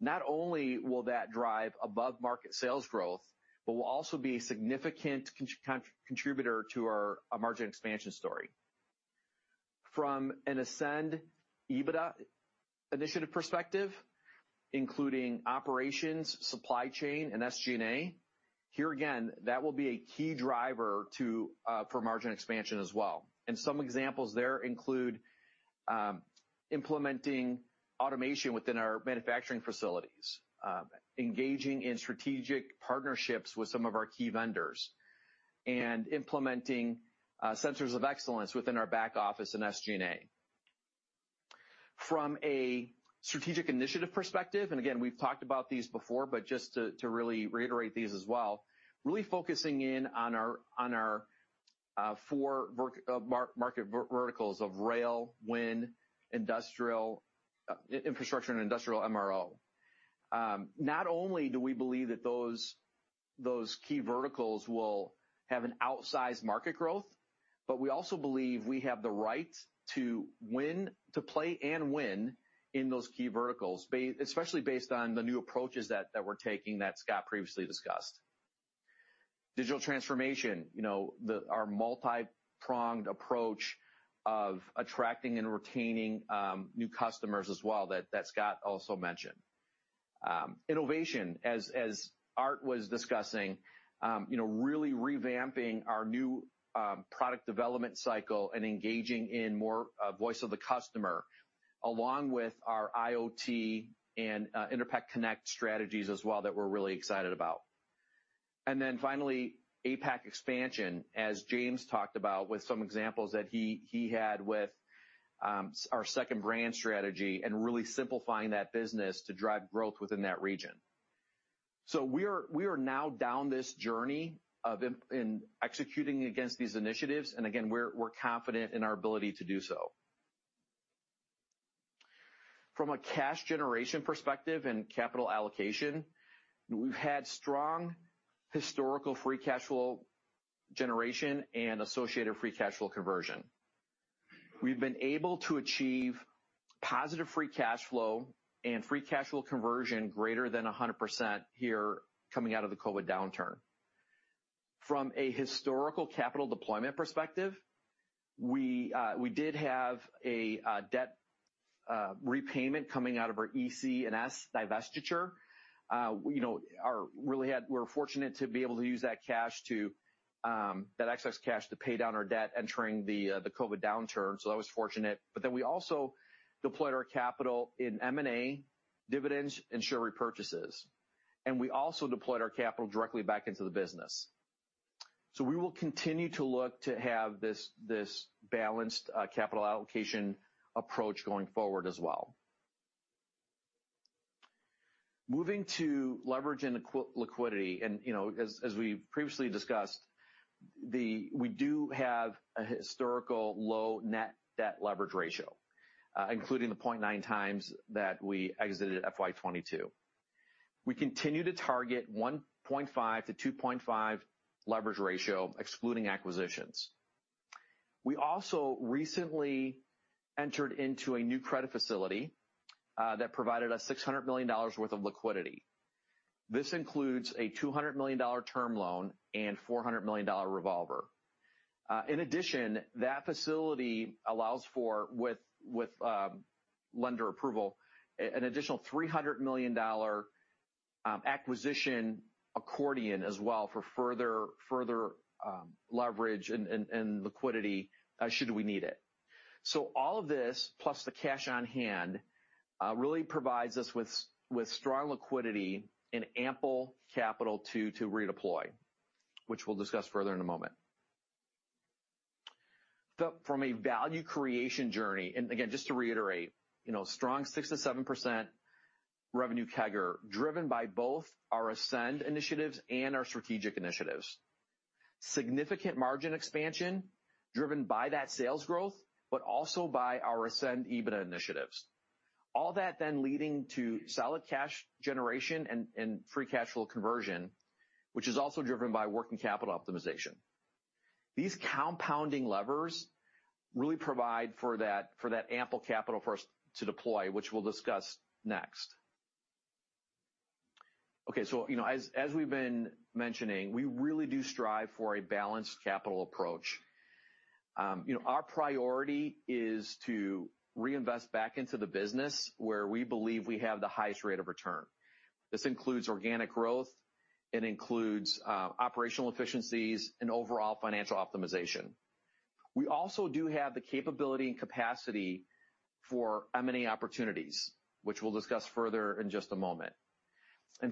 Not only will that drive above-market sales growth, but will also be a significant contributor to our margin expansion story. From an ASCEND EBITDA initiative perspective, including operations, supply chain, and SG&A. Here again, that will be a key driver for margin expansion as well. Some examples there include implementing automation within our manufacturing facilities, engaging in strategic partnerships with some of our key vendors, and implementing centers of excellence within our back office and SG&A. From a strategic initiative perspective and again we've talked about these before, but just to really reiterate these as well, really focusing in on our four market verticals of rail, wind, industrial infrastructure and industrial MRO. Not only do we believe that those key verticals will have an outsized market growth, but we also believe we have the right to win, to play and win in those key verticals, especially based on the new approaches that we're taking that Scott previously discussed. Digital transformation, our multipronged approach of attracting and retaining new customers as well, that Scott also mentioned. Innovation, as Art was discussing, you know, really revamping our new product development cycle and engaging in more voice of the customer along with our IoT and Enerpac Connect strategies as well that we're really excited about. APAC expansion, as James talked about with some examples that he had with our second brand strategy and really simplifying that business to drive growth within that region. We are now on this journey of in executing against these initiatives, and again, we're confident in our ability to do so. From a cash generation perspective and capital allocation, we've had strong historical free cash flow generation and associated free cash flow conversion. We've been able to achieve positive free cash flow and free cash flow conversion greater than 100% here coming out of the COVID downturn. From a historical capital deployment perspective, we did have a debt repayment coming out of our EC&S divestiture. You know, we're fortunate to be able to use that excess cash to pay down our debt entering the COVID downturn, so that was fortunate. We also deployed our capital in M&A, dividends, and share repurchases. We also deployed our capital directly back into the business. We will continue to look to have this balanced capital allocation approach going forward as well. Moving to leverage and liquidity, and you know, as we've previously discussed, we do have a historical low net debt leverage ratio, including the 0.9x that we exited FY 2022. We continue to target 1.5x-2.5x leverage ratio, excluding acquisitions. We also recently entered into a new credit facility that provided us $600 million worth of liquidity. This includes a $200 million term loan and $400 million revolver. In addition, that facility allows for, with lender approval, an additional $300 million acquisition accordion as well for further leverage and liquidity, should we need it. All of this plus the cash on hand really provides us with with strong liquidity and ample capital to redeploy, which we'll discuss further in a moment. From a value creation journey, again, just to reiterate, you know, strong 6%-7% revenue CAGR driven by both our ASCEND initiatives and our strategic initiatives. Significant margin expansion driven by that sales growth, but also by our ASCEND EBITDA initiatives. All that then leading to solid cash generation and free cash flow conversion, which is also driven by working capital optimization. These compounding levers really provide for that ample capital for us to deploy, which we'll discuss next. You know, as we've been mentioning, we really do strive for a balanced capital approach. You know, our priority is to reinvest back into the business where we believe we have the highest rate of return. This includes organic growth. It includes operational efficiencies and overall financial optimization. We also do have the capability and capacity for M&A opportunities, which we'll discuss further in just a moment.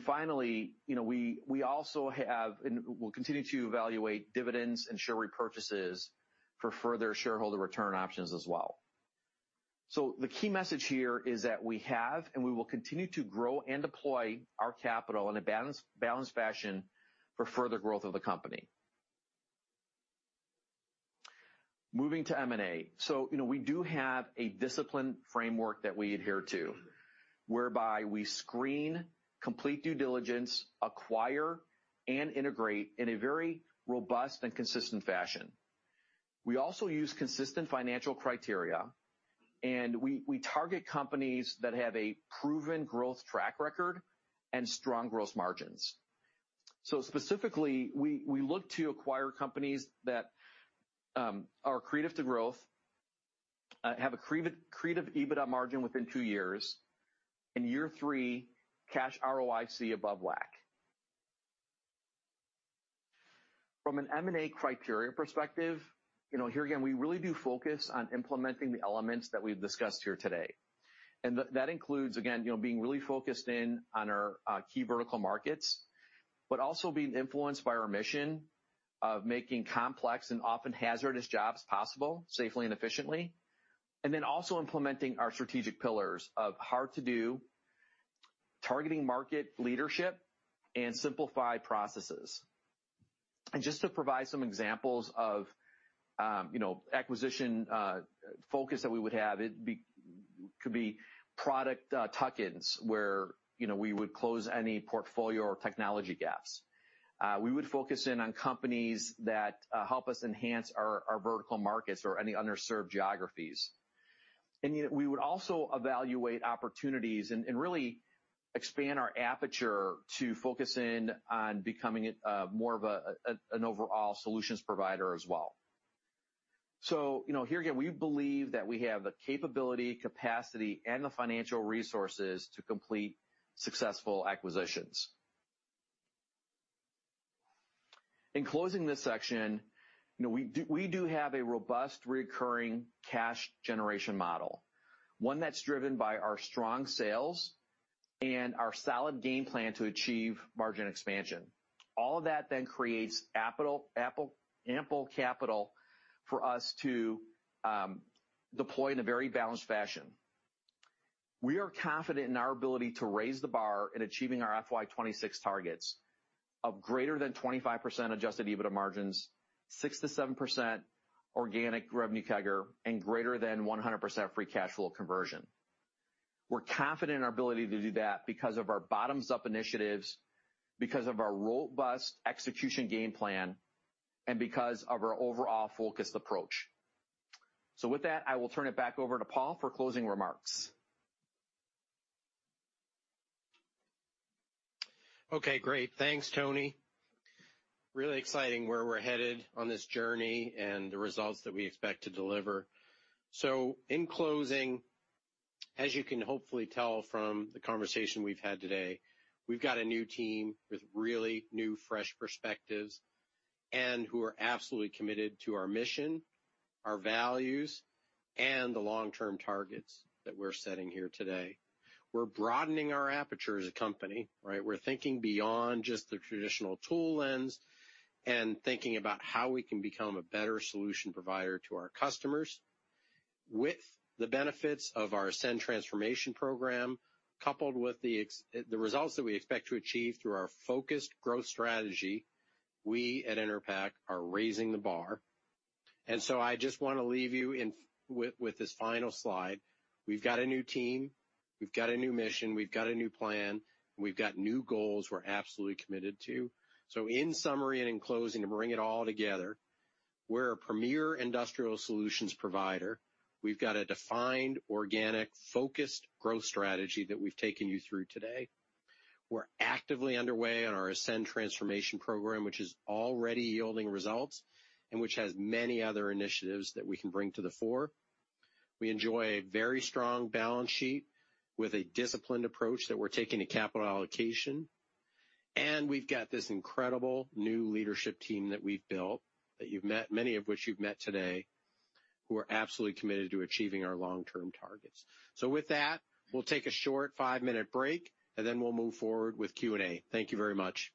Finally, you know, we also have and will continue to evaluate dividends and share repurchases for further shareholder return options as well. The key message here is that we have and we will continue to grow and deploy our capital in a balanced fashion for further growth of the company. Moving to M&A. You know, we do have a disciplined framework that we adhere to, whereby we screen, complete due diligence, acquire, and integrate in a very robust and consistent fashion. We also use consistent financial criteria, and we target companies that have a proven growth track record and strong growth margins. Specifically, we look to acquire companies that are accretive to growth, have accretive EBITDA margin within two years. In year three, cash ROIC above WACC. From an M&A criteria perspective, you know, here again, we really do focus on implementing the elements that we've discussed here today. That includes, again, you know, being really focused in on our key vertical markets, but also being influenced by our mission of making complex and often hazardous jobs possible safely and efficiently. Then also implementing our strategic pillars of hard-to-do, targeting market leadership, and simplified processes. Just to provide some examples of, you know, acquisition focus that we would have, could be product tuck-ins where, you know, we would close any portfolio or technology gaps. We would focus in on companies that help us enhance our vertical markets or any underserved geographies. Yet we would also evaluate opportunities and really expand our aperture to focus in on becoming a, more of a, an overall solutions provider as well. You know, here again, we believe that we have the capability, capacity, and the financial resources to complete successful acquisitions. In closing this section, you know, we do have a robust recurring cash generation model, one that's driven by our strong sales and our solid game plan to achieve margin expansion. All of that then creates capital, ample capital for us to deploy in a very balanced fashion. We are confident in our ability to raise the bar in achieving our FY 2026 targets of greater than 25% adjusted EBITDA margins, 6%-7% organic revenue CAGR, and greater than 100% free cash flow conversion. We're confident in our ability to do that because of our bottoms-up initiatives, because of our robust execution game plan, and because of our overall focused approach. With that, I will turn it back over to Paul for closing remarks. Okay, great. Thanks, Tony. Really exciting where we're headed on this journey and the results that we expect to deliver. In closing, as you can hopefully tell from the conversation we've had today, we've got a new team with really new, fresh perspectives and who are absolutely committed to our mission, our values, and the long-term targets that we're setting here today. We're broadening our aperture as a company, right? We're thinking beyond just the traditional tool lens and thinking about how we can become a better solution provider to our customers. With the benefits of our ASCEND transformation program, coupled with the results that we expect to achieve through our focused growth strategy, we at Enerpac are raising the bar. I just wanna leave you with this final slide. We've got a new team. We've got a new mission. We've got a new plan. We've got new goals we're absolutely committed to. In summary and in closing, to bring it all together, we're a premier industrial solutions provider. We've got a defined, organic, focused growth strategy that we've taken you through today. We're actively underway on our ASCEND transformation program, which is already yielding results and which has many other initiatives that we can bring to the fore. We enjoy a very strong balance sheet with a disciplined approach that we're taking to capital allocation. We've got this incredible new leadership team that we've built, that you've met, many of which you've met today, who are absolutely committed to achieving our long-term targets. With that, we'll take a short five-minute break, and then we'll move forward with Q&A. Thank you very much.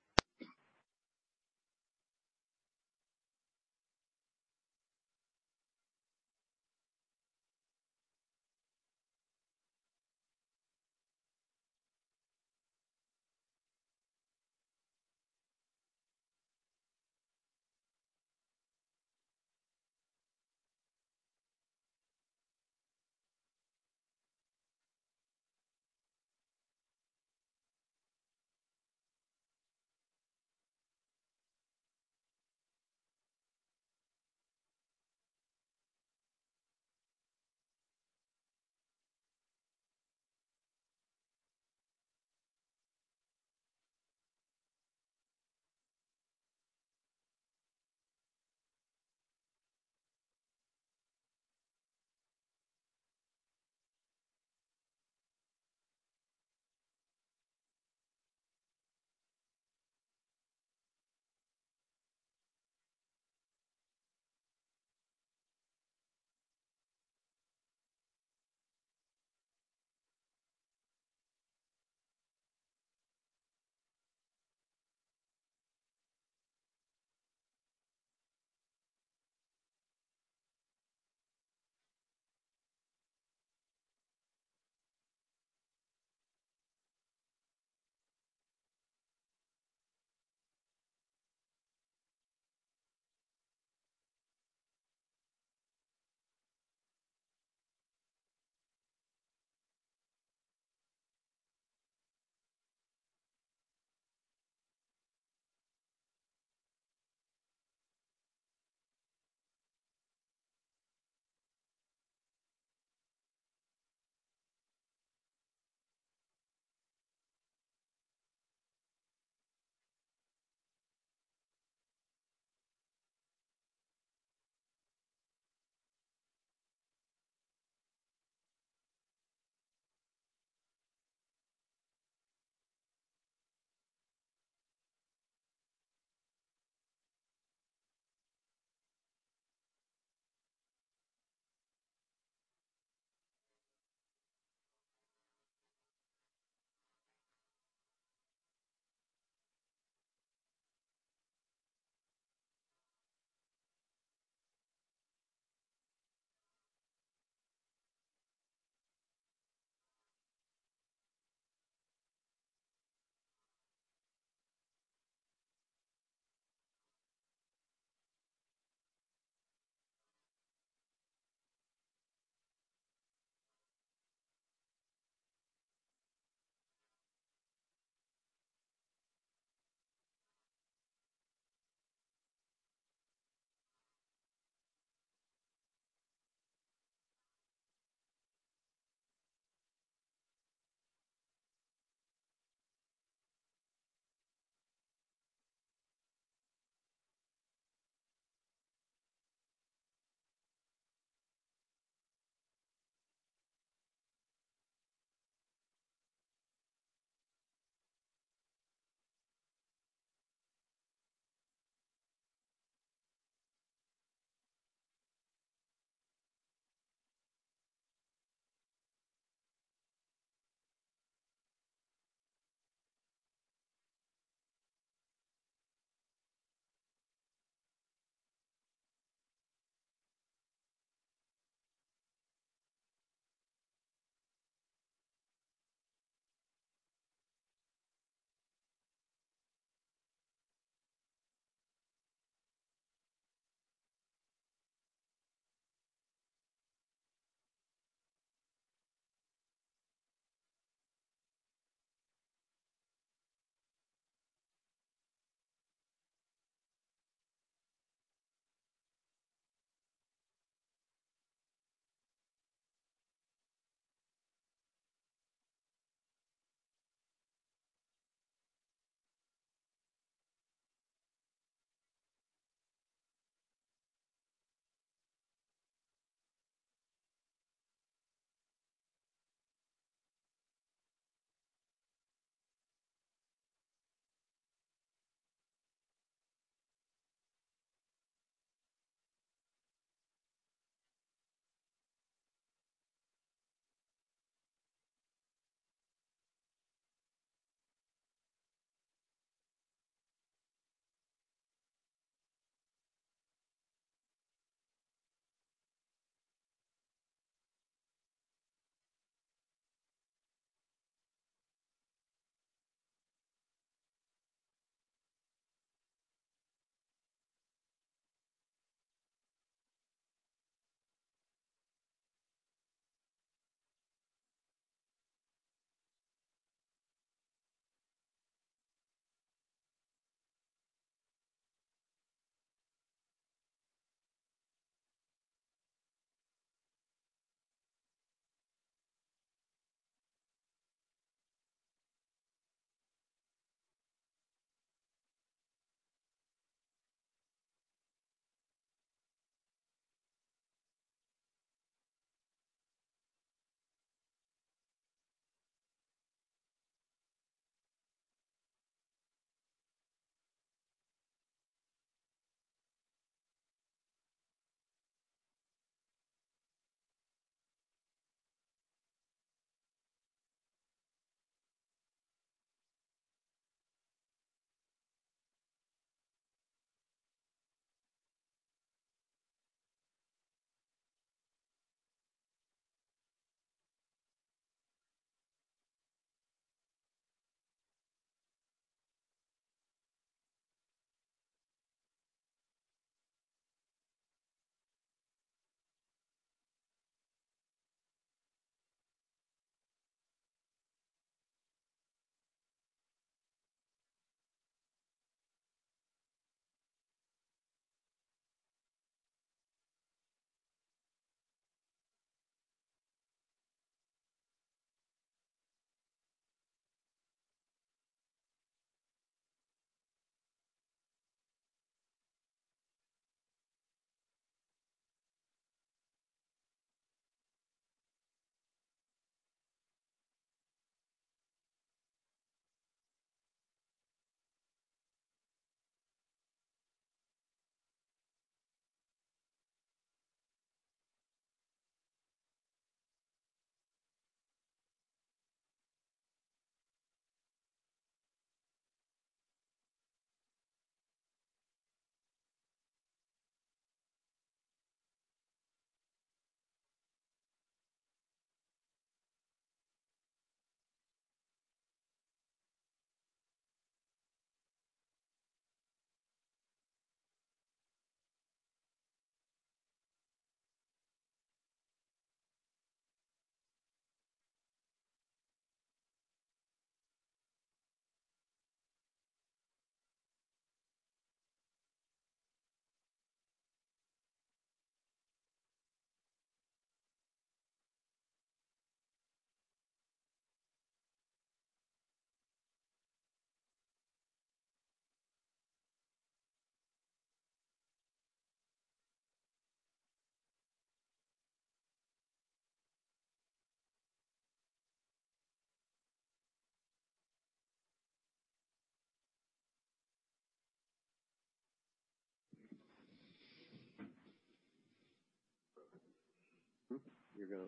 You're going.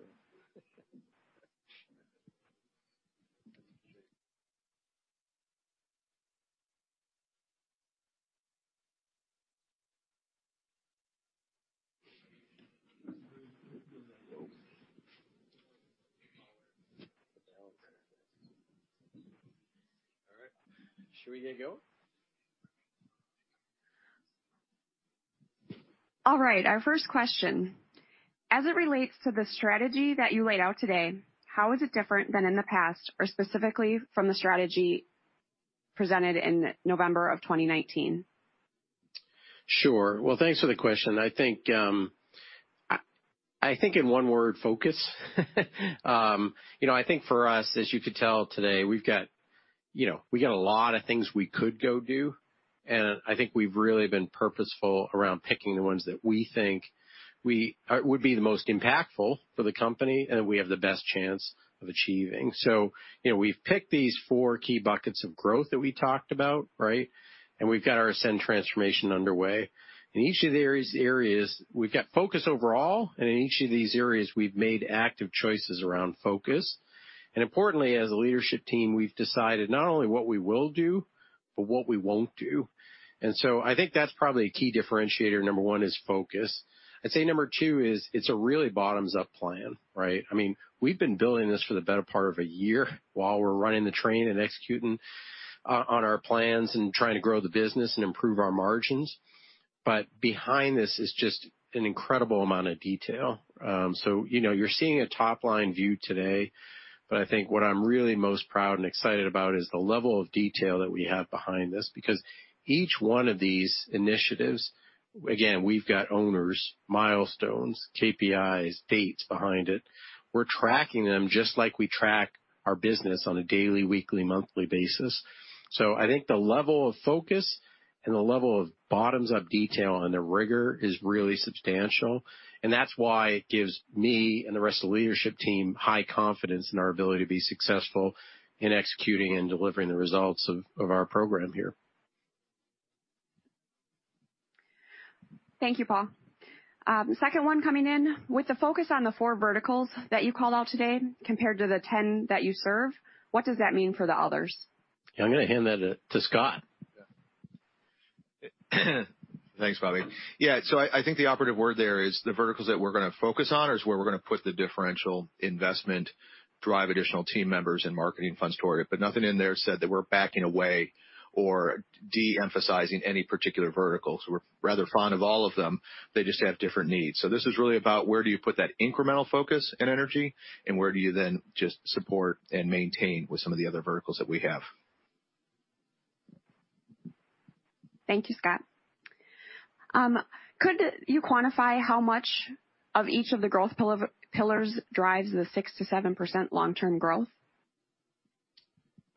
All right. Should we get going? All right, our first question. As it relates to the strategy that you laid out today, how is it different than in the past or specifically from the strategy presented in November of 2019? Sure. Well, thanks for the question. I think in one word, focus. You know, I think for us, as you could tell today, we've got, you know, we got a lot of things we could go do, and I think we've really been purposeful around picking the ones that we think we would be the most impactful for the company and we have the best chance of achieving. You know, we've picked these four key buckets of growth that we talked about, right? We've got our ASCEND transformation underway. In each of the areas, we've got focus overall, and in each of these areas, we've made active choices around focus. Importantly, as a leadership team, we've decided not only what we will do, but what we won't do. I think that's probably a key differentiator. Number one is focus. I'd say number two is it's a really bottoms-up plan, right? I mean, we've been building this for the better part of a year while we're running the train and executing on our plans and trying to grow the business and improve our margins. Behind this is just an incredible amount of detail. You know, you're seeing a top-line view today, but I think what I'm really most proud and excited about is the level of detail that we have behind this, because each one of these initiatives, again, we've got owners, milestones, KPIs, dates behind it. We're tracking them just like we track our business on a daily, weekly, monthly basis. I think the level of focus and the level of bottoms-up detail and the rigor is really substantial, and that's why it gives me and the rest of the leadership team high confidence in our ability to be successful in executing and delivering the results of our program here. Thank you, Paul. Second one coming in. With the focus on the four verticals that you called out today compared to the 10 that you serve, what does that mean for the others? I'm gonna hand that to Scott. Thanks, Bobbi. Yeah. I think the operative word there is the verticals that we're gonna focus on is where we're gonna put the differential investment, drive additional team members and marketing funds toward it. Nothing in there said that we're backing away or de-emphasizing any particular verticals. We're rather fond of all of them. They just have different needs. This is really about where do you put that incremental focus and energy and where do you then just support and maintain with some of the other verticals that we have. Thank you, Scott. Could you quantify how much of each of the growth pillars drives the 6%-7% long-term growth?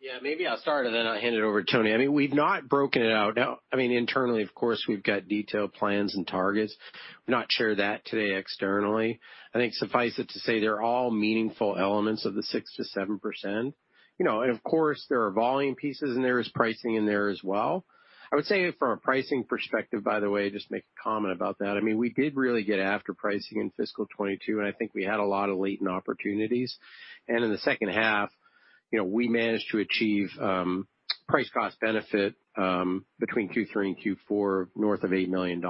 Yeah, maybe I'll start, and then I'll hand it over to Tony. I mean, we've not broken it out. Now, I mean, internally, of course, we've got detailed plans and targets. We've not shared that today externally. I think suffice it to say, they're all meaningful elements of the 6%-7%. You know, and of course, there are volume pieces in there. There's pricing in there as well. I would say from a pricing perspective, by the way, just make a comment about that. I mean, we did really get after pricing in fiscal 2022, and I think we had a lot of latent opportunities. In the second half, you know, we managed to achieve price-cost benefit between Q3 and Q4, north of $8 million.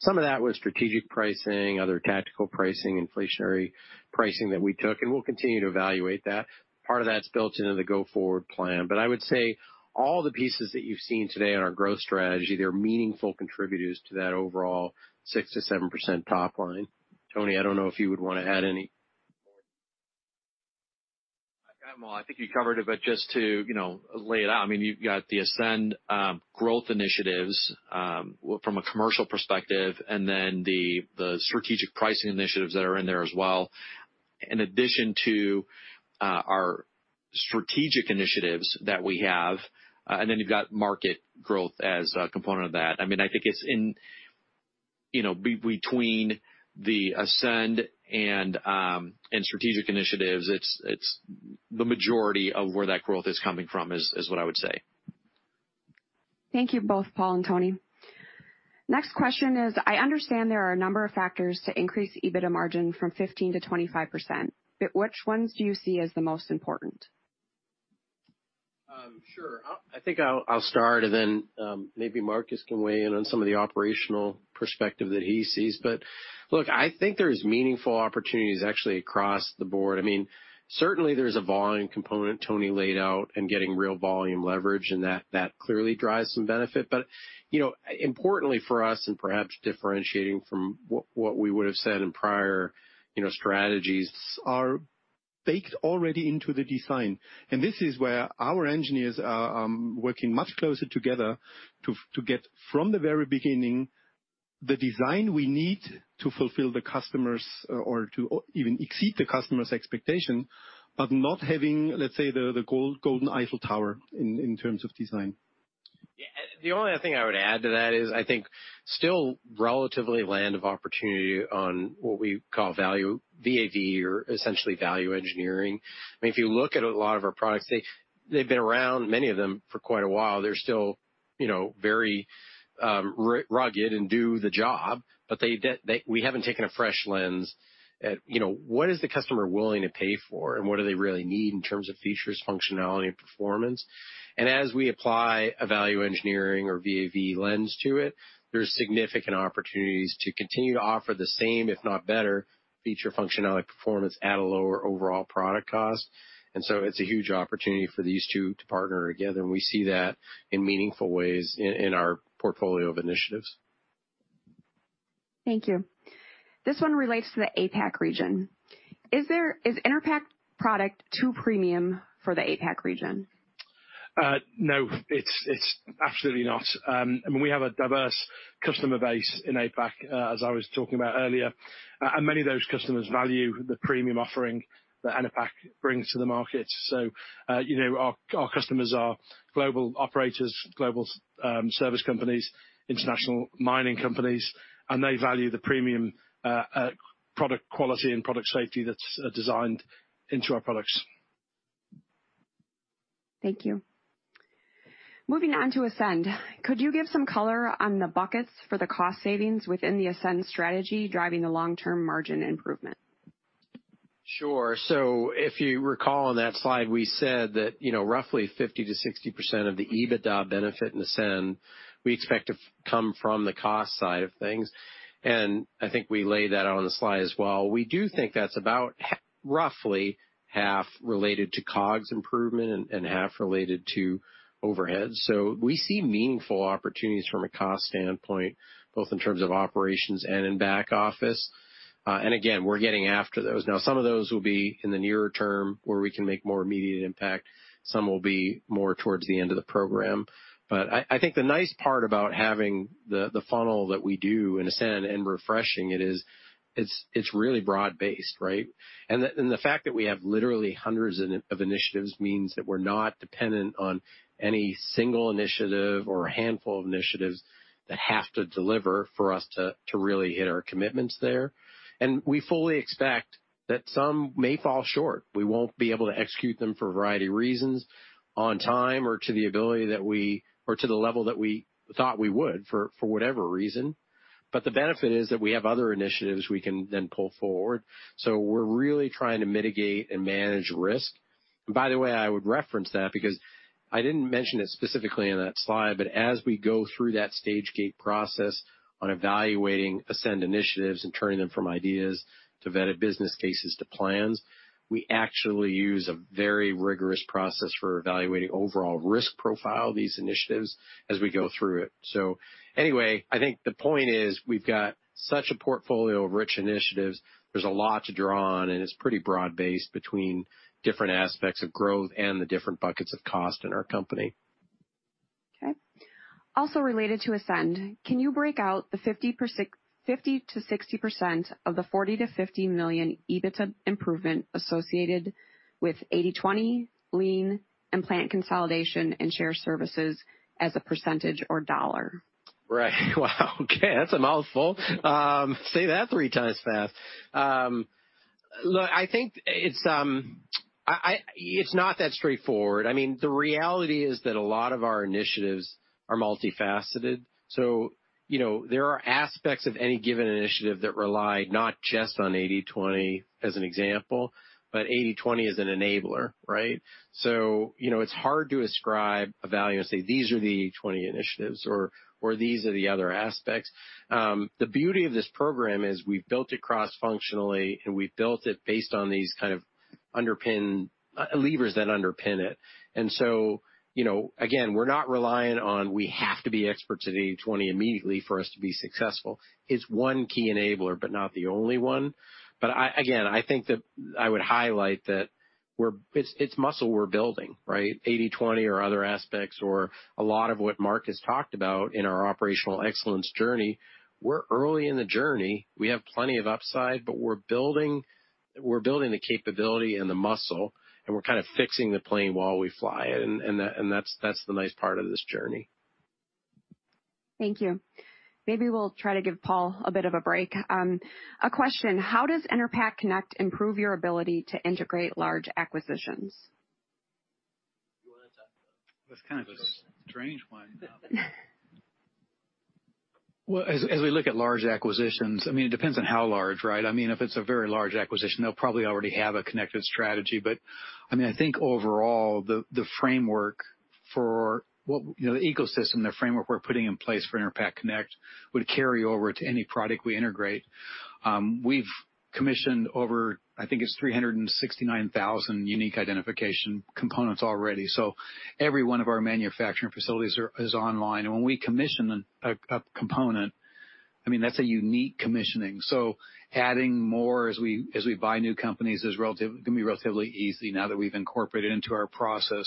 Some of that was strategic pricing, other tactical pricing, inflationary pricing that we took, and we'll continue to evaluate that. Part of that's built into the go-forward plan. I would say all the pieces that you've seen today on our growth strategy, they're meaningful contributors to that overall 6%-7% top line. Tony, I don't know if you would wanna add any more. I think you covered it, but just to, you know, lay it out. I mean, you've got the ASCEND growth initiatives from a commercial perspective, and then the strategic pricing initiatives that are in there as well, in addition to our strategic initiatives that we have. You've got market growth as a component of that. I mean, I think it's between the ASCEND and strategic initiatives. It's the majority of where that growth is coming from, is what I would say. Thank you both, Paul and Tony. Next question is, I understand there are a number of factors to increase EBITDA margin from 15%-25%, but which ones do you see as the most important? I think I'll start and then maybe Markus can weigh in on some of the operational perspective that he sees. Look, I think there's meaningful opportunities actually across the board. I mean, certainly there's a volume component Tony laid out and getting real volume leverage, and that clearly drives some benefit. You know, importantly for us, and perhaps differentiating from what we would have said in prior, you know, strategies. Are baked already into the design. This is where our engineers are working much closer together to get from the very beginning. The design we need to fulfill the customer's or to even exceed the customer's expectation, but not having, let's say, the golden Eiffel Tower in terms of design. Yeah. The only other thing I would add to that is I think still relatively land of opportunity on what we call value, VA/VE or essentially value engineering. I mean, if you look at a lot of our products, they've been around many of them for quite a while. They're still, you know, very rugged and do the job, but we haven't taken a fresh lens at, you know, what is the customer willing to pay for and what do they really need in terms of features, functionality, and performance. As we apply a value engineering or VA/VE lens to it, there's significant opportunities to continue to offer the same, if not better, feature functionality performance at a lower overall product cost. It's a huge opportunity for these two to partner together, and we see that in meaningful ways in our portfolio of initiatives. Thank you. This one relates to the APAC region. Is Enerpac product too premium for the APAC region? No, it's absolutely not. I mean, we have a diverse customer base in APAC, as I was talking about earlier. Many of those customers value the premium offering that Enerpac brings to the market. You know, our customers are global operators, global service companies, international mining companies, and they value the premium product quality and product safety that's designed into our products. Thank you. Moving on to ASCEND. Could you give some color on the buckets for the cost savings within the ASCEND strategy driving the long-term margin improvement? Sure. If you recall on that slide, we said that, you know, roughly 50%-60% of the EBITDA benefit in ASCEND we expect to come from the cost side of things. I think we laid that out on the slide as well. We do think that's about roughly half related to COGS improvement and half related to overhead. We see meaningful opportunities from a cost standpoint, both in terms of operations and in back office. Again, we're getting after those. Now, some of those will be in the nearer term where we can make more immediate impact. Some will be more towards the end of the program. I think the nice part about having the funnel that we do in ASCEND and refreshing it is it's really broad-based, right? The fact that we have literally hundreds of initiatives means that we're not dependent on any single initiative or a handful of initiatives that have to deliver for us to really hit our commitments there. We fully expect that some may fall short. We won't be able to execute them for a variety of reasons on time or to the ability that we or to the level that we thought we would for whatever reason. The benefit is that we have other initiatives we can then pull forward. We're really trying to mitigate and manage risk. By the way, I would reference that because I didn't mention it specifically in that slide, but as we go through that stage gate process on evaluating ASCEND initiatives and turning them from ideas to vetted business cases to plans, we actually use a very rigorous process for evaluating overall risk profile of these initiatives as we go through it. Anyway, I think the point is we've got such a portfolio of rich initiatives. There's a lot to draw on, and it's pretty broad-based between different aspects of growth and the different buckets of cost in our company. Okay. Also related to ASCEND, can you break out the 50%-60% of the $40 million-$50 million EBITDA improvement associated with 80/20 lean and plant consolidation and shared services as a percentage or dollar? Right. Wow, okay. That's a mouthful. Say that three times fast. Look, I think it's. It's not that straightforward. I mean, the reality is that a lot of our initiatives are multifaceted. You know, there are aspects of any given initiative that rely not just on 80/20 as an example, but 80/20 is an enabler, right? You know, it's hard to ascribe a value and say, "These are the 20 initiatives," or, "These are the other aspects." The beauty of this program is we've built it cross-functionally, and we've built it based on these kind of levers that underpin it. You know, again, we're not reliant on we have to be experts at 80/20 immediately for us to be successful. It's one key enabler, but not the only one. I, again, I think that I would highlight that we're it's muscle we're building, right? 80/20 or other aspects or a lot of what Markus has talked about in our operational excellence journey, we're early in the journey. We have plenty of upside, but we're building the capability and the muscle, and we're kind of fixing the plane while we fly, and that's the nice part of this journey. Thank you. Maybe we'll try to give Paul a bit of a break. A question. How does Enerpac Connect improve your ability to integrate large acquisitions? You wanna talk about that? That's kind of a strange one. Well, as we look at large acquisitions, I mean, it depends on how large, right? I mean, if it's a very large acquisition, they'll probably already have a connected strategy. I mean, I think overall, the framework for what, you know, the ecosystem, the framework we're putting in place for Enerpac Connect would carry over to any product we integrate. We've commissioned over 369,000 unique identification components already. So every one of our manufacturing facilities is online. When we commission a component, I mean, that's a unique commissioning. So adding more as we buy new companies can be relatively easy now that we've incorporated it into our process.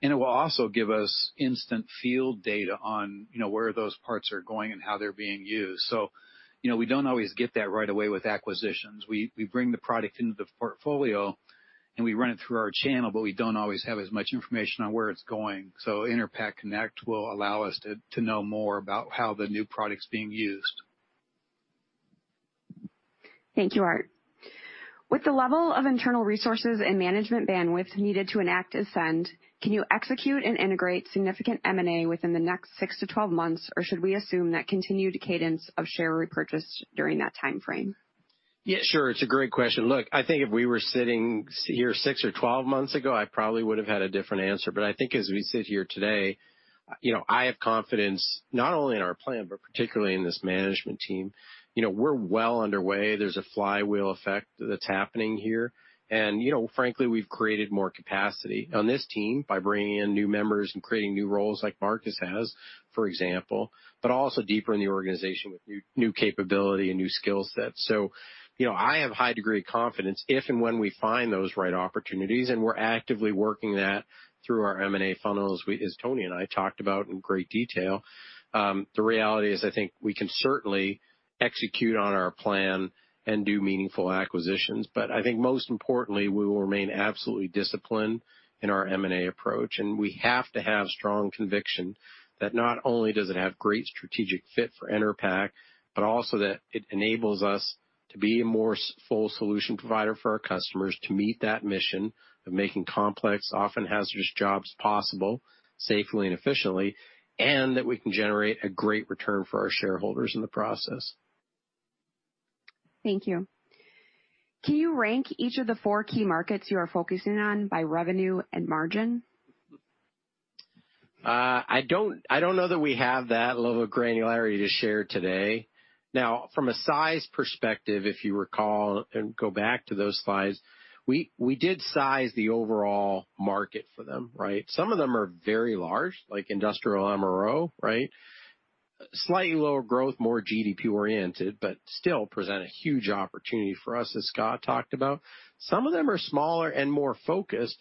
It will also give us instant field data on, you know, where those parts are going and how they're being used. You know, we don't always get that right away with acquisitions. We bring the product into the portfolio We run it through our channel, but we don't always have as much information on where it's going. Enerpac Connect will allow us to know more about how the new product's being used. Thank you, Art. With the level of internal resources and management bandwidth needed to enact ASCEND, can you execute and integrate significant M&A within the next 6-12 months, or should we assume that continued cadence of share repurchase during that timeframe? Yeah, sure. It's a great question. Look, I think if we were sitting here six or 12 months ago, I probably would have had a different answer. I think as we sit here today, you know, I have confidence not only in our plan, but particularly in this management team. You know, we're well underway. There's a flywheel effect that's happening here. You know, frankly, we've created more capacity on this team by bringing in new members and creating new roles like Markus has, for example, but also deeper in the organization with new capability and new skill sets. You know, I have high degree of confidence if and when we find those right opportunities, and we're actively working that through our M&A funnels, as Tony and I talked about in great detail, the reality is, I think we can certainly execute on our plan and do meaningful acquisitions. I think most importantly, we will remain absolutely disciplined in our M&A approach, and we have to have strong conviction that not only does it have great strategic fit for Enerpac, but also that it enables us to be a more full solution provider for our customers to meet that mission of making complex, often hazardous jobs possible safely and efficiently, and that we can generate a great return for our shareholders in the process. Thank you. Can you rank each of the four key markets you are focusing on by revenue and margin? I don't know that we have that level of granularity to share today. Now, from a size perspective, if you recall and go back to those slides, we did size the overall market for them, right? Some of them are very large, like industrial MRO, right? Slightly lower growth, more GDP-oriented, but still present a huge opportunity for us, as Scott talked about. Some of them are smaller and more focused,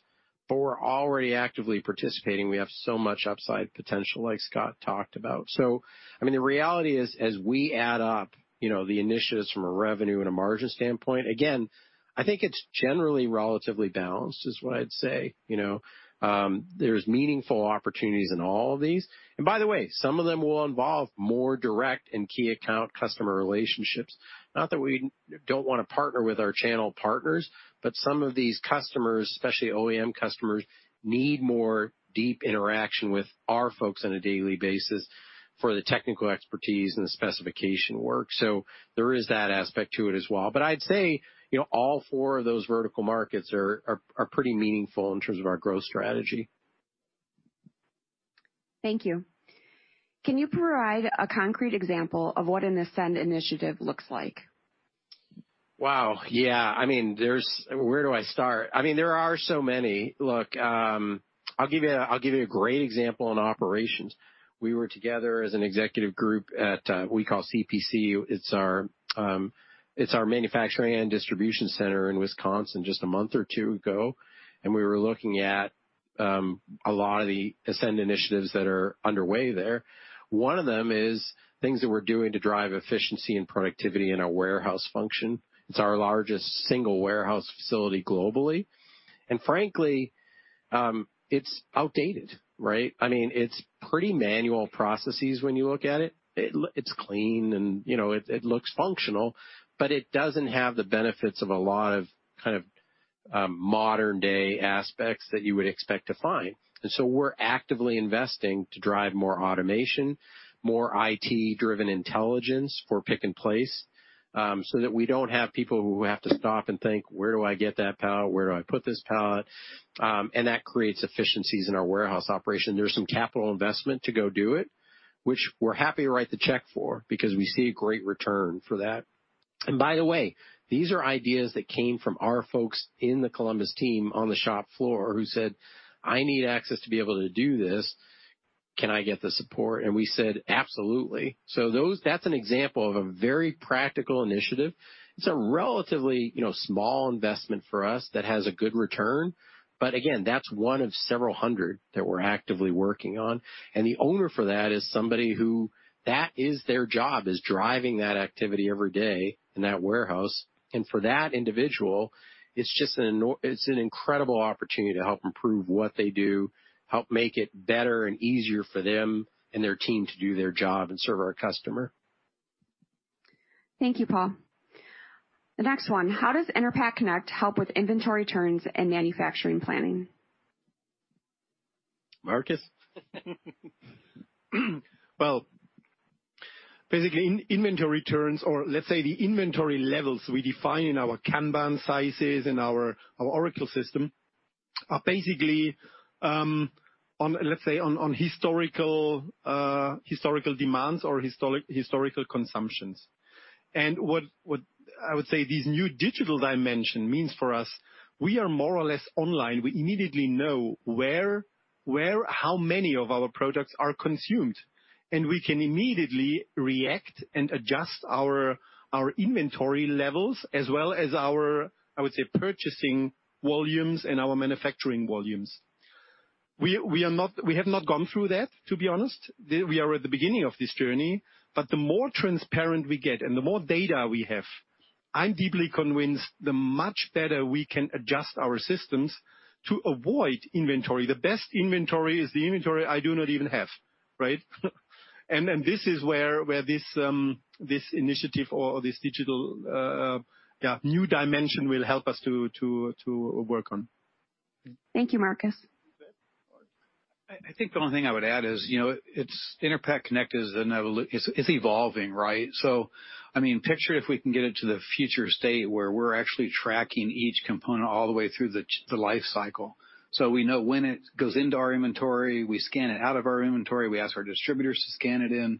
but we're already actively participating. We have so much upside potential, like Scott talked about. So, I mean, the reality is, as we add up, you know, the initiatives from a revenue and a margin standpoint, again, I think it's generally relatively balanced is what I'd say. You know, there's meaningful opportunities in all of these. By the way, some of them will involve more direct and key account customer relationships. Not that we don't wanna partner with our channel partners, but some of these customers, especially OEM customers, need more deep interaction with our folks on a daily basis for the technical expertise and the specification work. There is that aspect to it as well. I'd say, you know, all four of those vertical markets are pretty meaningful in terms of our growth strategy. Thank you. Can you provide a concrete example of what an ASCEND initiative looks like? Wow. Yeah. I mean, where do I start? I mean, there are so many. Look, I'll give you a great example on operations. We were together as an executive group at EPAC. It's our manufacturing and distribution center in Wisconsin just a month or two ago, and we were looking at a lot of the ASCEND initiatives that are underway there. One of them is things that we're doing to drive efficiency and productivity in our warehouse function. It's our largest single warehouse facility globally. Frankly, it's outdated, right? I mean, it's pretty manual processes when you look at it. It's clean and, you know, it looks functional, but it doesn't have the benefits of a lot of kind of modern-day aspects that you would expect to find. We're actively investing to drive more automation, more IT-driven intelligence for pick and place, so that we don't have people who have to stop and think, "Where do I get that pallet? Where do I put this pallet?" That creates efficiencies in our warehouse operation. There's some capital investment to go do it, which we're happy to write the check for because we see a great return for that. By the way, these are ideas that came from our folks in the Columbus team on the shop floor who said, "I need access to be able to do this. Can I get the support?" We said, "Absolutely." Those, that's an example of a very practical initiative. It's a relatively, you know, small investment for us that has a good return. Again, that's one of several hundred that we're actively working on. The owner for that is somebody who that is their job, is driving that activity every day in that warehouse. For that individual, it's just an incredible opportunity to help improve what they do, help make it better and easier for them and their team to do their job and serve our customer. Thank you, Paul. The next one, how does Enerpac Connect help with inventory turns and manufacturing planning? Markus? Well, basically, inventory turns or let's say the inventory levels we define in our Kanban sizes and our Oracle system are basically on historical demands or historical consumptions. What I would say these new digital dimension means for us, we are more or less online. We immediately know where how many of our products are consumed, and we can immediately react and adjust our inventory levels as well as, I would say, our purchasing volumes and our manufacturing volumes. We have not gone through that, to be honest. We are at the beginning of this journey, but the more transparent we get and the more data we have, I'm deeply convinced the much better we can adjust our systems to avoid inventory. The best inventory is the inventory I do not even have, right? This is where this initiative or this digital new dimension will help us to work on. Thank you, Markus. I think the only thing I would add is, you know, it's Enerpac Connect. It's evolving, right? I mean, picture if we can get it to the future state where we're actually tracking each component all the way through the life cycle. We know when it goes into our inventory, we scan it out of our inventory, we ask our distributors to scan it in.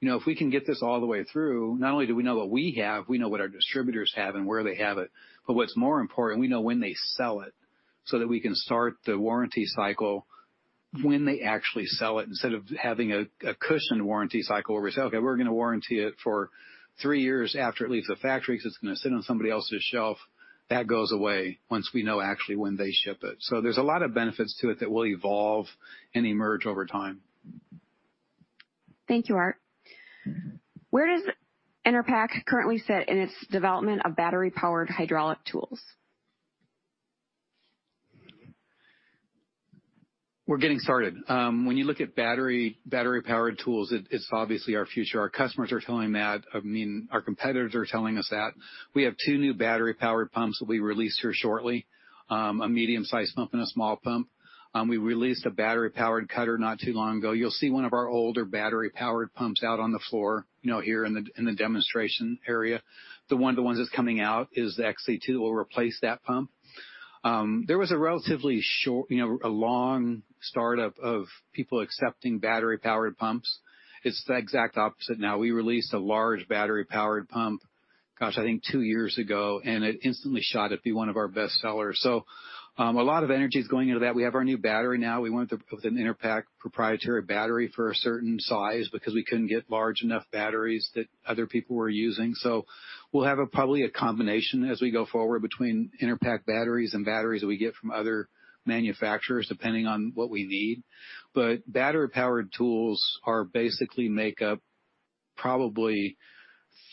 You know, if we can get this all the way through, not only do we know what we have, we know what our distributors have and where they have it. What's more important, we know when they sell it, so that we can start the warranty cycle when they actually sell it, instead of having a cushioned warranty cycle where we say, "Okay, we're gonna warranty it for three years after it leaves the factory 'cause it's gonna sit on somebody else's shelf." That goes away once we know actually when they ship it. There's a lot of benefits to it that will evolve and emerge over time. Thank you, Art. Mm-hmm. Where does Enerpac currently sit in its development of battery-powered hydraulic tools? We're getting started. When you look at battery-powered tools, it's obviously our future. Our customers are telling that. I mean, our competitors are telling us that. We have two new battery-powered pumps that'll be released here shortly, a medium-sized pump and a small pump. We released a battery-powered cutter not too long ago. You'll see one of our older battery-powered pumps out on the floor, you know, here in the demonstration area. The ones that's coming out is the XC2 will replace that pump. There was, you know, a long start of people accepting battery-powered pumps. It's the exact opposite now. We released a large battery-powered pump, gosh, I think two years ago, and it instantly shot up to be one of our best sellers. A lot of energy is going into that. We have our new battery now. We went with an Enerpac proprietary battery for a certain size because we couldn't get large enough batteries that other people were using. We'll have probably a combination as we go forward between Enerpac batteries and batteries that we get from other manufacturers, depending on what we need. Battery-powered tools basically make up probably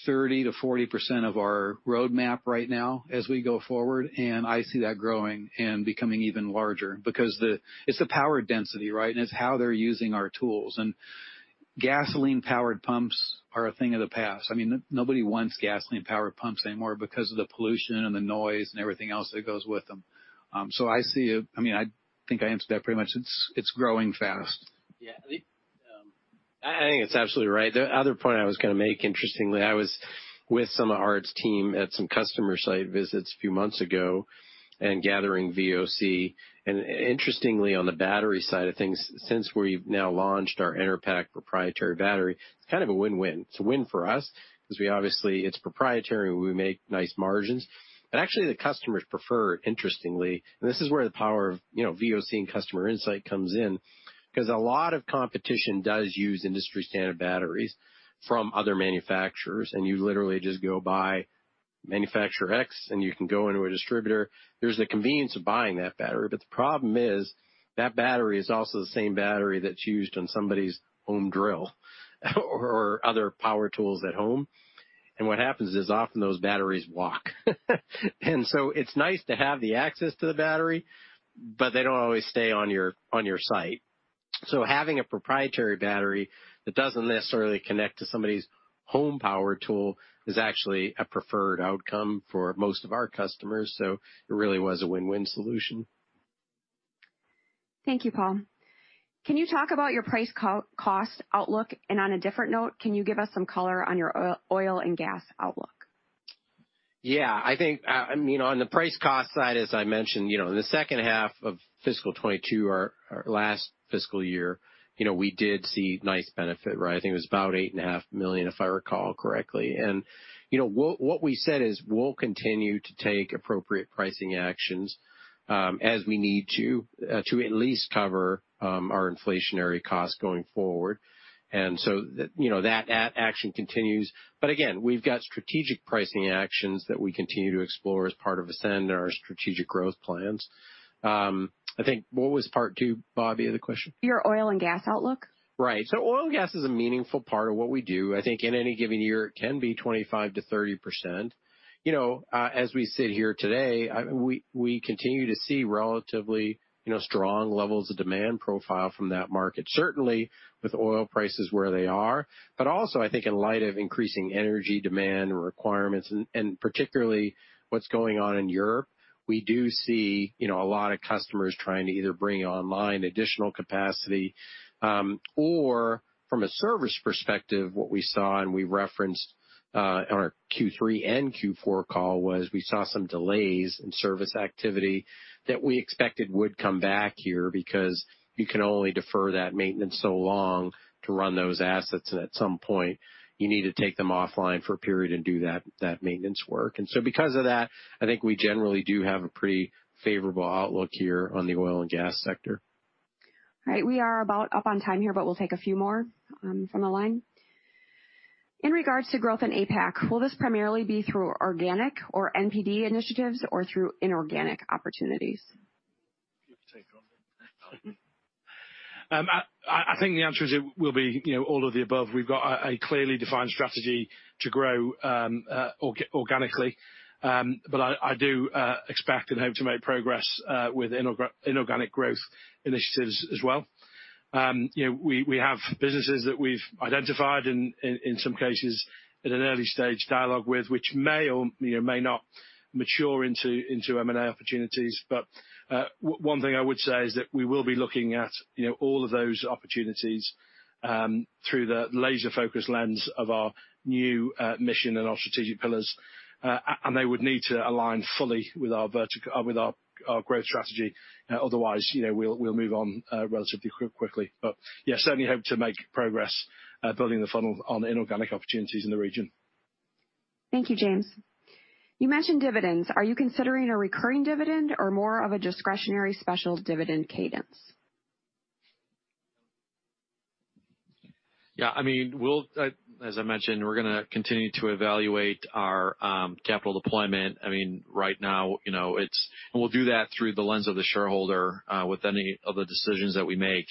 30%-40% of our roadmap right now as we go forward, and I see that growing and becoming even larger because it's the power density, right? It's how they're using our tools. Gasoline-powered pumps are a thing of the past. I mean, nobody wants gasoline-powered pumps anymore because of the pollution and the noise and everything else that goes with them. I mean, I think I answered that pretty much. It's growing fast. Yeah. I think it's absolutely right. The other point I was gonna make, interestingly, I was with some of Art's team at some customer site visits a few months ago and gathering VOC, and interestingly, on the battery side of things, since we've now launched our Enerpac proprietary battery, it's kind of a win-win. It's a win for us 'cause we obviously, it's proprietary, we make nice margins. But actually, the customers prefer, interestingly, and this is where the power of, you know, VOC and customer insight comes in, 'cause a lot of competition does use industry standard batteries from other manufacturers, and you literally just go buy manufacturer X and you can go into a distributor. There's the convenience of buying that battery, but the problem is that battery is also the same battery that's used on somebody's home drill or other power tools at home. What happens is often those batteries walk. It's nice to have the access to the battery, but they don't always stay on your site. Having a proprietary battery that doesn't necessarily connect to somebody's home power tool is actually a preferred outcome for most of our customers. It really was a win-win solution. Thank you, Paul. Can you talk about your price-cost outlook? On a different note, can you give us some color on your oil and gas outlook? Yeah, I think, I mean, on the price cost side, as I mentioned, you know, in the second half of fiscal 2022 or our last fiscal year, you know, we did see nice benefit, right? I think it was about $8.5 million, if I recall correctly. You know, what we said is we'll continue to take appropriate pricing actions as we need to to at least cover our inflationary costs going forward. You know, that action continues. Again, we've got strategic pricing actions that we continue to explore as part of ASCEND and our strategic growth plans. I think what was part two, Bobbi, of the question? Your oil and gas outlook. Right. Oil and gas is a meaningful part of what we do. I think in any given year, it can be 25%-30%. You know, as we sit here today, we continue to see relatively, you know, strong levels of demand profile from that market, certainly with oil prices where they are, but also I think in light of increasing energy demand and requirements and particularly what's going on in Europe, we do see, you know, a lot of customers trying to either bring online additional capacity, or from a service perspective, what we saw and we referenced on our Q3 and Q4 call was we saw some delays in service activity that we expected would come back here because you can only defer that maintenance so long to run those assets, and at some point, you need to take them offline for a period and do that maintenance work. Because of that, I think we generally do have a pretty favorable outlook here on the oil and gas sector. All right. We are about up on time here, but we'll take a few more from the line. In regards to growth in APAC, will this primarily be through organic or NPD initiatives or through inorganic opportunities? You take it off. I think the answer is it will be, you know, all of the above. We've got a clearly defined strategy to grow organically. I do expect and hope to make progress with inorganic growth initiatives as well. You know, we have businesses that we've identified in some cases at an early-stage dialogue with which may or, you know, may not mature into M&A opportunities. One thing I would say is that we will be looking at, you know, all of those opportunities through the laser focus lens of our new mission and our strategic pillars. They would need to align fully with our growth strategy. Otherwise, you know, we'll move on relatively quickly. Yeah, certainly hope to make progress building the funnel on inorganic opportunities in the region. Thank you, James. You mentioned dividends. Are you considering a recurring dividend or more of a discretionary special dividend cadence? Yeah, I mean, as I mentioned, we're gonna continue to evaluate our capital deployment. I mean, right now, you know, we'll do that through the lens of the shareholder with any of the decisions that we make.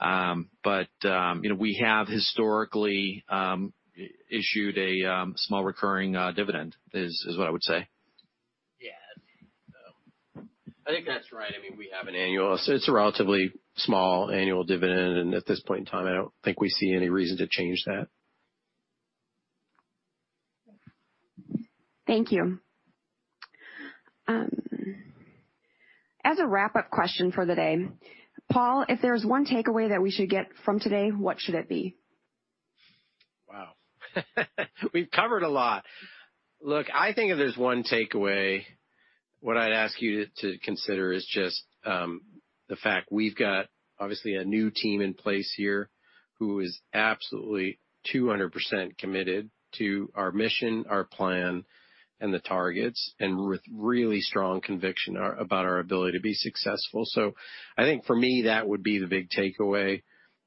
You know, we have historically issued a small recurring dividend, is what I would say. Yes. I think that's right. I mean, it's a relatively small annual dividend, and at this point in time, I don't think we see any reason to change that. Thank you. As a wrap-up question for the day, Paul, if there's one takeaway that we should get from today, what should it be? Wow. We've covered a lot. Look, I think if there's one takeaway, what I'd ask you to consider is just the fact we've got obviously a new team in place here who is absolutely 200% committed to our mission, our plan, and the targets, and with really strong conviction about our ability to be successful. I think for me, that would be the big takeaway.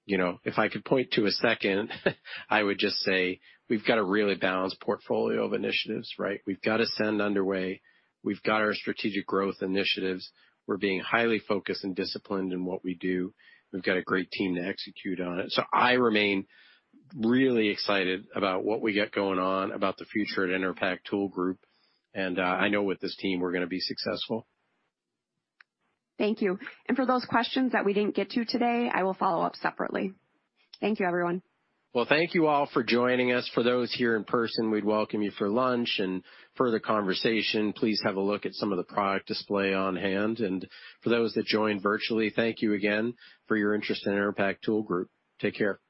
You know, if I could point to a second, I would just say we've got a really balanced portfolio of initiatives, right? We've got ASCEND underway. We've got our strategic growth initiatives. We're being highly focused and disciplined in what we do. We've got a great team to execute on it. I remain really excited about what we got going on, about the future at Enerpac Tool Group, and I know with this team we're gonna be successful. Thank you. For those questions that we didn't get to today, I will follow up separately. Thank you, everyone. Well, thank you all for joining us. For those here in person, we'd welcome you for lunch and further conversation. Please have a look at some of the product display on hand. For those that joined virtually, thank you again for your interest in Enerpac Tool Group. Take care.